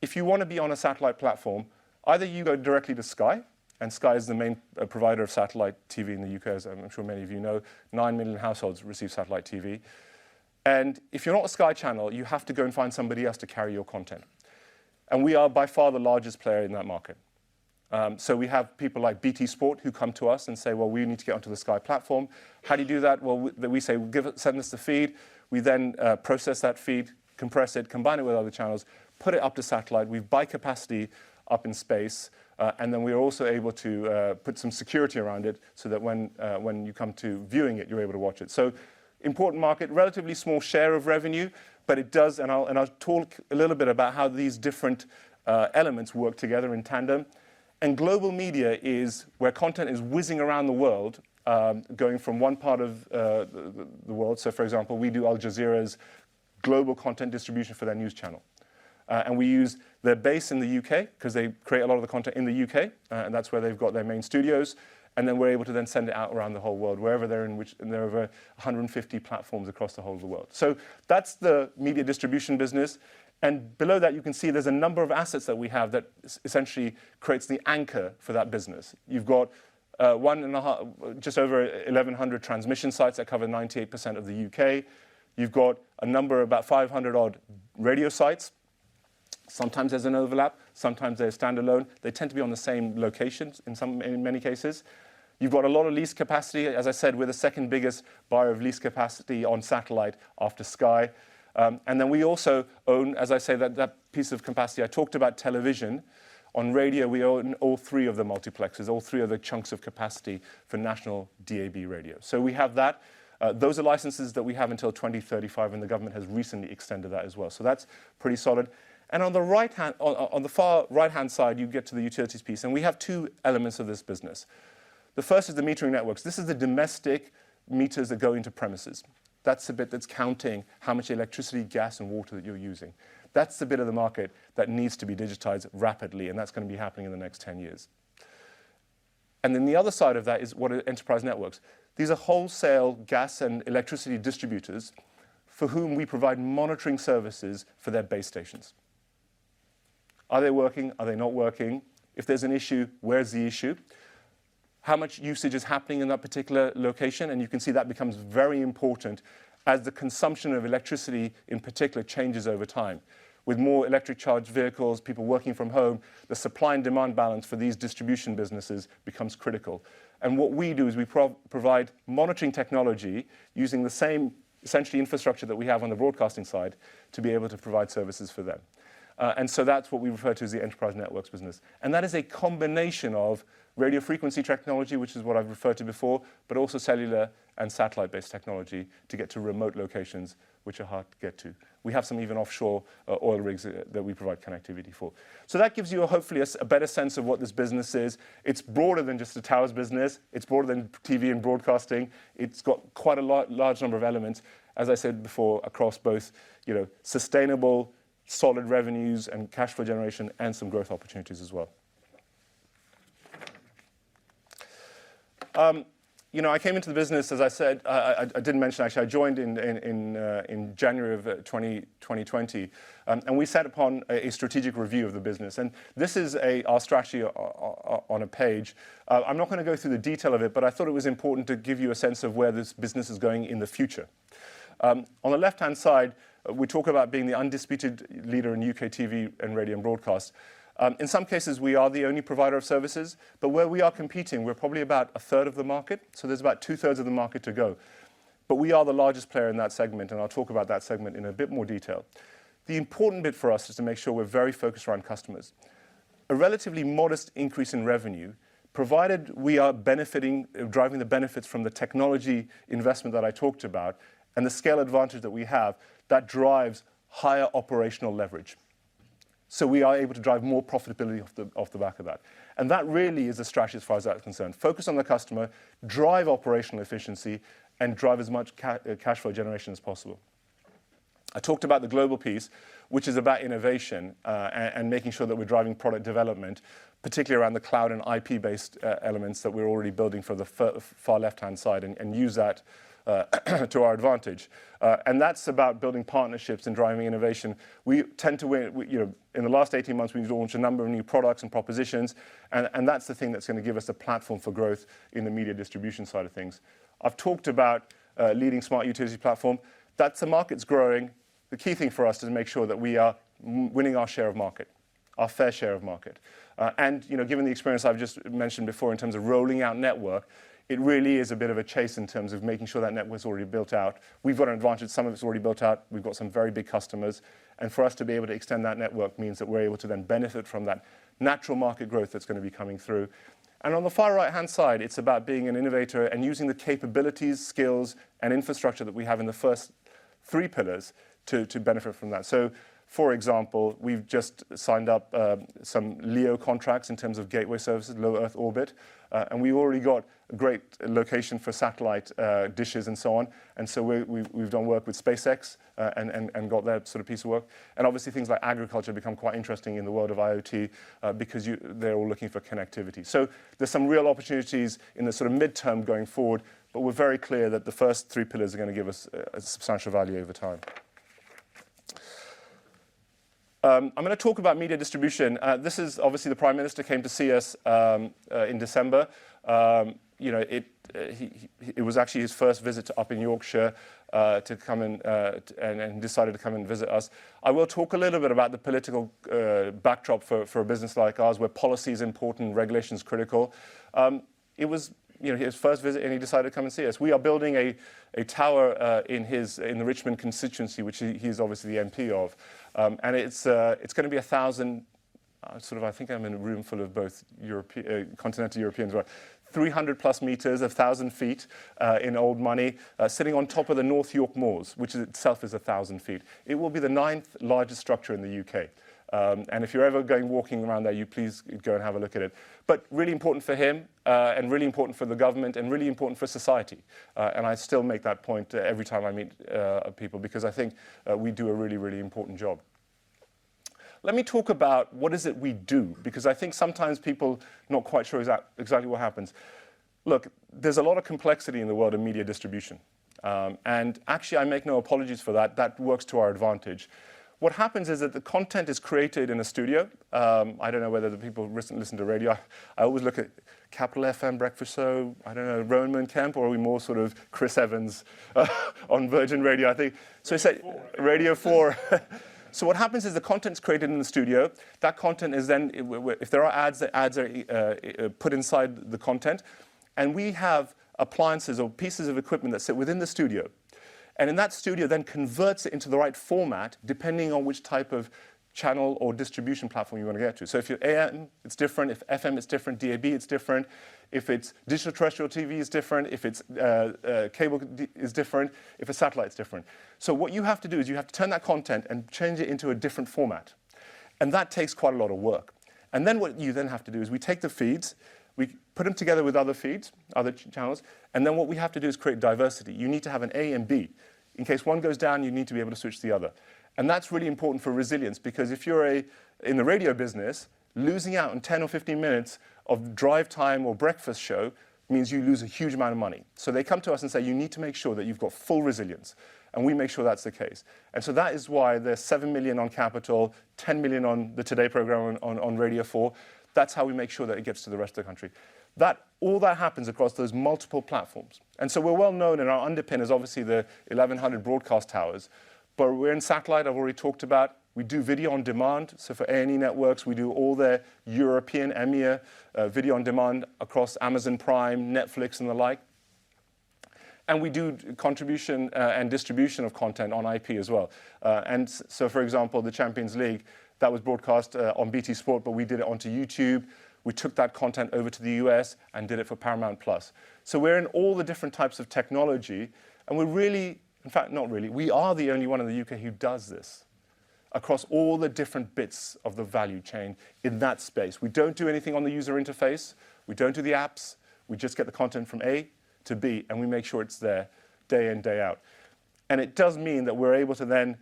if you wanna be on a satellite platform, either you go directly to Sky, and Sky is the main provider of satellite TV in the U.K., as I'm sure many of you know. 9 million households receive satellite TV. If you're not a Sky channel, you have to go and find somebody else to carry your content. We are by far the largest player in that market. We have people like BT Sport who come to us and say, "Well, we need to get onto the Sky platform. How do you do that?" Well, we say, "Give it, send us the feed." We then process that feed, compress it, combine it with other channels, put it up to satellite. We buy capacity up in space. Then we're also able to put some security around it so that when you come to viewing it, you're able to watch it. Important market, relatively small share of revenue, but it does... and I'll talk a little bit about how these different elements work together in tandem. Global media is where content is whizzing around the world, going from one part of the world. For example, we do Al Jazeera's global content distribution for their news channel. We use their base in the UK because they create a lot of the content in the UK, and that's where they've got their main studios, then we're able to then send it out around the whole world, wherever they're in. There are over 150 platforms across the whole of the world. That's the media distribution business. Below that, you can see there's a number of assets that we have that essentially creates the anchor for that business. You've got just over 1,100 transmission sites that cover 98% of the UK. You've got a number, about 500 odd radio sites. Sometimes there's an overlap, sometimes they're standalone. They tend to be on the same locations in many cases. You've got a lot of lease capacity. As I said, we're the second-biggest buyer of lease capacity on satellite after Sky. Then we also own, as I say, that piece of capacity. I talked about television. On radio, we own all three of the multiplexes, all three of the chunks of capacity for national DAB radio. We have that. Those are licenses that we have until 2035, the government has recently extended that as well. That's pretty solid. On the far right-hand side, you get to the utilities piece, we have two elements of this business. The first is the metering networks. This is the domestic meters that go into premises. That's the bit that's counting how much electricity, gas and water that you're using. That's the bit of the market that needs to be digitized rapidly, and that's gonna be happening in the next 10 years. The other side of that is what are enterprise networks. These are wholesale gas and electricity distributors for whom we provide monitoring services for their base stations. Are they working? Are they not working? If there's an issue, where's the issue? How much usage is happening in that particular location? You can see that becomes very important as the consumption of electricity, in particular, changes over time. With more electric charge vehicles, people working from home, the supply and demand balance for these distribution businesses becomes critical. What we do is we provide monitoring technology using the same essentially infrastructure that we have on the broadcasting side to be able to provide services for them. That's what we refer to as the enterprise networks business. That is a combination of radio frequency technology, which is what I've referred to before, but also cellular and satellite-based technology to get to remote locations which are hard to get to. We have some even offshore oil rigs that we provide connectivity for. That gives you hopefully a better sense of what this business is. It's broader than just the towers business. It's broader than TV and broadcasting. It's got quite a large number of elements, as I said before, across both, you know, sustainable solid revenues and cash flow generation and some growth opportunities as well. You know, I came into the business, as I said, I didn't mention actually, I joined in January of 2020. We set upon a strategic review of the business, and this is our strategy on a page. I'm not gonna go through the detail of it, but I thought it was important to give you a sense of where this business is going in the future. On the left-hand side, we talk about being the undisputed leader in U.K. TV and radio and broadcast. In some cases, we are the only provider of services, but where we are competing, we're probably about 1/3 of the market, so there's about 2/3 of the market to go. We are the largest player in that segment, and I'll talk about that segment in a bit more detail. The important bit for us is to make sure we're very focused around customers. A relatively modest increase in revenue provided we are benefiting, driving the benefits from the technology investment that I talked about and the scale advantage that we have that drives higher operational leverage. We are able to drive more profitability off the back of that. That really is the strategy as far as that's concerned. Focus on the customer, drive operational efficiency, and drive as much cash flow generation as possible. I talked about the global piece, which is about innovation, and making sure that we're driving product development, particularly around the cloud and IP-based elements that we're already building for the far left-hand side and use that to our advantage. That's about building partnerships and driving innovation. We, you know, In the last 18 months, we've launched a number of new products and propositions. That's the thing that's gonna give us the platform for growth in the media distribution side of things. I've talked about leading smart utility platform. That's the market's growing. The key thing for us is to make sure that we are winning our share of market, our fair share of market. You know, given the experience I've just mentioned before in terms of rolling out network, it really is a bit of a chase in terms of making sure that network's already built out. We've got an advantage. Some of it's already built out. We've got some very big customers. For us to be able to extend that network means that we're able to then benefit from that natural market growth that's gonna be coming through. On the far right-hand side, it's about being an innovator and using the capabilities, skills, and infrastructure that we have in the first three pillars to benefit from that. For example, we've just signed up some LEO contracts in terms of gateway services, low earth orbit. We've already got a great location for satellite dishes and so on. We've done work with SpaceX and got that sort of piece of work. Obviously, things like agriculture become quite interesting in the world of IoT because they're all looking for connectivity. There's some real opportunities in the sort of midterm going forward, but we're very clear that the first three pillars are gonna give us a substantial value over time. I'm gonna talk about media distribution. This is obviously the Prime Minister came to see us in December. You know, it was actually his first visit up in Yorkshire to come and decided to come and visit us. I will talk a little bit about the political backdrop for a business like ours, where policy is important, regulation is critical. It was, you know, his first visit, and he decided to come and see us. We are building a tower in his in the Richmond constituency, which he's obviously the MP of. It's gonna be 1,000 sort of I think I'm in a room full of both continental Europeans, right. 300+ meters, 1,000 feet in old money, sitting on top of the North York Moors, which itself is 1,000 feet. It will be the ninth largest structure in the UK. If you're ever going walking around there, you please go and have a look at it. Really important for him, and really important for the government and really important for society. I still make that point every time I meet people because I think we do a really, really important job. Let me talk about what is it we do, because I think sometimes people not quite sure exactly what happens. Look, there's a lot of complexity in the world of media distribution. Actually, I make no apologies for that. That works to our advantage. What happens is that the content is created in a studio. I don't know whether the people listen to radio. I always look at Capital FM breakfast show, I don't know, Roman Kemp, or are we more sort of Chris Evans on Virgin Radio, I think. Radio 4. Radio 4. What happens is the content is created in the studio. That content is then If there are ads, the ads are put inside the content. We have appliances or pieces of equipment that sit within the studio. In that studio then converts it into the right format, depending on which type of channel or distribution platform you want to get to. If you're AM, it's different. If FM, it's different. DAB, it's different. If it's digital terrestrial TV, it's different. If it's cable, it's different. If it's satellite, it's different. What you have to do is you have to turn that content and change it into a different format. That takes quite a lot of work. What you then have to do is we take the feeds, we put them together with other feeds, other channels, then what we have to do is create diversity. You need to have an A and B. In case one goes down, you need to be able to switch to the other. That's really important for resilience because if you're in the radio business, losing out on 10 or 15 minutes of drive time or breakfast show means you lose a huge amount of money. They come to us and say, "You need to make sure that you've got full resilience." We make sure that's the case. That is why there's 7 million on Capital FM, 10 million on the Today Programme on Radio 4. That's how we make sure that it gets to the rest of the country. All that happens across those multiple platforms. We're well known, and our underpin is obviously the 1,100 broadcast towers. We're in satellite, I've already talked about. We do video on demand. For A&E Networks, we do all their European EMEA video on demand across Amazon Prime, Netflix, and the like. We do contribution and distribution of content on IP as well. For example, the Champions League, that was broadcast on BT Sport, but we did it onto YouTube. We took that content over to the U.S. and did it for Paramount+. We're in all the different types of technology, and we're really. In fact, not really. We are the only one in the U.K. who does this across all the different bits of the value chain in that space. We don't do anything on the user interface, we don't do the apps. We just get the content from A to B, we make sure it's there day in, day out. It does mean that we're able to then,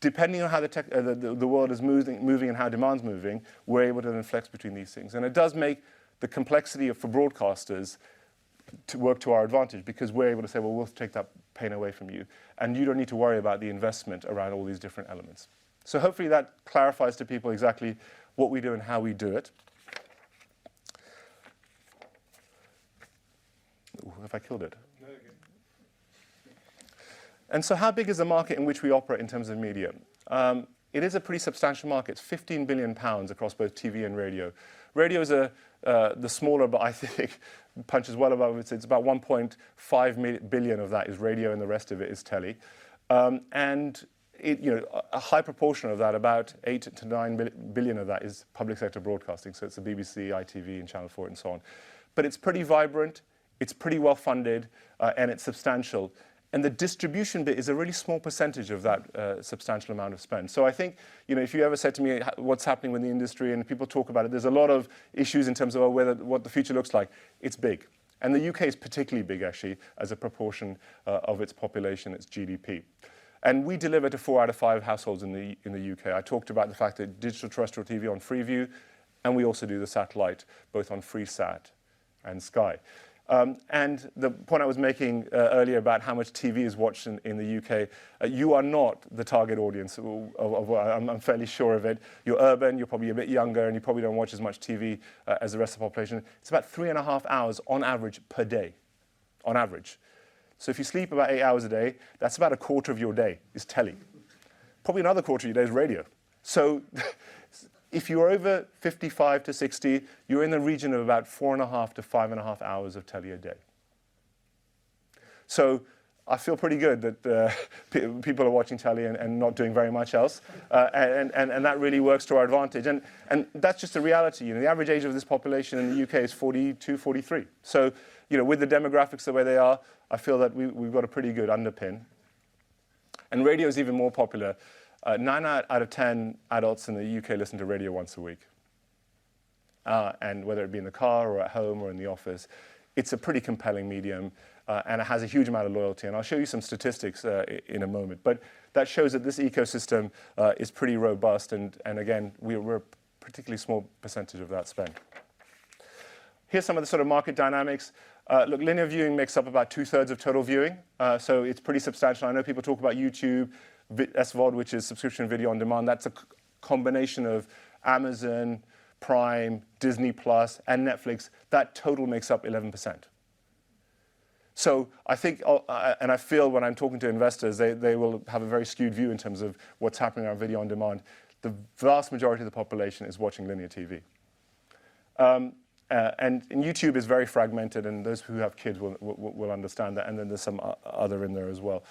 depending on how the world is moving and how demand's moving, we're able to then flex between these things. It does make the complexity for broadcasters to work to our advantage because we're able to say, "Well, we'll take that pain away from you, and you don't need to worry about the investment around all these different elements." Hopefully, that clarifies to people exactly what we do and how we do it. Ooh, have I killed it? How big is the market in which we operate in terms of media? It is a pretty substantial market, 15 billion pounds across both TV and radio. Radio is the smaller, I think punches well above its weight. It's about 1.5 billion of that is radio, the rest of it is telly. It, you know, a high proportion of that, about 8 billion-9 billion of that is public sector broadcasting, so it's the BBC, ITV, and Channel 4, and so on. It's pretty vibrant, it's pretty well-funded, it's substantial. The distribution bit is a really small percentage of that substantial amount of spend. I think, you know, if you ever said to me what's happening with the industry and people talk about it, there's a lot of issues in terms of whether what the future looks like. It's big. The UK is particularly big actually as a proportion of its population, its GDP. We deliver to four out of five households in the U.K. I talked about the fact that digital terrestrial TV on Freeview, and we also do the satellite, both on Freesat and Sky. The point I was making earlier about how much TV is watched in the U.K.., you are not the target audience of... I'm fairly sure of it. You're urban, you're probably a bit younger, and you probably don't watch as much TV as the rest of the population. It's about three and a half hours on average per day. On average. If you sleep about eight hours a day, that's about a quarter of your day is telly. Probably another quarter of your day is radio. If you're over 55-60, you're in the region of about four and a half to five and a half hours of telly a day. I feel pretty good that people are watching telly and not doing very much else. That really works to our advantage. That's just the reality. You know, the average age of this population in the U.K. is 42, 43. You know, with the demographics the way they are, I feel that we've got a pretty good underpin. Radio is even more popular. Nine out of 10 adults in the U.K. listen to radio once a week. Whether it be in the car or at home or in the office, it's a pretty compelling medium, and it has a huge amount of loyalty. I'll show you some statistics in a moment. That shows that this ecosystem is pretty robust and, again, we're a particularly small percentage of that spend. Here's some of the sort of market dynamics. Look, linear viewing makes up about 2/3 of total viewing, so it's pretty substantial. I know people talk about YouTube, SVOD, which is subscription video on demand. That's a combination of Amazon Prime, Disney+, and Netflix. That total makes up 11%. I think, and I feel when I'm talking to investors, they will have a very skewed view in terms of what's happening on video on demand. The vast majority of the population is watching linear TV. YouTube is very fragmented, and those who have kids will understand that. Then there's some other in there as well.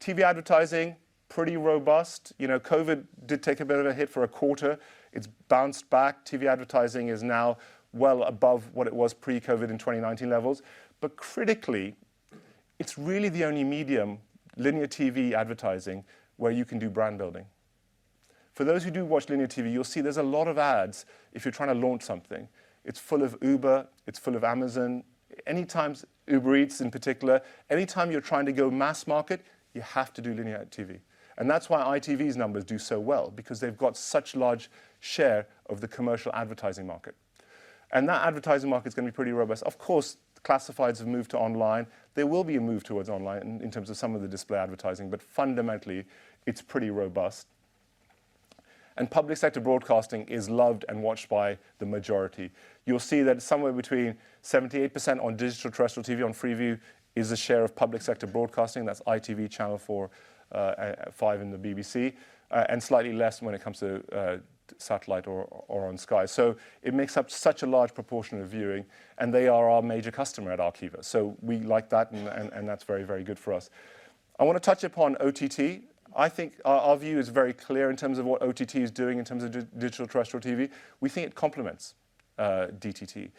TV advertising, pretty robust. You know, COVID did take a bit of a hit for a quarter. It's bounced back. TV advertising is now well above what it was pre-COVID in 2019 levels. Critically, it's really the only medium, linear TV advertising, where you can do brand building. For those who do watch linear TV, you'll see there's a lot of ads if you're trying to launch something. It's full of Uber. It's full of Amazon. Uber Eats in particular. Any time you're trying to go mass market, you have to do linear TV. That's why ITV's numbers do so well, because they've got such large share of the commercial advertising market. That advertising market's gonna be pretty robust. Classifieds have moved to online. There will be a move towards online in terms of some of the display advertising, but fundamentally, it's pretty robust. Public sector broadcasting is loved and watched by the majority. You'll see that somewhere between 78% on digital terrestrial TV on Freeview is the share of public sector broadcasting. That's ITV, Channel 4, Five and the BBC, and slightly less when it comes to satellite or on Sky. It makes up such a large proportion of viewing, and they are our major customer at Arqiva. We like that and that's very, very good for us. I wanna touch upon OTT. I think our view is very clear in terms of what OTT is doing in terms of digital terrestrial TV. We think it complements DTT.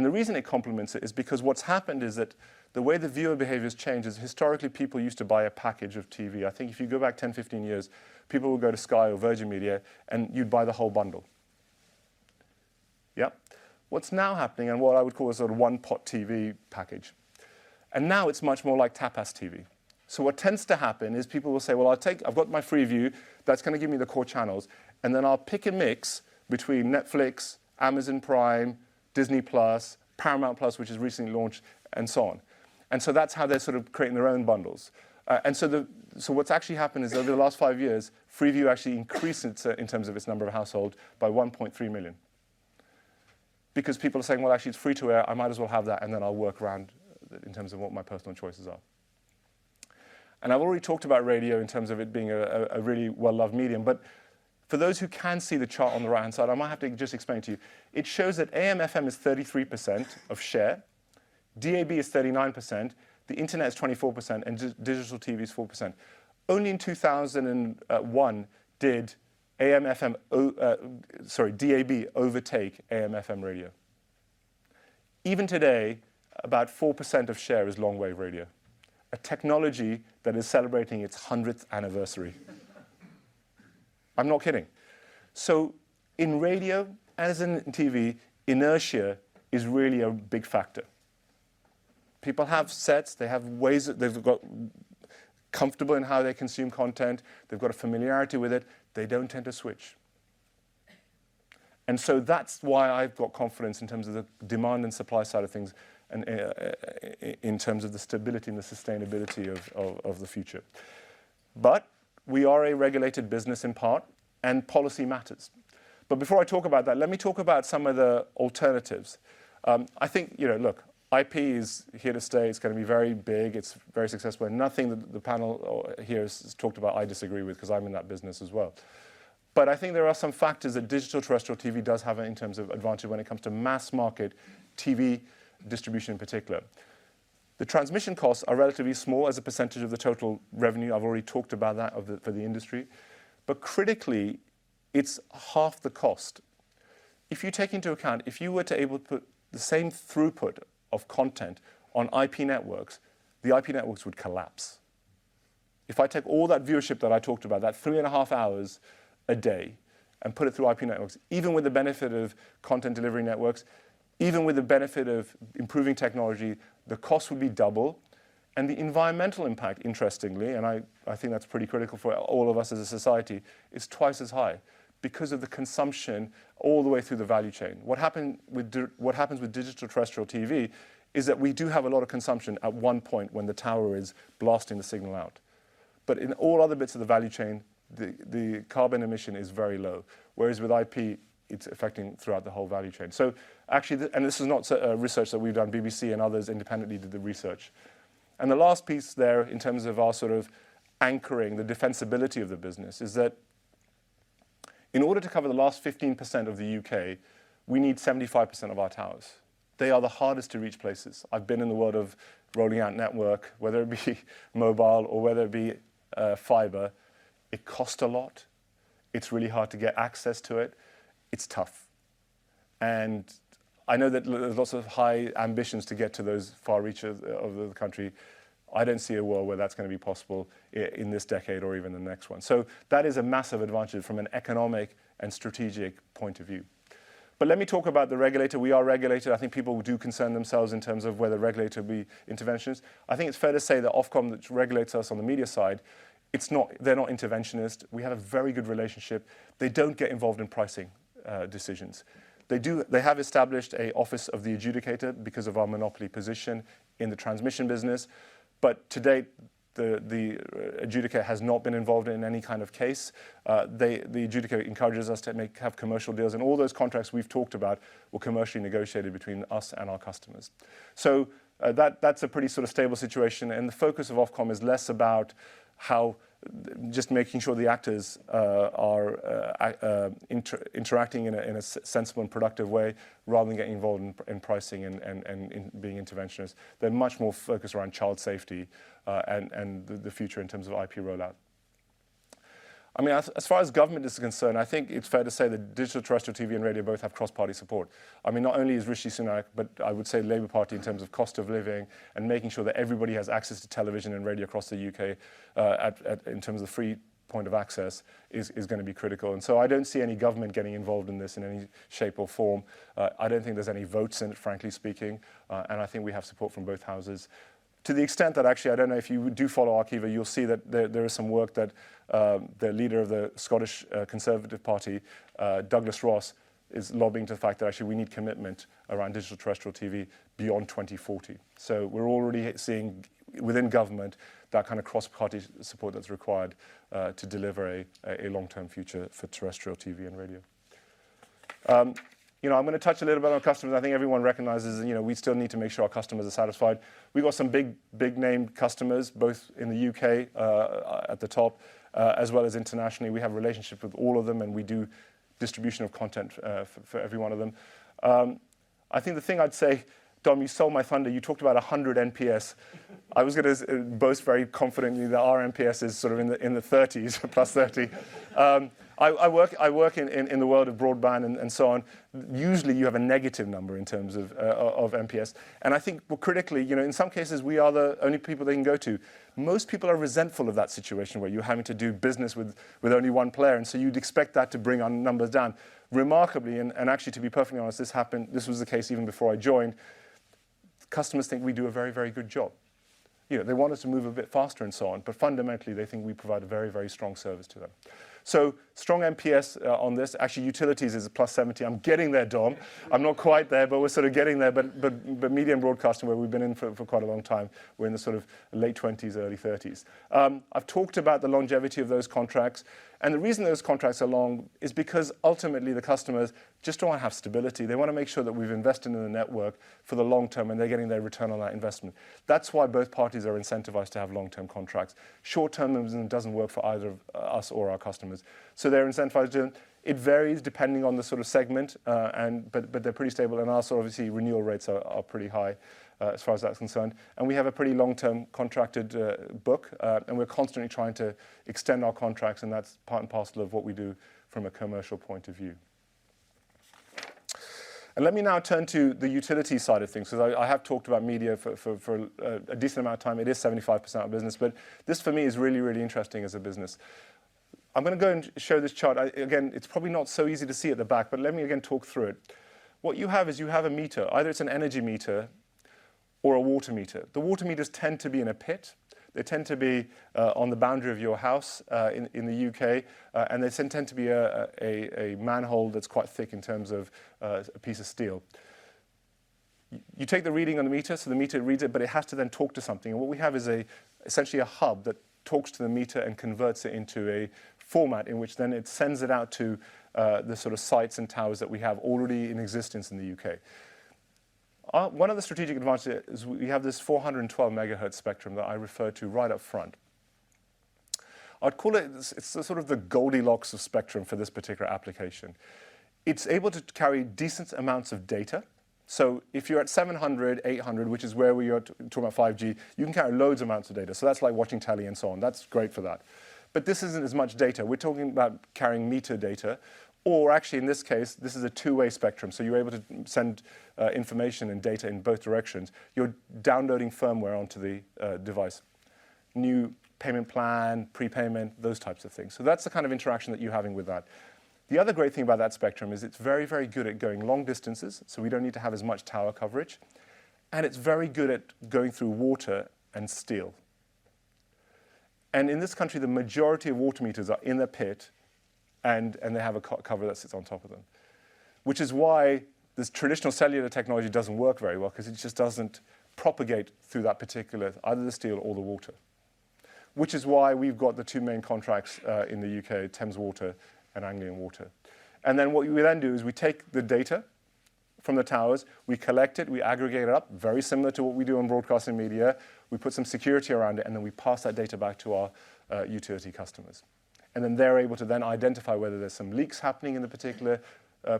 The reason it complements it is because what's happened is that the way the viewer behavior's changed is historically people used to buy a package of TV. I think if you go back 10, 15 years, people would go to Sky or Virgin Media, and you'd buy the whole bundle. Yep. What's now happening and what I would call a sort of one pot TV package, and now it's much more like tapas TV. What tends to happen is people will say, "Well, I'll take I've got my Freeview, that's gonna give me the core channels, and then I'll pick and mix between Netflix, Amazon Prime, Disney+, Paramount+," which has recently launched, "and so on." That's how they're sort of creating their own bundles. And so the What's actually happened is over the last five years, Freeview actually increased in terms of its number of households by 1.3 million. People are saying, "Well, actually, it's free to air, I might as well have that, and then I'll work around in terms of what my personal choices are." I've already talked about radio in terms of it being a really well-loved medium. For those who can see the chart on the right-hand side, I might have to just explain to you. It shows that AM/FM is 33% of share, DAB is 39%, the internet is 24%, and digital TV is 4%. Only in 2001 did AM/FM, sorry, DAB overtake AM/FM radio. Even today, about 4% of share is long wave radio, a technology that is celebrating its hundredth anniversary. I'm not kidding. In radio, as in TV, inertia is really a big factor. People have sets, they have ways that they've got comfortable in how they consume content. They've got a familiarity with it. They don't tend to switch. That's why I've got confidence in terms of the demand and supply side of things and in terms of the stability and the sustainability of the future. We are a regulated business in part, and policy matters. Before I talk about that, let me talk about some of the alternatives. I think, you know, look, IP is here to stay. It's gonna be very big. It's very successful. Nothing that the panel or here has talked about I disagree with 'cause I'm in that business as well. I think there are some factors that digital terrestrial TV does have in terms of advantage when it comes to mass market TV distribution in particular. The transmission costs are relatively small as a percentage of the total revenue. I've already talked about that for the industry. Critically, it's half the cost. If you take into account, if you were to able to put the same throughput of content on IP networks, the IP networks would collapse. If I take all that viewership that I talked about, that three and a half hours a day, and put it through IP networks, even with the benefit of content delivery networks, even with the benefit of improving technology, the cost would be double and the environmental impact, interestingly, and I think that's pretty critical for all of us as a society, is twice as high because of the consumption all the way through the value chain. What happens with digital terrestrial TV is that we do have a lot of consumption at one point when the tower is blasting the signal out. In all other bits of the value chain, the carbon emission is very low, whereas with IP, it's affecting throughout the whole value chain. Actually, this is not so research that we've done. BBC and others independently did the research. The last piece there in terms of our sort of anchoring, the defensibility of the business, is that in order to cover the last 15% of the UK, we need 75% of our towers. They are the hardest to reach places. I've been in the world of rolling out network, whether it be mobile or whether it be fiber. It costs a lot. It's really hard to get access to it. It's tough. I know that there's lots of high ambitions to get to those far reaches of the country. I don't see a world where that's gonna be possible in this decade or even the next one. That is a massive advantage from an economic and strategic point of view. Let me talk about the regulator. We are regulated. I think people do concern themselves in terms of whether a regulator be interventionist. I think it's fair to say that Ofcom, which regulates us on the media side, they're not interventionist. We have a very good relationship. They don't get involved in pricing decisions. They have established a office of the adjudicator because of our monopoly position in the transmission business. To date, the adjudicator has not been involved in any kind of case. The adjudicator encourages us to make commercial deals, and all those contracts we've talked about were commercially negotiated between us and our customers. That's a pretty sort of stable situation. The focus of Ofcom is less about how just making sure the actors are interacting in a sensible and productive way rather than getting involved in pricing and being interventionist. They're much more focused around child safety and the future in terms of IP rollout. I mean, as far as government is concerned, I think it's fair to say that digital terrestrial TV and radio both have cross-party support. I mean, not only is Rishi Sunak, but I would say Labour Party in terms of cost of living and making sure that everybody has access to television and radio across the U.K., at in terms of free point of access is gonna be critical. So I don't see any government getting involved in this in any shape or form. I don't think there's any votes in it, frankly speaking, and I think we have support from both houses to the extent that. I don't know if you do follow Arqiva. You'll see that there is some work that the leader of the Scottish Conservative Party, Douglas Ross, is lobbying to the fact that actually we need commitment around digital terrestrial TV beyond 2040. We're already seeing within government that kind of cross-party support that's required to deliver a long-term future for terrestrial TV and radio. You know, I'm gonna touch a little bit on our customers. I think everyone recognizes, you know, we still need to make sure our customers are satisfied. We've got some big, big-name customers, both in the U.K., at the top, as well as internationally. We have relationships with all of them. We do distribution of content for every one of them. I think the thing I'd say, Dom, you stole my thunder. You talked about 100 NPS. I was gonna boast very confidently that our NPS is sort of in the, in the 30s, +30. I work in the world of broadband and so on. Usually, you have a negative number in terms of NPS. I think, well, critically, you know, in some cases, we are the only people they can go to. Most people are resentful of that situation where you're having to do business with only one player, you'd expect that to bring our numbers down. Remarkably, actually to be perfectly honest, this was the case even before I joined. Customers think we do a very, very good job. You know, they want us to move a bit faster and so on, but fundamentally, they think we provide a very, very strong service to them. Strong NPS on this. Actually, utilities is a +70. I'm getting there, Dom. I'm not quite there, but we're sort of getting there. Media and broadcasting, where we've been in for quite a long time, we're in the sort of late 20s, early 30s. I've talked about the longevity of those contracts, and the reason those contracts are long is because ultimately the customers just want to have stability. They want to make sure that we've invested in the network for the long term, and they're getting their return on that investment. That's why both parties are incentivized to have long-term contracts. Short-term doesn't work for either us or our customers. They're incentivized to. It varies depending on the sort of segment, but they're pretty stable. Our sort of obviously renewal rates are pretty high as far as that's concerned. We have a pretty long-term contracted book, we're constantly trying to extend our contracts, that's part and parcel of what we do from a commercial point of view. Let me now turn to the utility side of things, because I have talked about media for a decent amount of time. It is 75% of business. This for me is really interesting as a business. I'm gonna go and show this chart. Again, it's probably not so easy to see at the back, let me again talk through it. What you have is you have a meter. Either it's an energy meter or a water meter. The water meters tend to be in a pit. They tend to be on the boundary of your house in the U.K., and they tend to be a manhole that's quite thick in terms of a piece of steel. You take the reading on the meter, so the meter reads it, but it has to then talk to something. What we have is essentially a hub that talks to the meter and converts it into a format in which then it sends it out to the sort of sites and towers that we have already in existence in the U.K. One of the strategic advantages is we have this 412 MHz spectrum that I referred to right up front. I'd call it's the sort of the Goldilocks of spectrum for this particular application. It's able to carry decent amounts of data. If you're at 700, 800, which is where we are talking about 5G, you can carry loads amounts of data. That's like watching telly and so on. That's great for that. This isn't as much data. We're talking about carrying meter data, or actually, in this case, this is a two-way spectrum, so you're able to send information and data in both directions. You're downloading firmware onto the device, new payment plan, prepayment, those types of things. That's the kind of interaction that you're having with that. The other great thing about that spectrum is it's very, very good at going long distances, so we don't need to have as much tower coverage, and it's very good at going through water and steel. In this country, the majority of water meters are in a pit, and they have a co-cover that sits on top of them, which is why this traditional cellular technology doesn't work very well because it just doesn't propagate through that particular either the steel or the water. Which is why we've got the two main contracts in the U.K., Thames Water and Anglian Water. Then what we then do is we take the data from the towers, we collect it, we aggregate it up, very similar to what we do in broadcasting media. We put some security around it, we pass that data back to our utility customers. They're able to then identify whether there's some leaks happening in the particular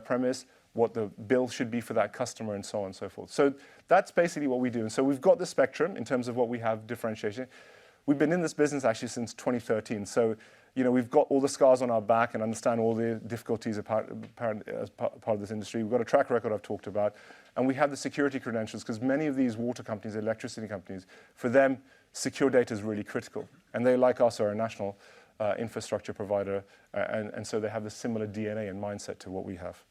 premise, what the bill should be for that customer, and so on and so forth. That's basically what we do. We've got the spectrum in terms of what we have differentiating. We've been in this business actually since 2013. You know, we've got all the scars on our back and understand all the difficulties apart, apparent as part of this industry. We've got a track record I've talked about, and we have the security credentials because many of these water companies, electricity companies, for them, secure data is really critical. They, like us, are a national infrastructure provider. they have the similar DNA and mindset to what we have.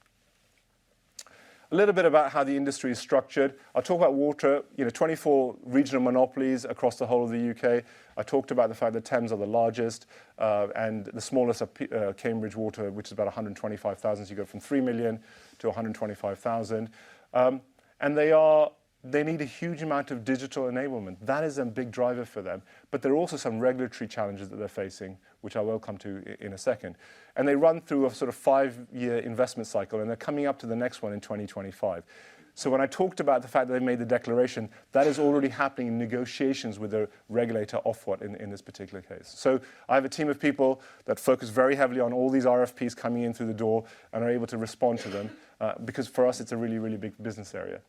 A little bit about how the industry is structured. I talk about water, 24 regional monopolies across the whole of the U.K. I talked about the fact that Thames are the largest, and the smallest are Cambridge Water, which is about 125,000. You go from 3 million to 125,000. they need a huge amount of digital enablement. That is a big driver for them. there are also some regulatory challenges that they're facing, which I will come to in a second. they run through a sort of five-year investment cycle, and they're coming up to the next one in 2025. When I talked about the fact that they made the declaration, that is already happening in negotiations with the regulator Ofwat in this particular case. I have a team of people that focus very heavily on all these RFPs coming in through the door and are able to respond to them because for us, it's a really, really big business area.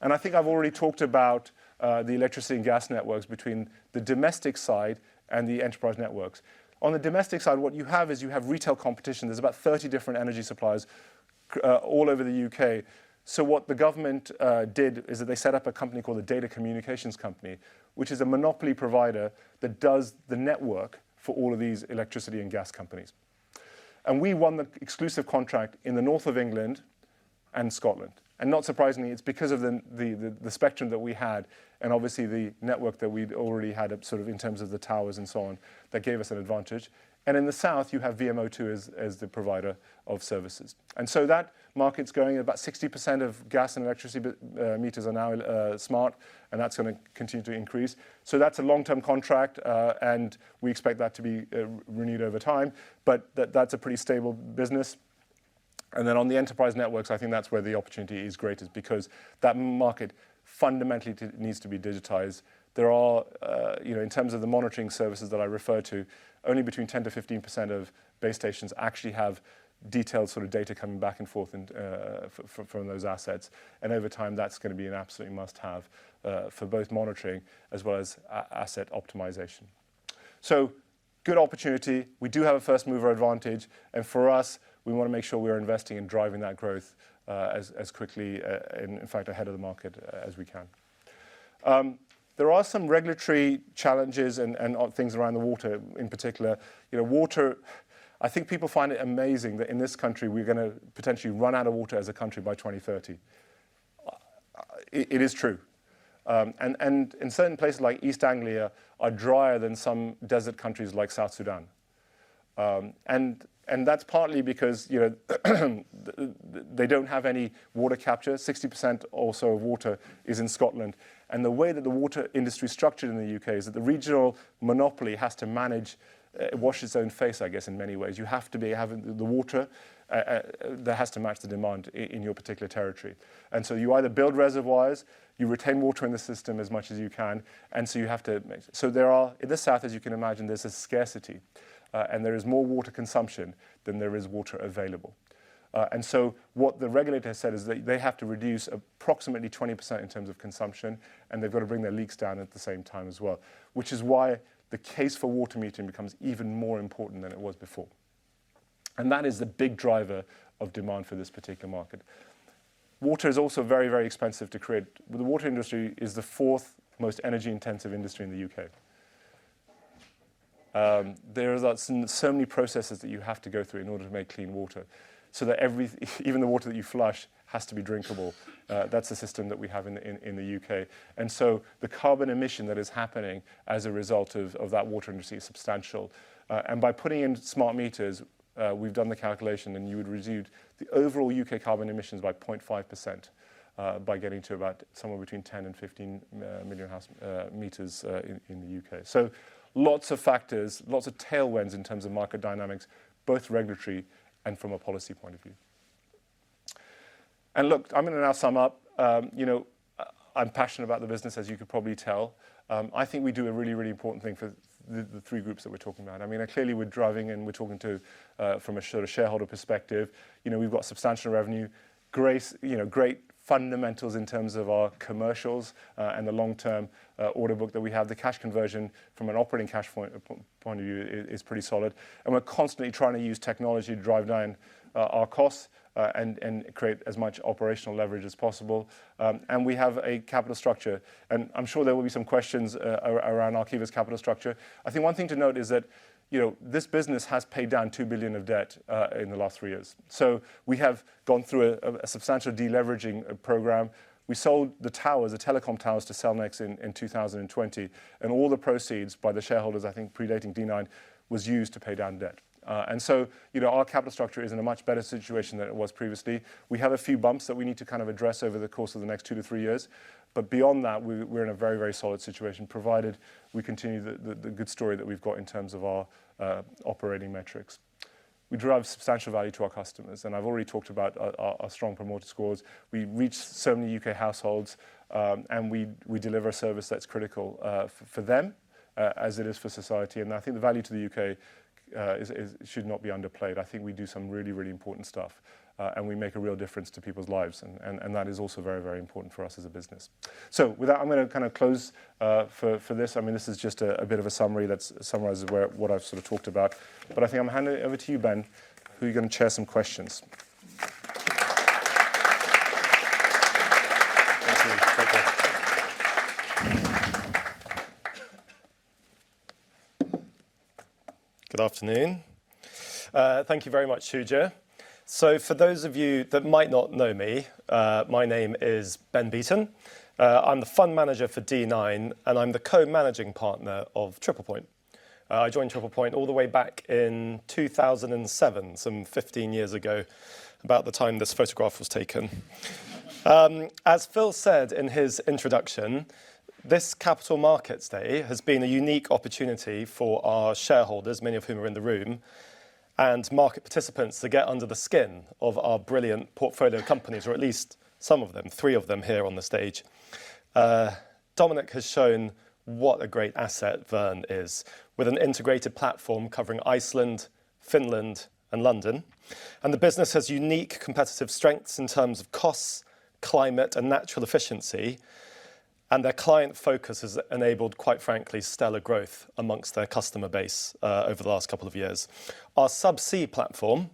I think I've already talked about the electricity and gas networks between the domestic side and the enterprise networks. On the domestic side, what you have is you have retail competition. There's about 30 different energy suppliers all over the U.K. What the government did is that they set up a company called the Data Communications Company, which is a monopoly provider that does the network for all of these electricity and gas companies. We won the exclusive contract in the north of England and Scotland. Not surprisingly, it's because of the spectrum that we had and obviously the network that we'd already had sort of in terms of the towers and so on that gave us an advantage. In the south, you have VMO2 as the provider of services. That market's growing. About 60% of gas and electricity meters are now smart, and that's gonna continue to increase. That's a long-term contract, and we expect that to be renewed over time. That, that's a pretty stable business. Then on the enterprise networks, I think that's where the opportunity is greatest because that market fundamentally needs to be digitized. There are, you know, in terms of the monitoring services that I referred to, only between 10%-15% of base stations actually have detailed sort of data coming back and forth and from those assets. Over time, that's gonna be an absolute must-have for both monitoring as well as asset optimization. Good opportunity. We do have a first-mover advantage. For us, we wanna make sure we are investing in driving that growth as quickly, in fact, ahead of the market, as we can. There are some regulatory challenges and things around the water in particular. You know, water, I think people find it amazing that in this country we're gonna potentially run out of water as a country by 2030. It is true. In certain places like East Anglia are drier than some desert countries like South Sudan. That's partly because, you know, they don't have any water capture. 60% or so of water is in Scotland. The way that the water industry is structured in the U.K. Is that the regional monopoly has to manage, wash its own face, I guess, in many ways. You have to be having the water that has to match the demand in your particular territory. You either build reservoirs, you retain water in the system as much as you can. There are, in the South, as you can imagine, there's a scarcity, and there is more water consumption than there is water available. What the regulator has said is they have to reduce approximately 20% in terms of consumption, and they've got to bring their leaks down at the same time as well, which is why the case for water metering becomes even more important than it was before. That is the big driver of demand for this particular market. Water is also very, very expensive to create. The water industry is the fourth most energy-intensive industry in the U.K. There are so many processes that you have to go through in order to make clean water, so that even the water that you flush has to be drinkable. That's the system that we have in, in the U.K. The carbon emission that is happening as a result of that water industry is substantial. By putting in smart meters, we've done the calculation, and you would reduce the overall U.K. carbon emissions by 0.5% by getting to about somewhere between 10-15 million meters in the U.K. Lots of factors, lots of tailwinds in terms of market dynamics, both regulatory and from a policy point of view. Look, I'm gonna now sum up. You know, I'm passionate about the business, as you can probably tell. I think we do a really, really important thing for the three groups that we're talking about. I mean, clearly we're driving and we're talking to from a sort of shareholder perspective. You know, we've got substantial revenue, great, you know, great fundamentals in terms of our commercials and the long-term order book that we have. The cash conversion from an operating cash point of view is pretty solid. We're constantly trying to use technology to drive down our costs and create as much operational leverage as possible. We have a capital structure, and I'm sure there will be some questions around Arqiva's capital structure. I think one thing to note is that, you know, this business has paid down 2 billion of debt in the last three years. We have gone through a substantial de-leveraging program. We sold the towers, the telecom towers to Cellnex in 2020, and all the proceeds by the shareholders, I think predating D9, was used to pay down debt. You know, our capital structure is in a much better situation than it was previously. We have a few bumps that we need to kind of address over the course of the next two to three years. Beyond that, we're in a very, very solid situation, provided we continue the good story that we've got in terms of our operating metrics. We drive substantial value to our customers. I've already talked about our strong promoter scores. We reach so many U.K. households, and we deliver a service that's critical for them as it is for society. I think the value to the U.K. should not be underplayed. I think we do some really, really important stuff, and we make a real difference to people's lives, and that is also very, very important for us as a business. With that, I'm gonna kind of close, for this. I mean, this is just a bit of a summary that summarizes what I've sort of talked about. I think I'm handing it over to you, Ben, who are gonna share some questions. Thank you. Thank you. Good afternoon. Thank you very much, Shuja. For those of you that might not know me, my name is Ben Beaton. I'm the fund manager for D9, and I'm the co-managing partner of Triple Point. I joined Triple Point all the way back in 2007, some 15 years ago, about the time this photograph was taken. As Phil said in his introduction, this Capital Markets Day has been a unique opportunity for our shareholders, many of whom are in the room, and market participants to get under the skin of our brilliant portfolio companies, or at least some of them, three of them here on the stage. Dominic has shown what a great asset Verne is, with an integrated platform covering Iceland, Finland, and London. The business has unique competitive strengths in terms of costs, climate, and natural efficiency, and their client focus has enabled, quite frankly, stellar growth amongst their customer base over the last couple of years. Our subsea platform,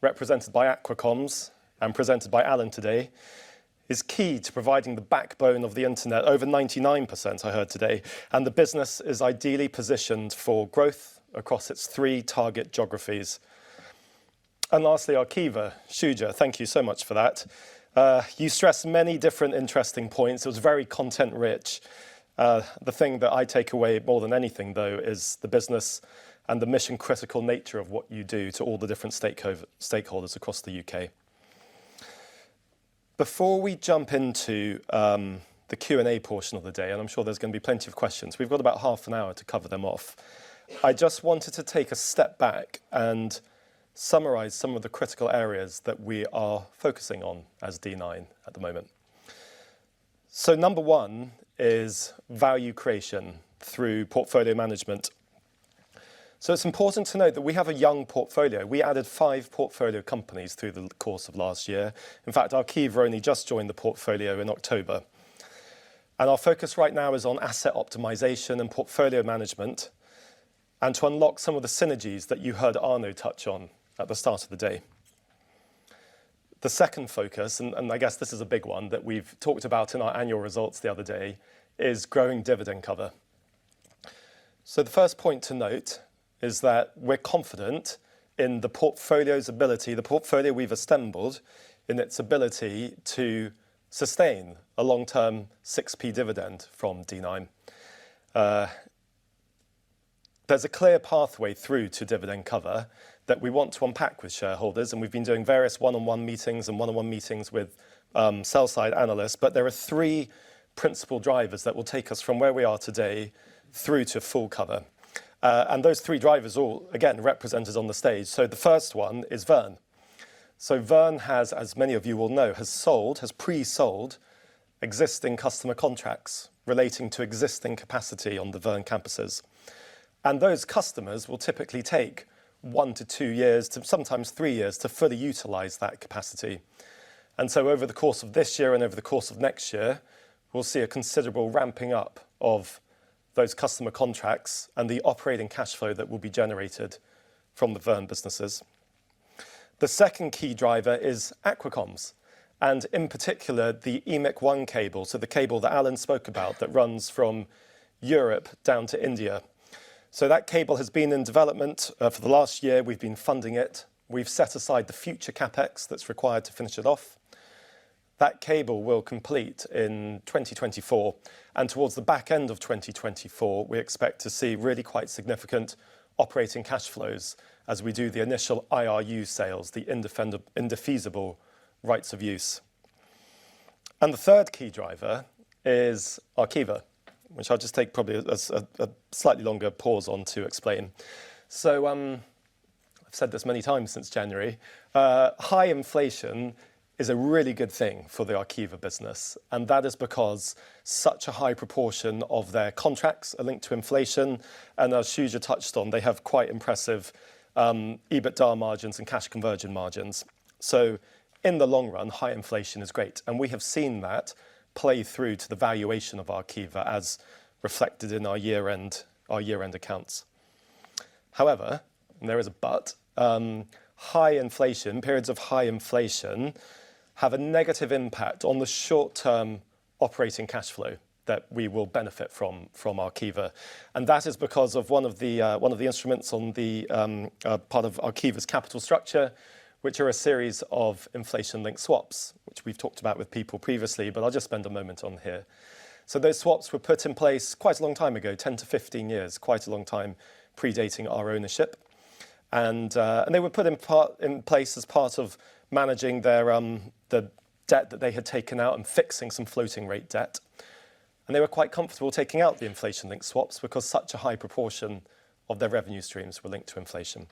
represented by Aqua Comms and presented by Alan today, is key to providing the backbone of the Internet, over 99% I heard today, and the business is ideally positioned for growth across its three target geographies. Lastly, Arqiva. Shuja, thank you so much for that. You stressed many different interesting points. It was very content rich. The thing that I take away more than anything, though, is the business and the mission-critical nature of what you do to all the different stakeholders across the U.K. Before we jump into the Q&A portion of the day, and I'm sure there's gonna be plenty of questions, we've got about half an hour to cover them off. I just wanted to take a step back and summarize some of the critical areas that we are focusing on as D9 at the moment. Number one is value creation through portfolio management. It's important to note that we have a young portfolio. We added five portfolio companies through the course of last year. In fact, Arqiva only just joined the portfolio in October. Our focus right now is on asset optimization and portfolio management, and to unlock some of the synergies that you heard Arnaud touch on at the start of the day. The second focus, and I guess this is a big one that we've talked about in our annual results the other day, is growing dividend cover. The first point to note is that we're confident in the portfolio's ability, the portfolio we've assembled, in its ability to sustain a long-term 6p dividend from D9. There's a clear pathway through to dividend cover that we want to unpack with shareholders, and we've been doing various one-on-one meetings and one-on-one meetings with sell-side analysts, but there are three principal drivers that will take us from where we are today through to full cover. Those three drivers all, again, represented on the stage. The first one is Verne. Verne has, as many of you will know, has sold, has pre-sold existing customer contracts relating to existing capacity on the Verne campuses. Those customers will typically take one-two years, to sometimes three years, to further utilize that capacity. So over the course of this year and over the course of next year, we'll see a considerable ramping up of those customer contracts and the operating cash flow that will be generated from the Verne businesses. The second key driver is Aqua Comms, and in particular, the EMIC-1 cable, the cable that Alan spoke about that runs from Europe down to India. That cable has been in development for the last year. We've been funding it. We've set aside the future CapEx that's required to finish it off. That cable will complete in 2024, and towards the back end of 2024, we expect to see really quite significant operating cash flows as we do the initial IRU sales, the indefeasible rights of use. The third key driver is Arqiva, which I'll just take probably a slightly longer pause on to explain. I've said this many times since January, high inflation is a really good thing for the Arqiva business, and that is because such a high proportion of their contracts are linked to inflation, and as Shuja touched on, they have quite impressive EBITDA margins and cash conversion margins. In the long run, high inflation is great, and we have seen that play through to the valuation of Arqiva as reflected in our year-end accounts. However, and there is a but, high inflation, periods of high inflation have a negative impact on the short-term operating cash flow that we will benefit from Arqiva. That is because of one of the instruments on the part of Arqiva's capital structure, which are a series of inflation-linked swaps, which we've talked about with people previously, but I'll just spend a moment on here. Those swaps were put in place quite a long time ago, 10-15 years, quite a long time predating our ownership. They were put in place as part of managing their the debt that they had taken out and fixing some floating rate debt. They were quite comfortable taking out the inflation-linked swaps because such a high proportion of their revenue streams were linked to inflation.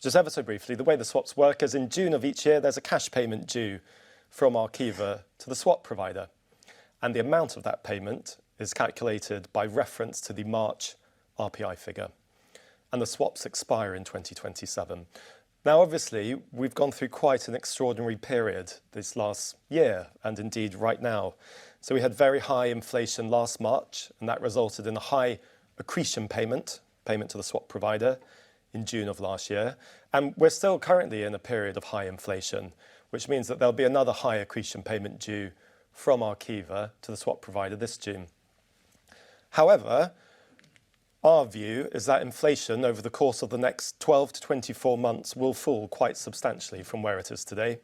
Just ever so briefly, the way the swaps work is in June of each year, there's a cash payment due from Arqiva to the swap provider. The amount of that payment is calculated by reference to the March RPI figure. The swaps expire in 2027. Obviously, we've gone through quite an extraordinary period this last year and indeed right now. We had very high inflation last March, and that resulted in a high accretion payment to the swap provider in June of last year. We're still currently in a period of high inflation, which means that there'll be another high accretion payment due from Arqiva to the swap provider this June. However, our view is that inflation over the course of the next 12-24 months will fall quite substantially from where it is today.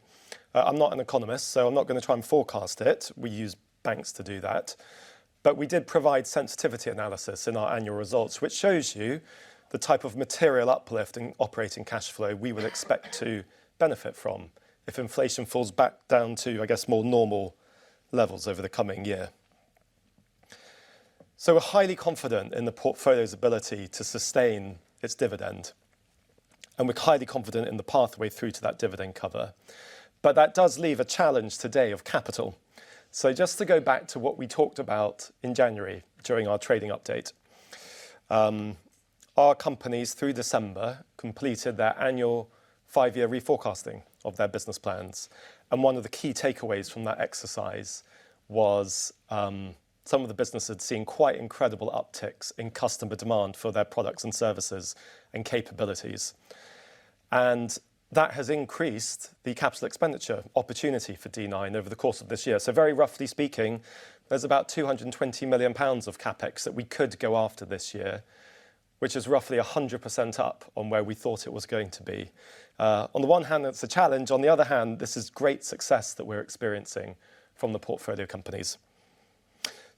I'm not an economist, I'm not gonna try and forecast it. We use banks to do that. We did provide sensitivity analysis in our annual results, which shows you the type of material uplift in operating cash flow we would expect to benefit from if inflation falls back down to, I guess, more normal levels over the coming year. We're highly confident in the portfolio's ability to sustain its dividend, and we're highly confident in the pathway through to that dividend cover. That does leave a challenge today of capital. Just to go back to what we talked about in January during our trading update. Our companies through December completed their annual 5-year reforecasting of their business plans. One of the key takeaways from that exercise was, some of the business had seen quite incredible upticks in customer demand for their products and services and capabilities. That has increased the capital expenditure opportunity for D9 over the course of this year. Very roughly speaking, there's about 220 million pounds of CapEx that we could go after this year, which is roughly 100% up on where we thought it was going to be. On the one hand, it's a challenge, on the other hand, this is great success that we're experiencing from the portfolio companies.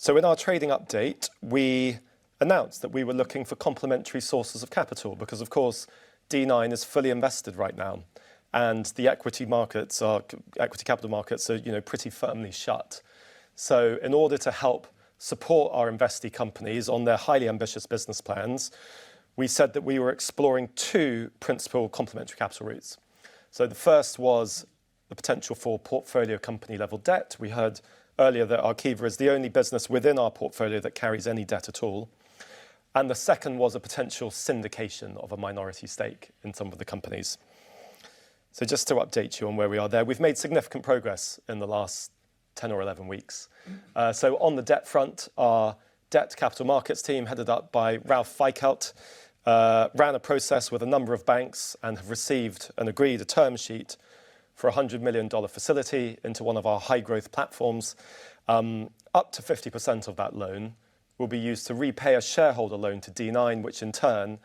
In our trading update, we announced that we were looking for complementary sources of capital because, of course, D9 is fully invested right now, and the equity capital markets are, you know, pretty firmly shut. In order to help support our investee companies on their highly ambitious business plans, we said that we were exploring two principal complementary capital routes. The first was the potential for portfolio company-level debt. We heard earlier that Arqiva is the only business within our portfolio that carries any debt at all. The second was a potential syndication of a minority stake in some of the companies. Just to update you on where we are there. We've made significant progress in the last 10 or 11 weeks. On the debt front, our debt capital markets team, headed up by Ralph Feickert, ran a process with a number of banks and have received and agreed a term sheet for a $100 million facility into one of our high-growth platforms. Up to 50% of that loan will be used to repay a shareholder loan to D9, which in turn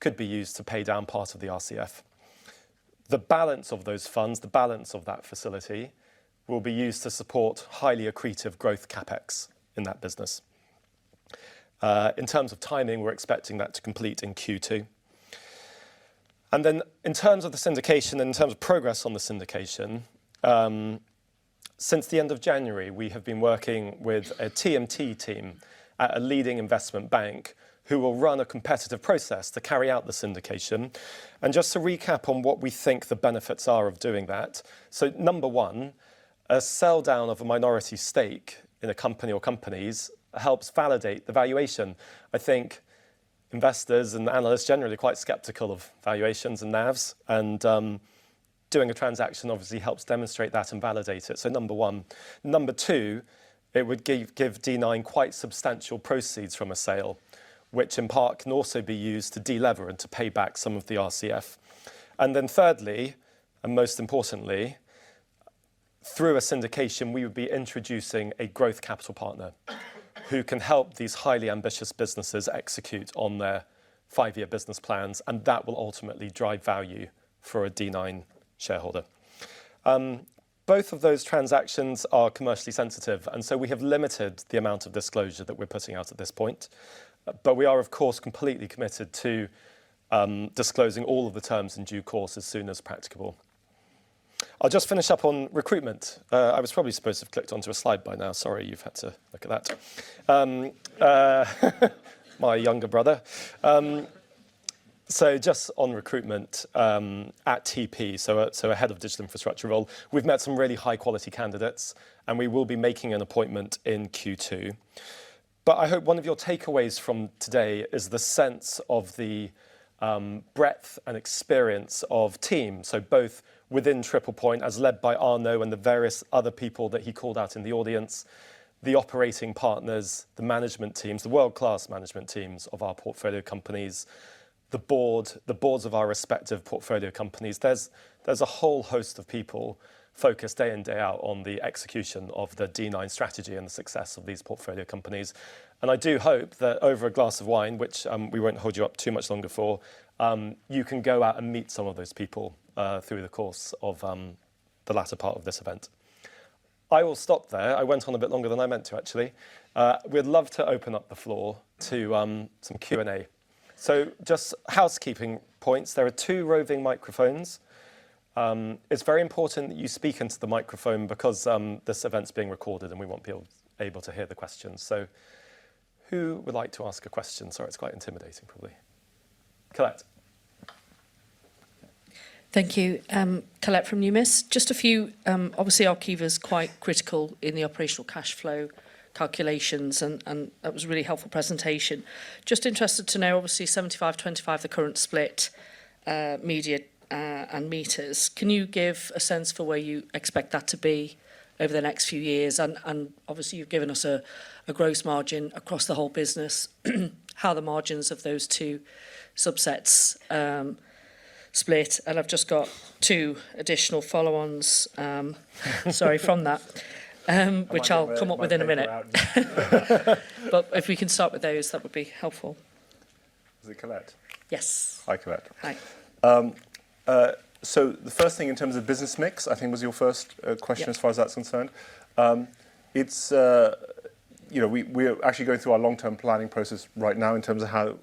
could be used to pay down part of the RCF. The balance of those funds, the balance of that facility, will be used to support highly accretive growth CapEx in that business. In terms of timing, we're expecting that to complete in Q2. In terms of the syndication, in terms of progress on the syndication, since the end of January, we have been working with a TMT team at a leading investment bank who will run a competitive process to carry out the syndication. Just to recap on what we think the benefits are of doing that. Number one, a sell-down of a minority stake in a company or companies helps validate the valuation. I think investors and analysts are generally quite skeptical of valuations and NAVs, and doing a transaction obviously helps demonstrate that and validate it. Number two, it would give D9 quite substantial proceeds from a sale, which in part can also be used to de-lever and to pay back some of the RCF. Thirdly, and most importantly. Through a syndication, we would be introducing a growth capital partner who can help these highly ambitious businesses execute on their five-year business plans, and that will ultimately drive value for a D9 shareholder. Both of those transactions are commercially sensitive, we have limited the amount of disclosure that we're putting out at this point. We are, of course, completely committed to disclosing all of the terms in due course as soon as practicable. I'll just finish up on recruitment. I was probably supposed to have clicked onto a slide by now. Sorry, you've had to look at that. My younger brother. Just on recruitment at TP, so a head of digital infrastructure role. We've met some really high-quality candidates, and we will be making an appointment in Q2. I hope one of your takeaways from today is the sense of the breadth and experience of team. Both within Triple Point, as led by Arnaud and the various other people that he called out in the audience, the operating partners, the management teams, the world-class management teams of our portfolio companies, the boards of our respective portfolio companies. There's a whole host of people focused day in, day out on the execution of the D9 strategy and the success of these portfolio companies. I do hope that over a glass of wine, which we won't hold you up too much longer for, you can go out and meet some of those people through the course of the latter part of this event. I will stop there. I went on a bit longer than I meant to actually. We'd love to open up the floor to some Q&A. Just housekeeping points. There are two roving microphones. It's very important that you speak into the microphone because this event is being recorded, and we want people able to hear the questions. Who would like to ask a question? Sorry, it's quite intimidating, probably. Colette. Thank you. Colette from Numis. Just a few, obviously Arqiva's quite critical in the operational cash flow calculations and that was a really helpful presentation. Just interested to know, obviously 75%, 25%, the current split, media and meters. Can you give a sense for where you expect that to be over the next few years? Obviously, you've given us a gross margin across the whole business, how the margins of those two subsets split. I've just got two additional follow-ons, sorry, from that. Which I'll come up with in a minute. I might have a microphone out. If we can start with those, that would be helpful. Is it Colette? Yes. Hi, Colette. Hi. The first thing in terms of business mix, I think was your first question. Yeah as far as that's concerned. it's, you know, we're actually going through our long-term planning process right now in terms of how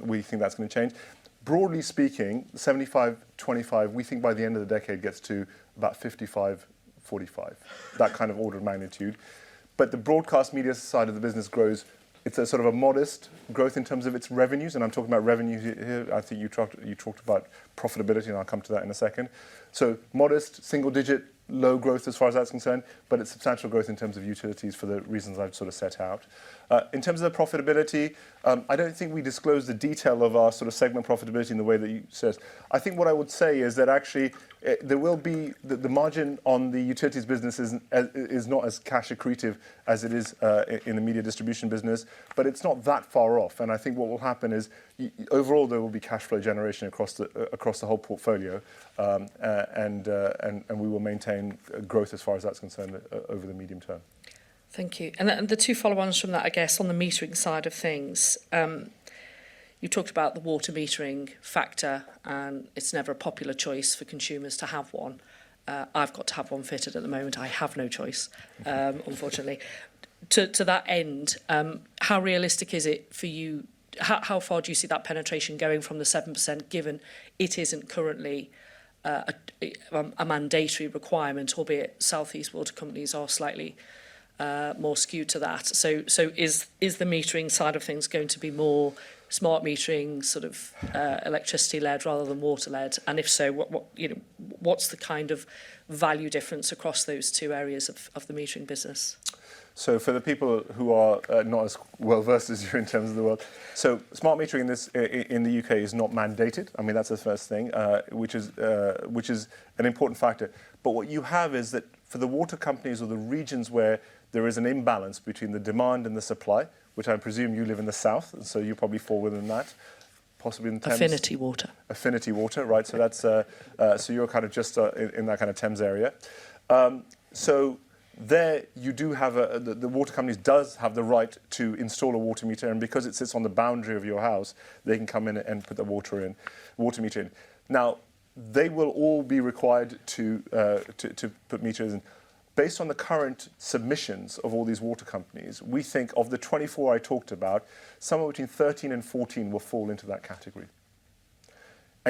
we think that's gonna change. Broadly speaking, 75, 25, we think by the end of the decade gets to about 55, 45. That kind of order of magnitude. The broadcast media side of the business grows. It's a sort of a modest growth in terms of its revenues, and I'm talking about revenue here. I see you talked about profitability, and I'll come to that in a second. Modest single-digit low growth as far as that's concerned, but it's substantial growth in terms of utilities for the reasons I've sort of set out. In terms of the profitability, I don't think we disclose the detail of our sort of segment profitability in the way that you said. I think what I would say is that actually, there will be. The margin on the utilities business is not as cash accretive as it is in the media distribution business, but it's not that far off. I think what will happen is overall, there will be cash flow generation across the whole portfolio. We will maintain growth as far as that's concerned over the medium term. Thank you. The two follow-ons from that, I guess, on the metering side of things. You talked about the water metering factor, and it's never a popular choice for consumers to have one. I've got to have one fitted at the moment. I have no choice, unfortunately. To that end, how realistic is it for you... How far do you see that penetration going from the 7% given it isn't currently a mandatory requirement, albeit Southeast water companies are slightly more skewed to that. Is the metering side of things going to be more smart metering, sort of, electricity-led rather than water-led? If so, what, you know, what's the kind of value difference across those two areas of the metering business? For the people who are not as well-versed as you in terms of the world. Smart metering in the U.K. is not mandated. I mean, that's the first thing, which is an important factor. What you have is that for the water companies or the regions where there is an imbalance between the demand and the supply, which I presume you live in the South, you probably fall within that, possibly in the Thames. Affinity Water. Affinity Water, right. That's, so you're kind of just in that kind of Thames area. So there you do have the water companies does have the right to install a water meter, and because it sits on the boundary of your house, they can come in and put the water meter in. Now, they will all be required to put meters in. Based on the current submissions of all these water companies, we think of the 24 I talked about, somewhere between 13 and 14 will fall into that category.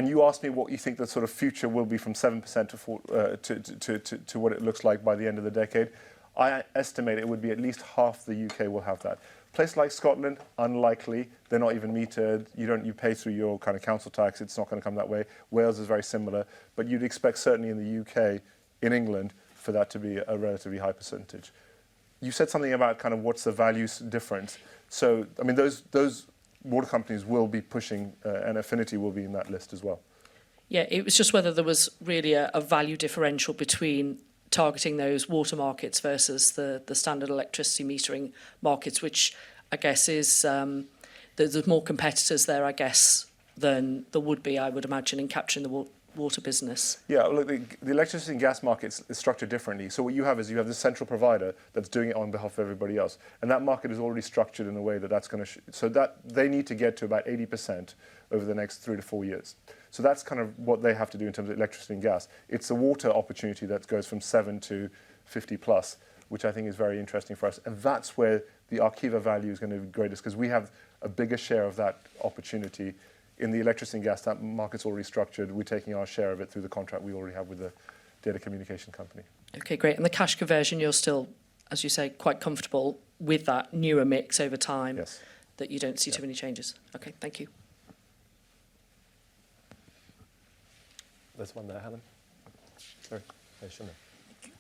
You asked me what you think the sort of future will be from 7%-4% to what it looks like by the end of the decade. I estimate it would be at least half the U.K. Will have that. Place like Scotland, unlikely. They're not even metered. You pay through your kind of council tax. It's not gonna come that way. Wales is very similar. You'd expect certainly in the U.K., in England, for that to be a relatively high percentage. You said something about kind of what's the value difference. I mean, those water companies will be pushing, and Affinity will be in that list as well. Yeah. It was just whether there was really a value differential between targeting those water markets versus the standard electricity metering markets, which I guess is, there's more competitors there, I guess. Than there would be, I would imagine, in capturing the water business. Look, the electricity and gas market's is structured differently. What you have is you have the central provider that's doing it on behalf of everybody else, and that market is already structured in a way that that's gonna. They need to get to about 80% over the next three-four years. That's kind of what they have to do in terms of electricity and gas. It's the water opportunity that goes from seven-50+, which I think is very interesting for us, and that's where the Arqiva value is gonna be greatest 'cause we have a bigger share of that opportunity. In the electricity and gas, that market's already structured. We're taking our share of it through the contract we already have with the Data Communications CompanyT Okay, great. The cash conversion, you're still, as you say, quite comfortable with that newer mix over time. Yes that you don't see too many changes. Okay, thank you. Last one there, Helen. Sure. Hey, Shonil. Thank you.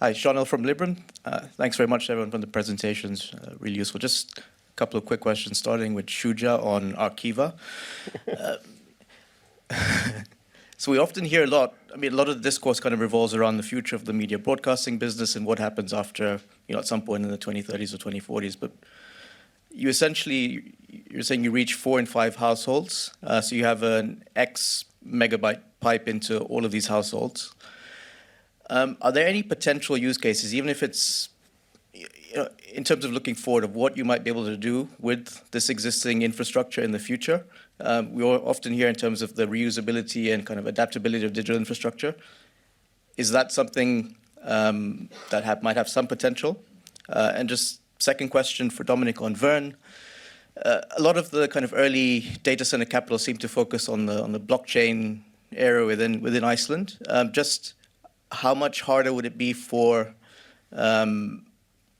Hi, Shonil from Liberum. Thanks very much, everyone, for the presentations. Really useful. Just couple of quick questions, starting with Shuja on Arqiva. We often hear a lot, I mean, a lot of discourse kind of revolves around the future of the media broadcasting business and what happens after, you know, at some point in the 2030s or 2040s. You essentially, you're saying you reach four in five households. So you have an X megabyte pipe into all of these households. Are there any potential use cases, even if it's, you know, in terms of looking forward of what you might be able to do with this existing infrastructure in the future? We all often hear in terms of the reusability and kind of adaptability of digital infrastructure. Is that something that might have some potential? Just second question for Dominic on Verne. A lot of the kind of early data center capital seemed to focus on the blockchain era within Iceland. Just how much harder would it be for,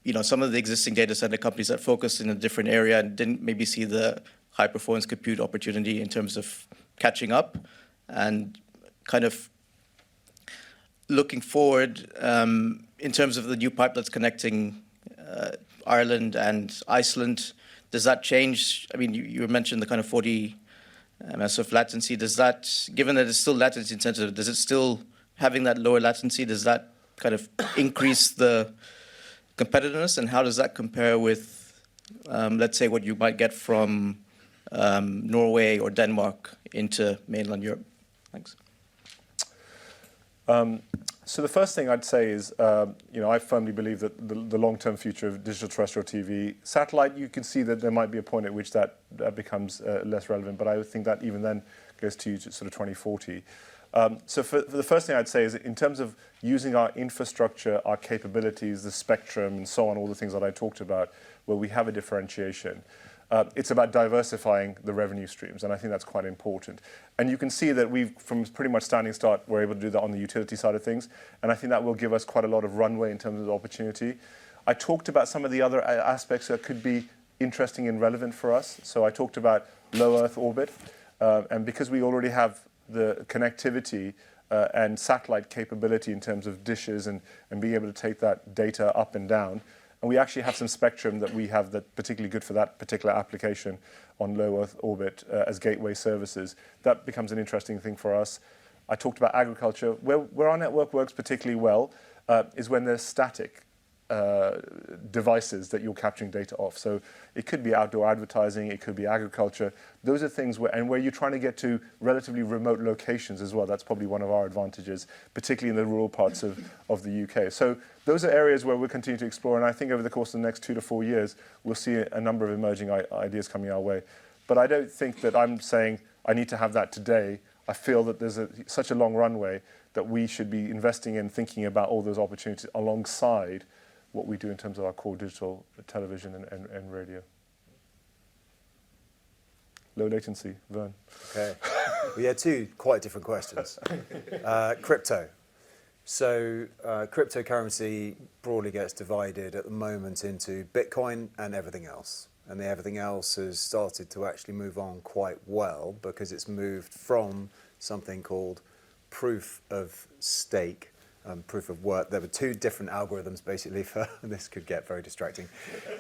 you know, some of the existing data center companies that focus in a different area and didn't maybe see the high performance compute opportunity in terms of catching up? Kind of looking forward, in terms of the new pipe that's connecting Ireland and Iceland, I mean, you mentioned the kind of 40 ms of latency. Does that, given that it's still latency-sensitive, having that lower latency, does that kind of increase the competitiveness? How does that compare with, let's say, what you might get from Norway or Denmark into mainland Europe? Thanks. The first thing I'd say is, you know, I firmly believe that the long-term future of digital terrestrial TV, satellite, you can see that there might be a point at which that becomes less relevant. I would think that even then goes to sort of 2040. The first thing I'd say is in terms of using our infrastructure, our capabilities, the spectrum and so on, all the things that I talked about, where we have a differentiation, it's about diversifying the revenue streams, and I think that's quite important. You can see that we've, from pretty much standing start, we're able to do that on the utility side of things, and I think that will give us quite a lot of runway in terms of opportunity. I talked about some of the other aspects that could be interesting and relevant for us. I talked about low Earth orbit, because we already have the connectivity and satellite capability in terms of dishes and being able to take that data up and down, and we actually have some spectrum that we have that particularly good for that particular application on low Earth orbit as gateway services. That becomes an interesting thing for us. I talked about agriculture. Where our network works particularly well is when there's static devices that you're capturing data off. It could be outdoor advertising, it could be agriculture. Those are things where you're trying to get to relatively remote locations as well. That's probably one of our advantages, particularly in the rural parts of the U.K. Those are areas where we'll continue to explore, and I think over the course of the next two-four years, we'll see a number of emerging ideas coming our way. I don't think that I'm saying I need to have that today. I feel that there's such a long runway that we should be investing in thinking about all those opportunities alongside what we do in terms of our core digital television and radio. Low latency, Verne. Okay. We had two quite different questions. Crypto. Cryptocurrency broadly gets divided at the moment into Bitcoin and everything else, and the everything else has started to actually move on quite well because it's moved from something called proof of stake, proof of work. There were two different algorithms, basically, for and this could get very distracting.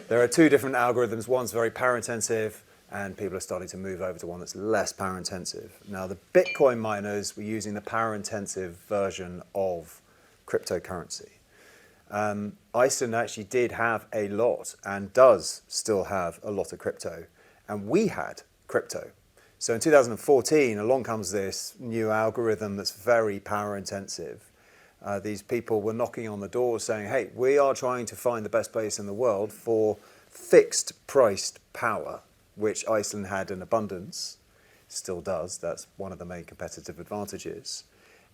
There are two different algorithms. One's very power intensive, and people are starting to move over to one that's less power intensive. The Bitcoin miners were using the power intensive version of cryptocurrency. Iceland actually did have a lot and does still have a lot of crypto, and we had crypto. In 2014, along comes this new algorithm that's very power intensive. These people were knocking on the door saying, "Hey, we are trying to find the best place in the world for fixed priced power," which Iceland had in abundance. Still does. That's one of the main competitive advantages.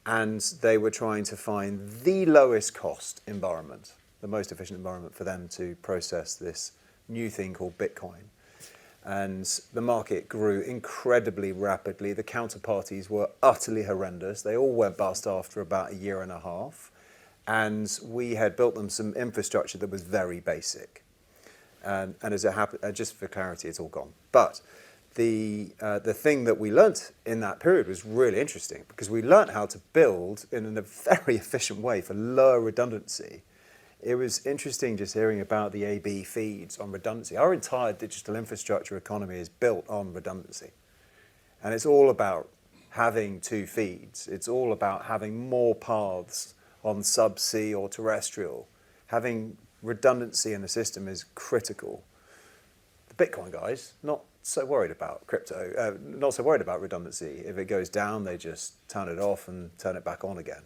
They were trying to find the lowest cost environment, the most efficient environment for them to process this new thing called Bitcoin. The market grew incredibly rapidly. The counterparties were utterly horrendous. They all went bust after about a year and a half, and we had built them some infrastructure that was very basic. As it happened, just for clarity, it's all gone. The thing that we learned in that period was really interesting because we learned how to build in an very efficient way for low redundancy. It was interesting just hearing about the AB feeds on redundancy. Our entire digital infrastructure economy is built on redundancy. It's all about having two feeds. It's all about having more paths on subsea or terrestrial. Having redundancy in the system is critical. The Bitcoin guys, not so worried about crypto, not so worried about redundancy. If it goes down, they just turn it off and turn it back on again.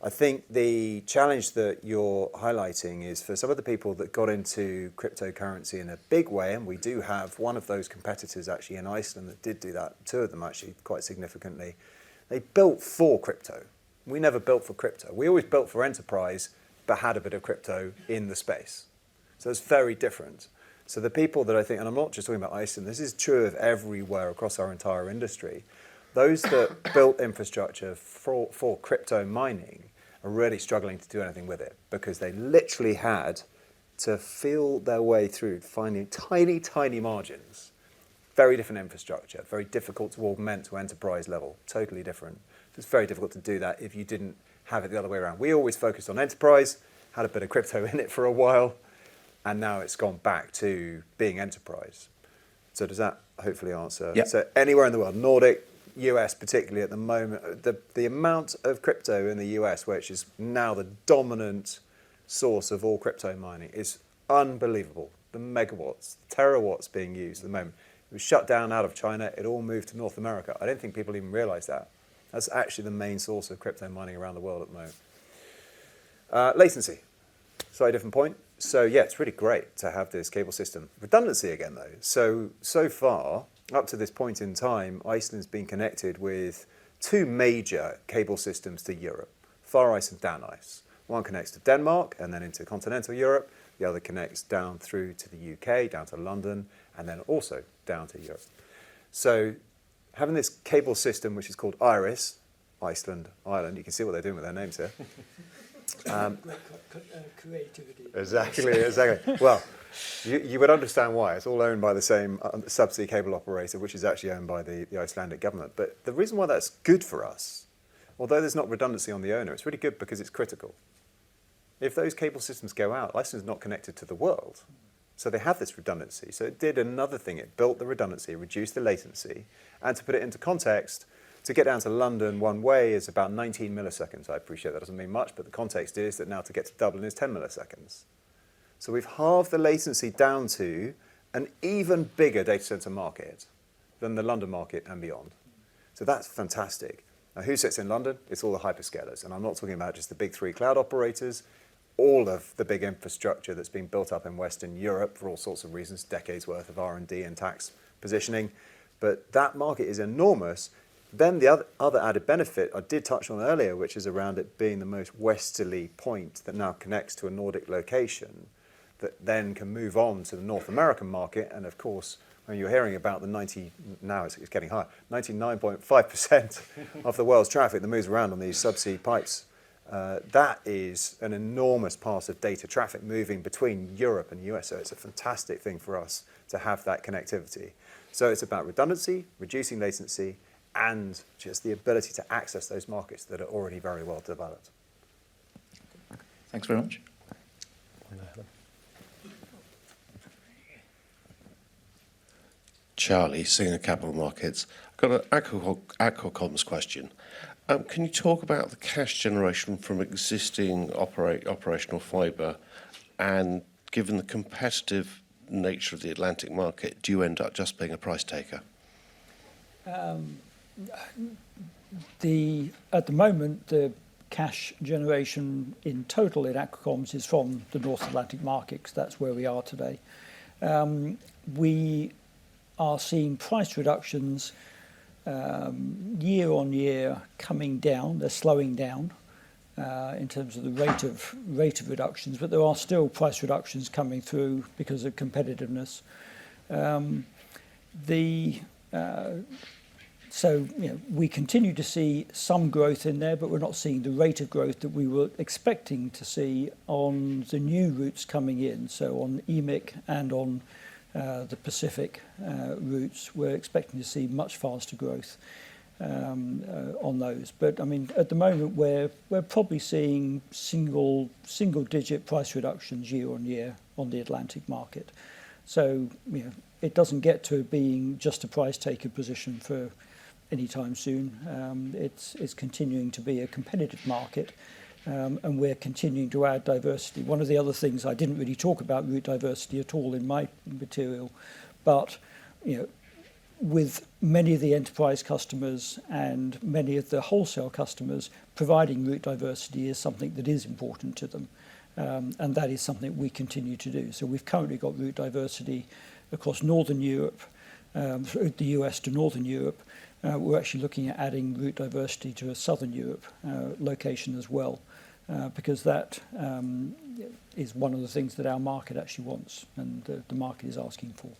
I think the challenge that you're highlighting is for some of the people that got into cryptocurrency in a big way, and we do have one of those competitors actually in Iceland that did do that, two of them actually, quite significantly, they built for crypto. We never built for crypto. We always built for enterprise, but had a bit of crypto in the space. It's very different. The people that I think, and I'm not just talking about Iceland, this is true of everywhere across our entire industry, those that built infrastructure for crypto mining are really struggling to do anything with it because they literally had to feel their way through finding tiny margins. Very different infrastructure, very difficult to augment to enterprise level. Totally different. It's very difficult to do that if you didn't have it the other way around. We always focused on enterprise, had a bit of crypto in it for a while, and now it's gone back to being enterprise. Does that hopefully answer. Yep. Anywhere in the world, Nordic, U.S. particularly at the moment. The amount of crypto in the U.S., which is now the dominant source of all crypto mining, is unbelievable. The megawatts, terawatts being used at the moment. It was shut down out of China, it all moved to North America. I don't think people even realize that. That's actually the main source of crypto mining around the world at the moment. Latency. Slightly different point. Yeah, it's really great to have this cable system. Redundancy again, though. So far, up to this point in time, Iceland's been connected with two major cable systems to Europe, FARICE-1 and DANICE. One connects to Denmark and then into continental Europe, the other connects down through to the U.K., down to London, and then also down to Europe. Having this cable system, which is called IRIS, Iceland, Ireland, you can see what they're doing with their names here. Great creativity. Exactly. Well, you would understand why. It's all owned by the same subsea cable operator, which is actually owned by the Icelandic government. The reason why that's good for us, although there's not redundancy on the owner, it's really good because it's critical. If those cable systems go out, Iceland's not connected to the world, so they have this redundancy. It did another thing. It built the redundancy, reduced the latency. To put it into context, to get down to London one way is about 19 milliseconds. I appreciate that doesn't mean much, but the context is that now to get to Dublin is 10 milliseconds. We've halved the latency down to an even bigger data center market than the London market and beyond. That's fantastic. Who sits in London? It's all the hyperscalers, and I'm not talking about just the big three cloud operators. All of the big infrastructure that's been built up in Western Europe for all sorts of reasons, decades worth of R&D and tax positioning, but that market is enormous. The other added benefit I did touch on earlier, which is around it being the most westerly point that now connects to a Nordic location that then can move on to the North American market. Of course, when you're hearing about the ninety, now it's getting higher, 99.5% of the world's traffic that moves around on these subsea pipes, that is an enormous part of data traffic moving between Europe and the U.S. It's a fantastic thing for us to have that connectivity. It's about redundancy, reducing latency, and just the ability to access those markets that are already very well developed. Thanks very much. One at the head. Charlie, senior capital markets. Got a Aqua Comms question. Can you talk about the cash generation from existing operational fiber? Given the competitive nature of the Atlantic market, do you end up just being a price taker? At the moment, the cash generation in total at Aqua Comms is from the North Atlantic markets. That's where we are today. We are seeing price reductions year-on-year coming down. They're slowing down in terms of the rate of reductions, but there are still price reductions coming through because of competitiveness. You know, we continue to see some growth in there, but we're not seeing the rate of growth that we were expecting to see on the new routes coming in. On EMIC and on the Pacific routes, we're expecting to see much faster growth on those. I mean, at the moment, we're probably seeing single-digit price reductions year-on-year on the Atlantic market. You know, it doesn't get to being just a price taker position for any time soon. It's continuing to be a competitive market, and we're continuing to add diversity. One of the other things I didn't really talk about route diversity at all in my material, but, you know, with many of the enterprise customers and many of the wholesale customers, providing route diversity is something that is important to them. And that is something we continue to do. We've currently got route diversity across Northern Europe, through the U.S. to Northern Europe. We're actually looking at adding route diversity to a Southern Europe location as well. Because that is one of the things that our market actually wants and the market is asking for.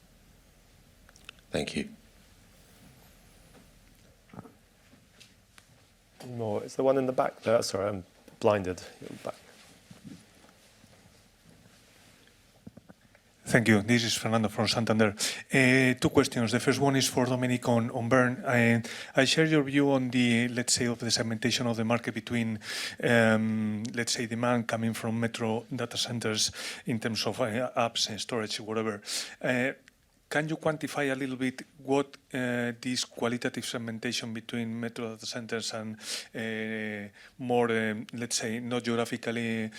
Thank you. One more. It's the one in the back there. Sorry, I'm blinded at the back. Thank you. This is Fernando from Santander. Two questions. The first one is for Dominic on Verne. I share your view on the, let's say, of the segmentation of the market between, let's say, demand coming from metro data centers in terms of apps and storage, whatever. Can you quantify a little bit what this qualitative segmentation between metro centers and more, let's say not geographically,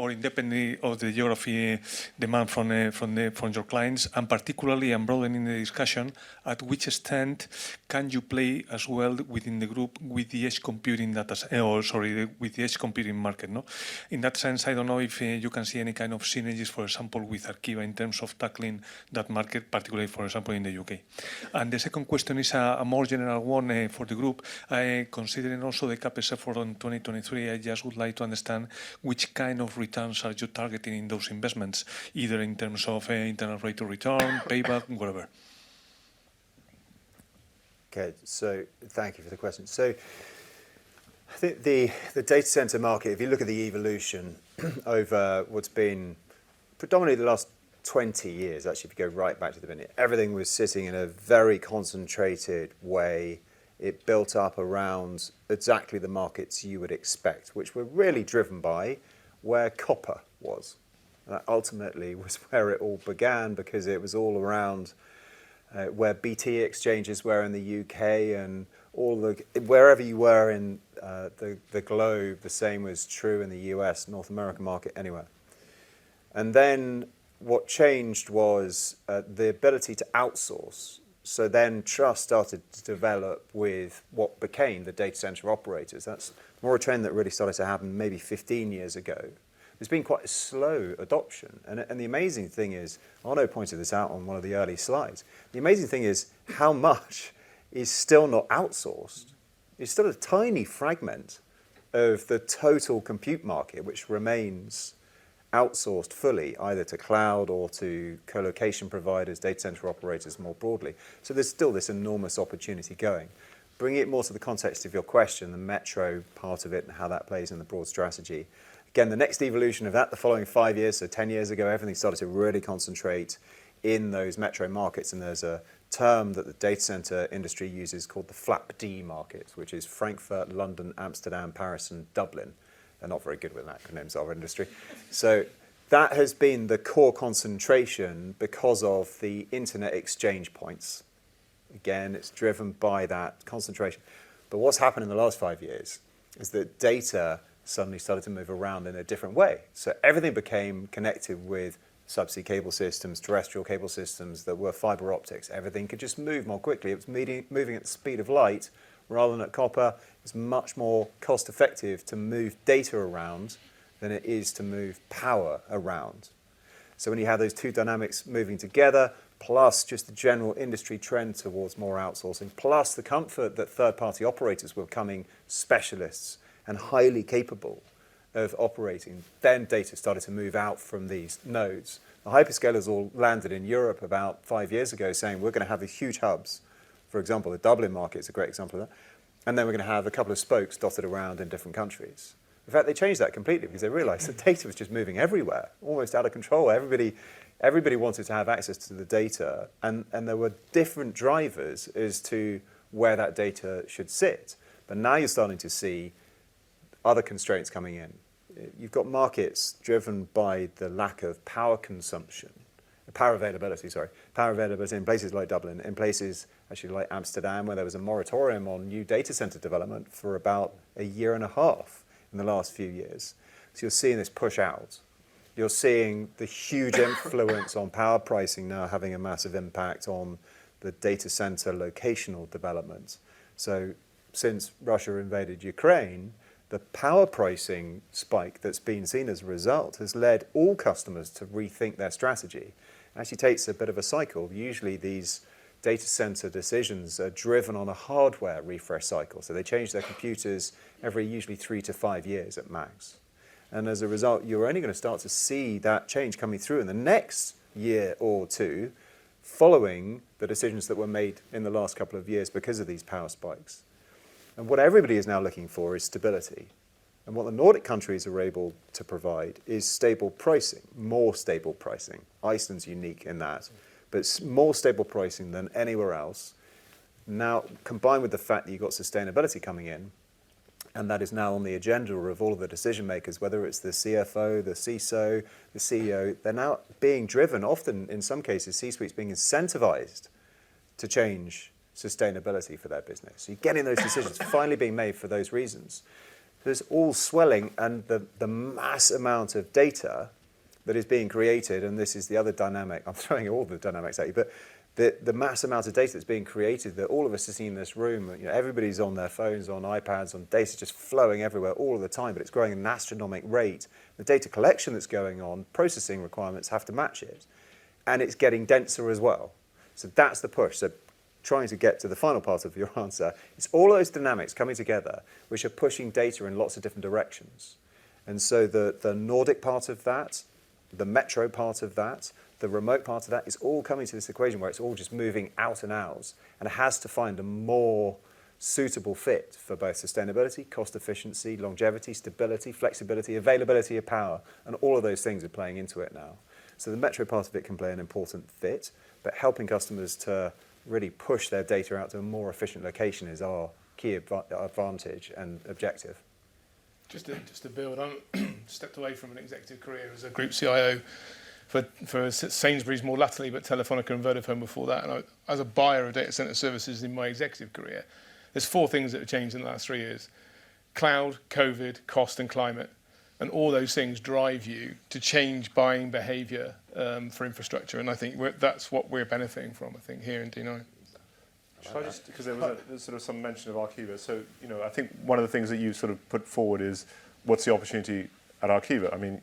or independently of the geography demand from the from your clients, and particularly I'm broadening the discussion, at which extent can you play as well within the group with the edge computing or sorry, with the edge computing market, no? In that sense, I don't know if you can see any kind of synergies, for example, with Arqiva in terms of tackling that market, particularly, for example, in the U.K. The second question is a more general one for the group. Considering also the CapEx effort on 2023, I just would like to understand which kind of returns are you targeting in those investments, either in terms of internal rate of return, payback, whatever. Okay. Thank you for the question. I think the data center market, if you look at the evolution over what's been predominantly the last 20 years, actually, if you go right back to the beginning, everything was sitting in a very concentrated way. It built up around exactly the markets you would expect, which were really driven by where copper was. That ultimately was where it all began because it was all around where BT exchanges were in the UK. Wherever you were in the globe, the same was true in the U.S., North America market, anywhere. What changed was the ability to outsource. Trust started to develop with what became the data center operators. That's more a trend that really started to happen maybe 15 years ago. It's been quite a slow adoption. The amazing thing is, Arnaud pointed this out on one of the early slides, the amazing thing is how much is still not outsourced. It's still a tiny fragment of the total compute market, which remains outsourced fully, either to cloud or to colocation providers, data center operators more broadly. There's still this enormous opportunity going. Bringing it more to the context of your question, the metro part of it and how that plays in the broad strategy. The next evolution of that, the following five years, 10 years ago, everything started to really concentrate in those metro markets, and there's a term that the data center industry uses called the FLAP-D market, which is Frankfurt, London, Amsterdam, Paris, and Dublin. They're not very good with acronyms, our industry. That has been the core concentration because of the internet exchange points. Again, it's driven by that concentration. What's happened in the last five years is that data suddenly started to move around in a different way. Everything became connected with subsea cable systems, terrestrial cable systems that were fiber optics. Everything could just move more quickly. It was moving at the speed of light rather than at copper. It's much more cost-effective to move data around than it is to move power around. When you have those two dynamics moving together, plus just the general industry trend towards more outsourcing, plus the comfort that third-party operators were becoming specialists and highly capable of operating, data started to move out from these nodes. The hyperscalers all landed in Europe about five years ago saying, "We're gonna have these huge hubs." For example, the Dublin market is a great example of that. We're going to have a couple of spokes dotted around in different countries." In fact, they changed that completely because they realized that data was just moving everywhere, almost out of control. Everybody wanted to have access to the data and there were different drivers as to where that data should sit. Now you're starting to see other constraints coming in. You've got markets driven by the lack of power consumption, power availability in places like Dublin, in places actually like Amsterdam, where there was a moratorium on new data center development for about 1.5 years in the last few years. You're seeing this push out. You're seeing the huge influence on power pricing now having a massive impact on the data center locational development. Since Russia invaded Ukraine, the power pricing spike that's been seen as a result has led all customers to rethink their strategy. It actually takes a bit of a cycle. Usually, these data center decisions are driven on a hardware refresh cycle, they change their computers every usually three-five years at max. As a result, you're only gonna start to see that change coming through in the next year or two following the decisions that were made in the last couple of years because of these power spikes. What everybody is now looking for is stability. What the Nordic countries are able to provide is stable pricing, more stable pricing. Iceland's unique in that, more stable pricing than anywhere else. Combined with the fact that you've got sustainability coming in, and that is now on the agenda of all of the decision makers, whether it's the CFO, the CISO, the CEO, they're now being driven, often, in some cases, C-suite's being incentivized to change sustainability for their business. You're getting those decisions finally being made for those reasons. There's all swelling and the mass amount of data that is being created, and this is the other dynamic. I'm throwing all the dynamics at you, but the mass amount of data that's being created that all of us are seeing in this room, you know, everybody's on their phones, on iPads, and data's just flowing everywhere all the time, but it's growing at an astronomical rate. The data collection that's going on, processing requirements have to match it, and it's getting denser as well. That's the push. Trying to get to the final part of your answer, it's all those dynamics coming together which are pushing data in lots of different directions. The, the Nordic part of that, the metro part of that, the remote part of that is all coming to this equation where it's all just moving out and out, and it has to find a more suitable fit for both sustainability, cost efficiency, longevity, stability, flexibility, availability of power, and all of those things are playing into it now. The metro part of it can play an important fit, but helping customers to really push their data out to a more efficient location is our key advantage and objective. Just to build on, stepped away from an executive career as a group CIO for Sainsbury's more latterly, but Telefónica and Vodafone before that. As a buyer of data center services in my executive career, there's four things that have changed in the last three years: cloud, COVID, cost, and climate. All those things drive you to change buying behavior for infrastructure. I think we're that's what we're benefiting from, I think, here in D9. Shall I? But. 'Cause there was, there's sort of some mention of Arqiva. You know, I think one of the things that you sort of put forward is what's the opportunity at Arqiva? I mean,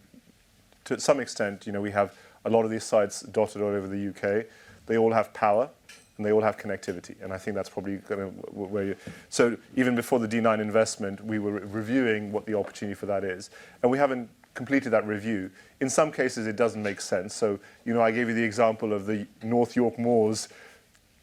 to some extent, you know, we have a lot of these sites dotted all over the U.K. They all have power, and they all have connectivity, and I think that's probably gonna where you... Even before the D9 investment, we were reviewing what the opportunity for that is, and we haven't completed that review. In some cases, it doesn't make sense. You know, I gave you the example of the North York Moors,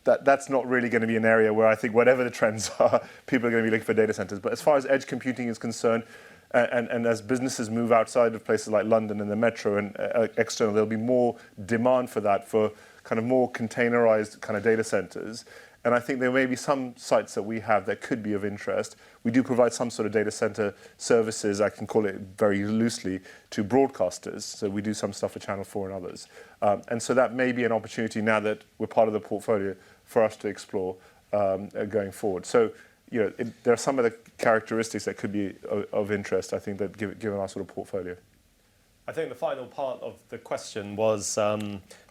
that's not really gonna be an area where I think whatever the trends are, people are gonna be looking for data centers. As far as edge computing is concerned, and as businesses move outside of places like London and the Metro and external, there'll be more demand for that for kind of more containerized kinda data centers. I think there may be some sites that we have that could be of interest. We do provide some sort of data center services, I can call it very loosely, to broadcasters. We do some stuff for Channel 4 and others. That may be an opportunity now that we're part of the portfolio for us to explore, going forward. You know, there are some of the characteristics that could be of interest, I think that given our sort of portfolio. I think the final part of the question was,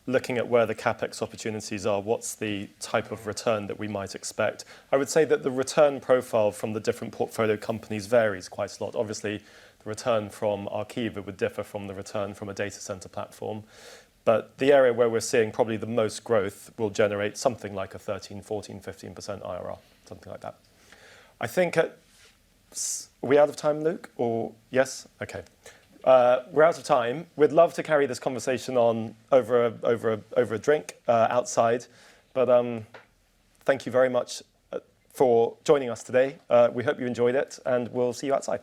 looking at where the CapEx opportunities are, what's the type of return that we might expect? I would say that the return profile from the different portfolio companies varies quite a lot. Obviously, the return from Arqiva would differ from the return from a data center platform. The area where we're seeing probably the most growth will generate something like a 13%, 14%, 15% IRR, something like that. I think at Are we out of time, Luke? Yes? We're out of time. We'd love to carry this conversation on over a drink outside. Thank you very much for joining us today. We hope you enjoyed it, we'll see you outside.